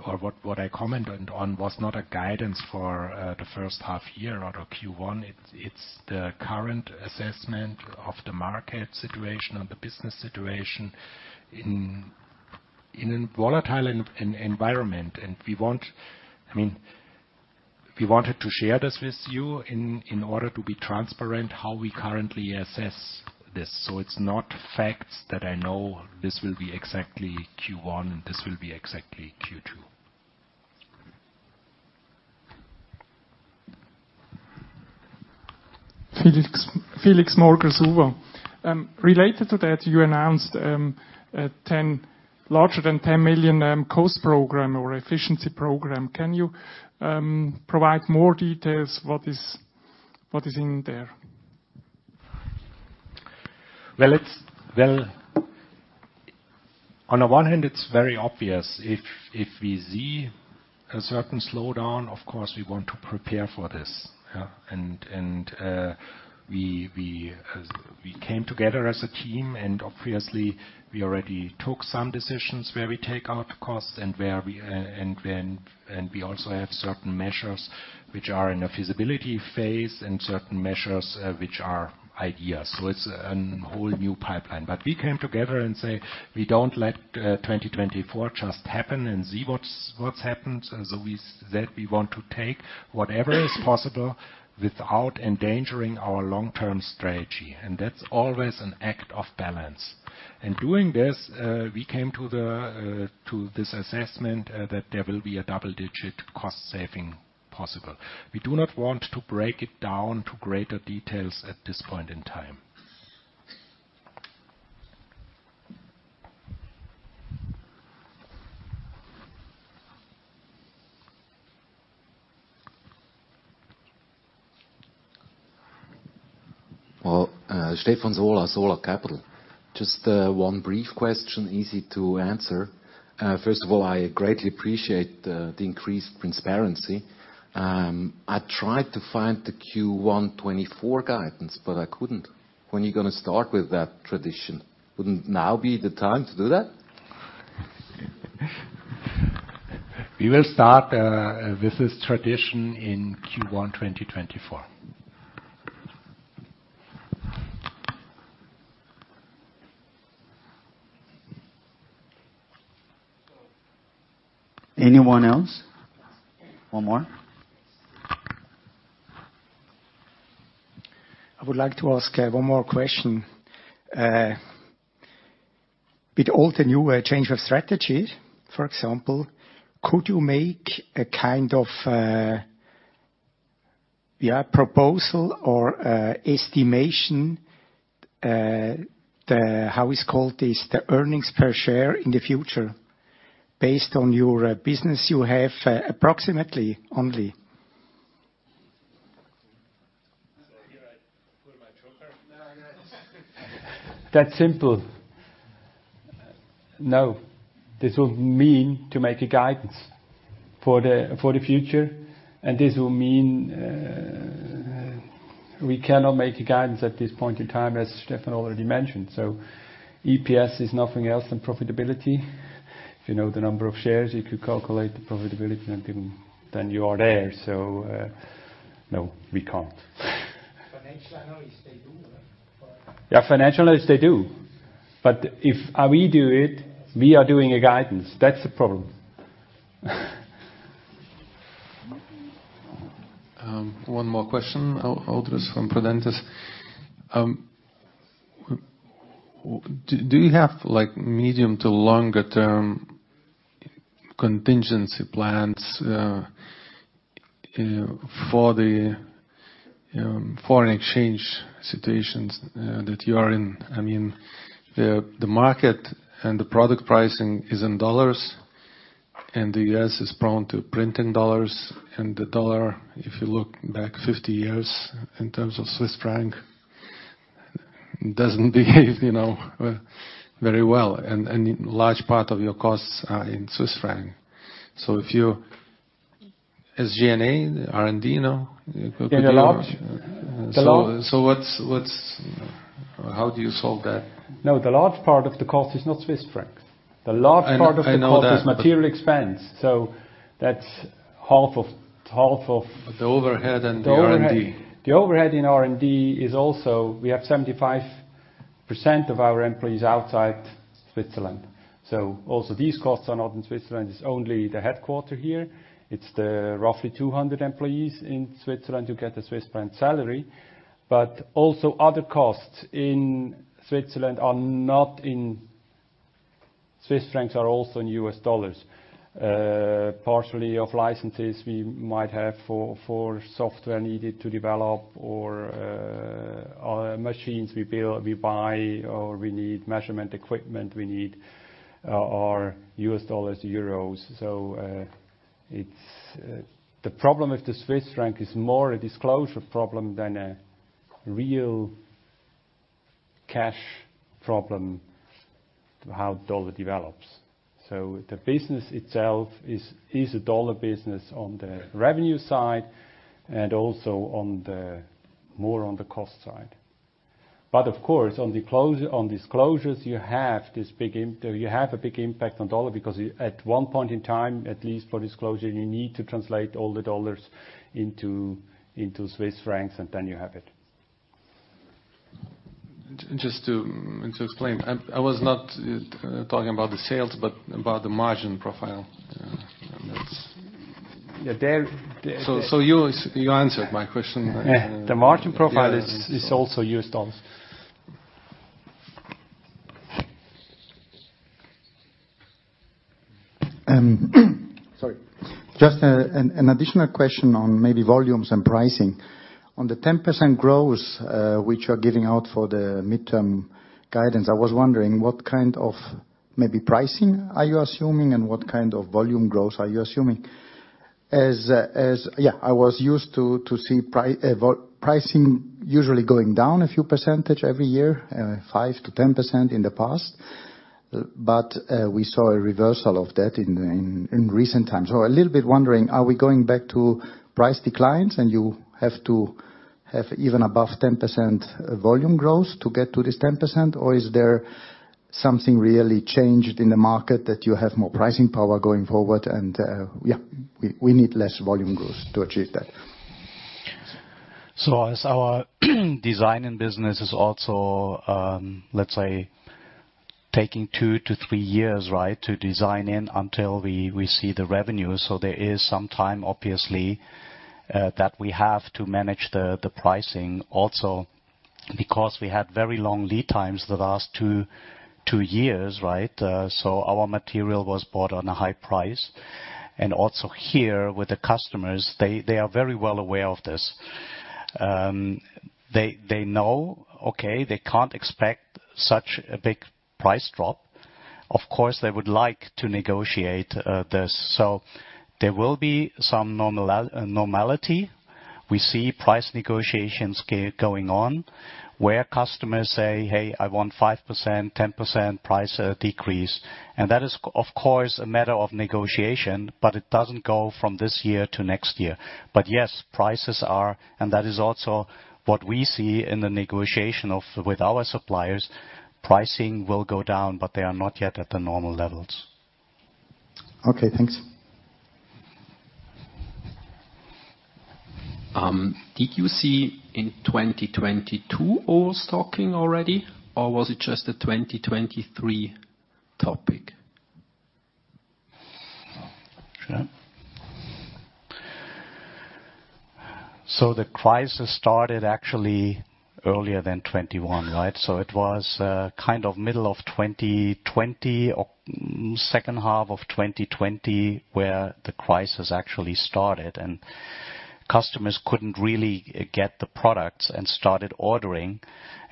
or what I commented on, was not a guidance for the first half year or the Q1. It's the current assessment of the market situation and the business situation in a volatile environment, and we want—I mean, we wanted—to share this with you in order to be transparent how we currently assess this. So it's not facts that I know this will be exactly Q1, and this will be exactly Q2. Felix, Felix Morger, Suva. Related to that, you announced a 10, larger than 10 million, cost program or efficiency program. Can you provide more details, what is in there? Well, on the one hand, it's very obvious. If we see a certain slowdown, of course, we want to prepare for this, yeah. And we came together as a team, and obviously, we already took some decisions where we take out costs and where we. And we also have certain measures which are in a feasibility phase, and certain measures which are ideas. So it's a whole new pipeline. But we came together and say: We don't let 2024 just happen and see what happens, and so we that we want to take whatever is possible without endangering our long-term strategy, and that's always an act of balance. In doing this, we came to this assessment that there will be a double-digit cost saving possible. We do not want to break it down to greater details at this point in time. Well, Stefan Zahler, Zahler Capital. Just, one brief question, easy to answer. First of all, I greatly appreciate the increased transparency. I tried to find the Q1 2024 guidance, but I couldn't. When are you going to start with that tradition? Wouldn't now be the time to do that? We will start with this tradition in Q1 2024. Anyone else? One more. I would like to ask one more question. With all the new change of strategy, for example, could you make a kind of a, yeah, proposal or a estimation, the. How is called this, the earnings per share in the future, based on your business you have, approximately, only? So you put my joker? That's simple. No, this will mean to make a guidance for the future, and this will mean, we cannot make a guidance at this point in time, as Stefan already mentioned. So EPS is nothing else than profitability. If you know the number of shares, you could calculate the profitability, and then, then you are there. So, no, we can't. Financial analyst, they do, right? Yeah, financial analyst, they do. But if we do it, we are doing a guidance. That's the problem. One more question, Aldris from Prudential. Do you have, like, medium- to long-term contingency plans for the foreign exchange situations that you are in? I mean, the market and the product pricing is in dollars, and the US is prone to printing dollars, and the dollar, if you look back 50 years in terms of Swiss franc, doesn't behave, you know, very well, and large part of your costs are in Swiss franc. So if you. As G&A, R&D, now? In a large. So, what's. How do you solve that? No, the large part of the cost is not Swiss franc. The large part of the cost- I know that. Is material expense, so that's half of. The overhead and the R&D. The overhead in R&D is also, we have 75% of our employees outside Switzerland. So also, these costs are not in Switzerland. It's only the headquarters here. It's the roughly 200 employees in Switzerland who get a Swiss franc salary. But also, other costs in Switzerland are not in Swiss francs, are also in U.S. dollars. Partially of licenses we might have for, for software needed to develop or, machines we build, we buy, or we need measurement equipment, we need, are U.S. dollars, euros. So, It's the problem with the Swiss franc is more a disclosure problem than a real cash problem to how dollar develops. So the business itself is a dollar business on the revenue side, and also more on the cost side. But of course, on the close, on disclosures, you have this big impact on dollar, because at one point in time, at least for disclosure, you need to translate all the dollars into Swiss francs, and then you have it. Just to, just to explain, I, I was not talking about the sales, but about the margin profile. And that's- Yeah, there, there So you answered my question. Yeah. The margin profile is also US dollars. Sorry. Just, an additional question on maybe volumes and pricing. On the 10% growth, which you are giving out for the midterm guidance, I was wondering what kind of maybe pricing are you assuming, and what kind of volume growth are you assuming? Yeah, I was used to see pricing usually going down a few percentage every year, 5%-10% in the past, but we saw a reversal of that in recent times. So a little bit wondering, are we going back to price declines, and you have to have even above 10% volume growth to get to this 10%? Or is there something really changed in the market that you have more pricing power going forward and, yeah, we need less volume growth to achieve that? So as our design and business is also, let's say, taking two to three years, right? To design in until we see the revenue. So there is some time, obviously, that we have to manage the pricing also, because we had very long lead times the last two years, right? So our material was bought on a high price. And also here, with the customers, they are very well aware of this. They know, okay, they can't expect such a big price drop. Of course, they would like to negotiate this. So there will be some normality. We see price negotiations going on, where customers say, "Hey, I want 5%, 10% price decrease." And that is, of course, a matter of negotiation, but it doesn't go from this year to next year. But yes, prices are, and that is also what we see in the negotiation of, with our suppliers. Pricing will go down, but they are not yet at the normal levels. Okay, thanks. Did you see in 2022, overstocking already, or was it just a 2023 topic? Sure. So the crisis started actually earlier than 2021, right? So it was kind of middle of 2020 or second half of 2020, where the crisis actually started, and customers couldn't really get the products and started ordering.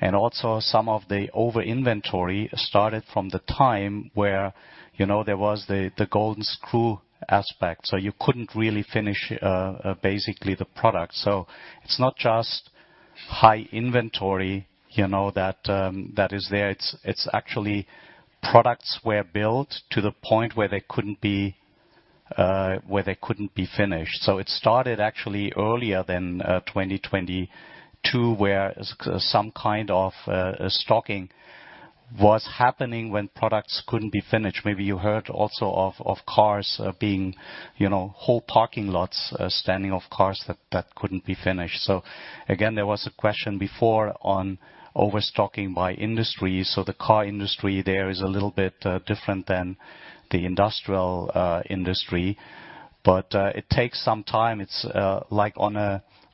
And also, some of the overinventory started from the time where, you know, there was the golden screw aspect, so you couldn't really finish basically the product. So it's not just high inventory, you know, that that is there. It's actually products were built to the point where they couldn't be where they couldn't be finished. So it started actually earlier than 2022, where some kind of stocking was happening when products couldn't be finished. Maybe you heard also of cars being, you know, whole parking lots standing of cars that couldn't be finished. So again, there was a question before on overstocking by industry. So the car industry there is a little bit different than the industrial sector, but it takes some time. It's like on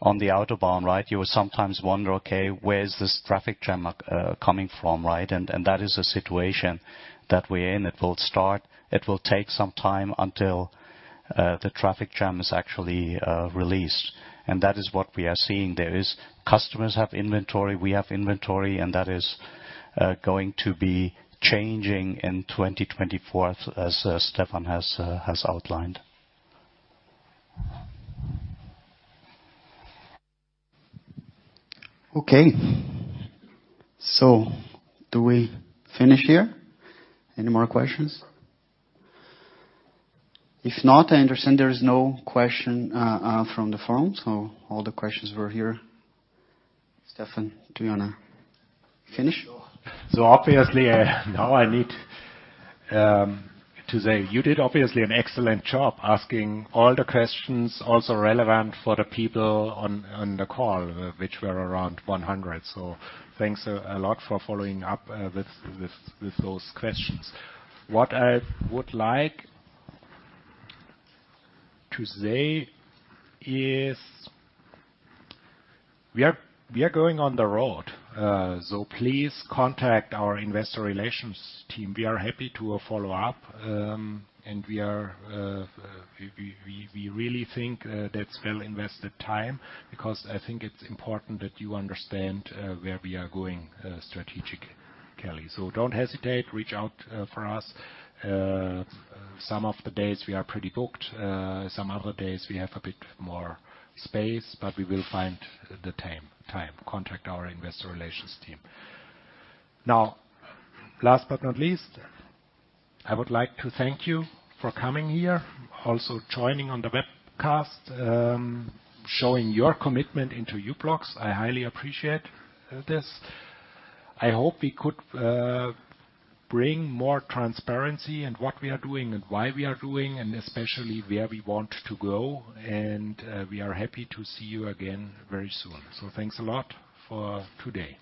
the autobahn, right? You will sometimes wonder, okay, where is this traffic jam coming from, right? And that is a situation that we're in. It will start, it will take some time until the traffic jam is actually released. And that is what we are seeing there: customers have inventory, we have inventory, and that is going to be changing in 2024, as Stephan has outlined. Okay. So do we finish here? Any more questions? If not, I understand there is no question from the phone, so all the questions were here. Stephan, do you wanna finish? Sure. So obviously, now I need to say, you did obviously an excellent job asking all the questions, also relevant for the people on the call, which were around 100. So thanks a lot for following up with those questions. What I would like to say is, we are going on the road, so please contact our investor relations team. We are happy to follow up, and we really think that's well invested time, because I think it's important that you understand where we are going strategically. So don't hesitate, reach out for us. Some of the days we are pretty booked, some other days we have a bit more space, but we will find the time. Contact our investor relations team. Now, last but not least, I would like to thank you for coming here, also joining on the webcast, showing your commitment into u-blox. I highly appreciate this. I hope we could bring more transparency in what we are doing and why we are doing, and especially where we want to go, and we are happy to see you again very soon. So thanks a lot for today.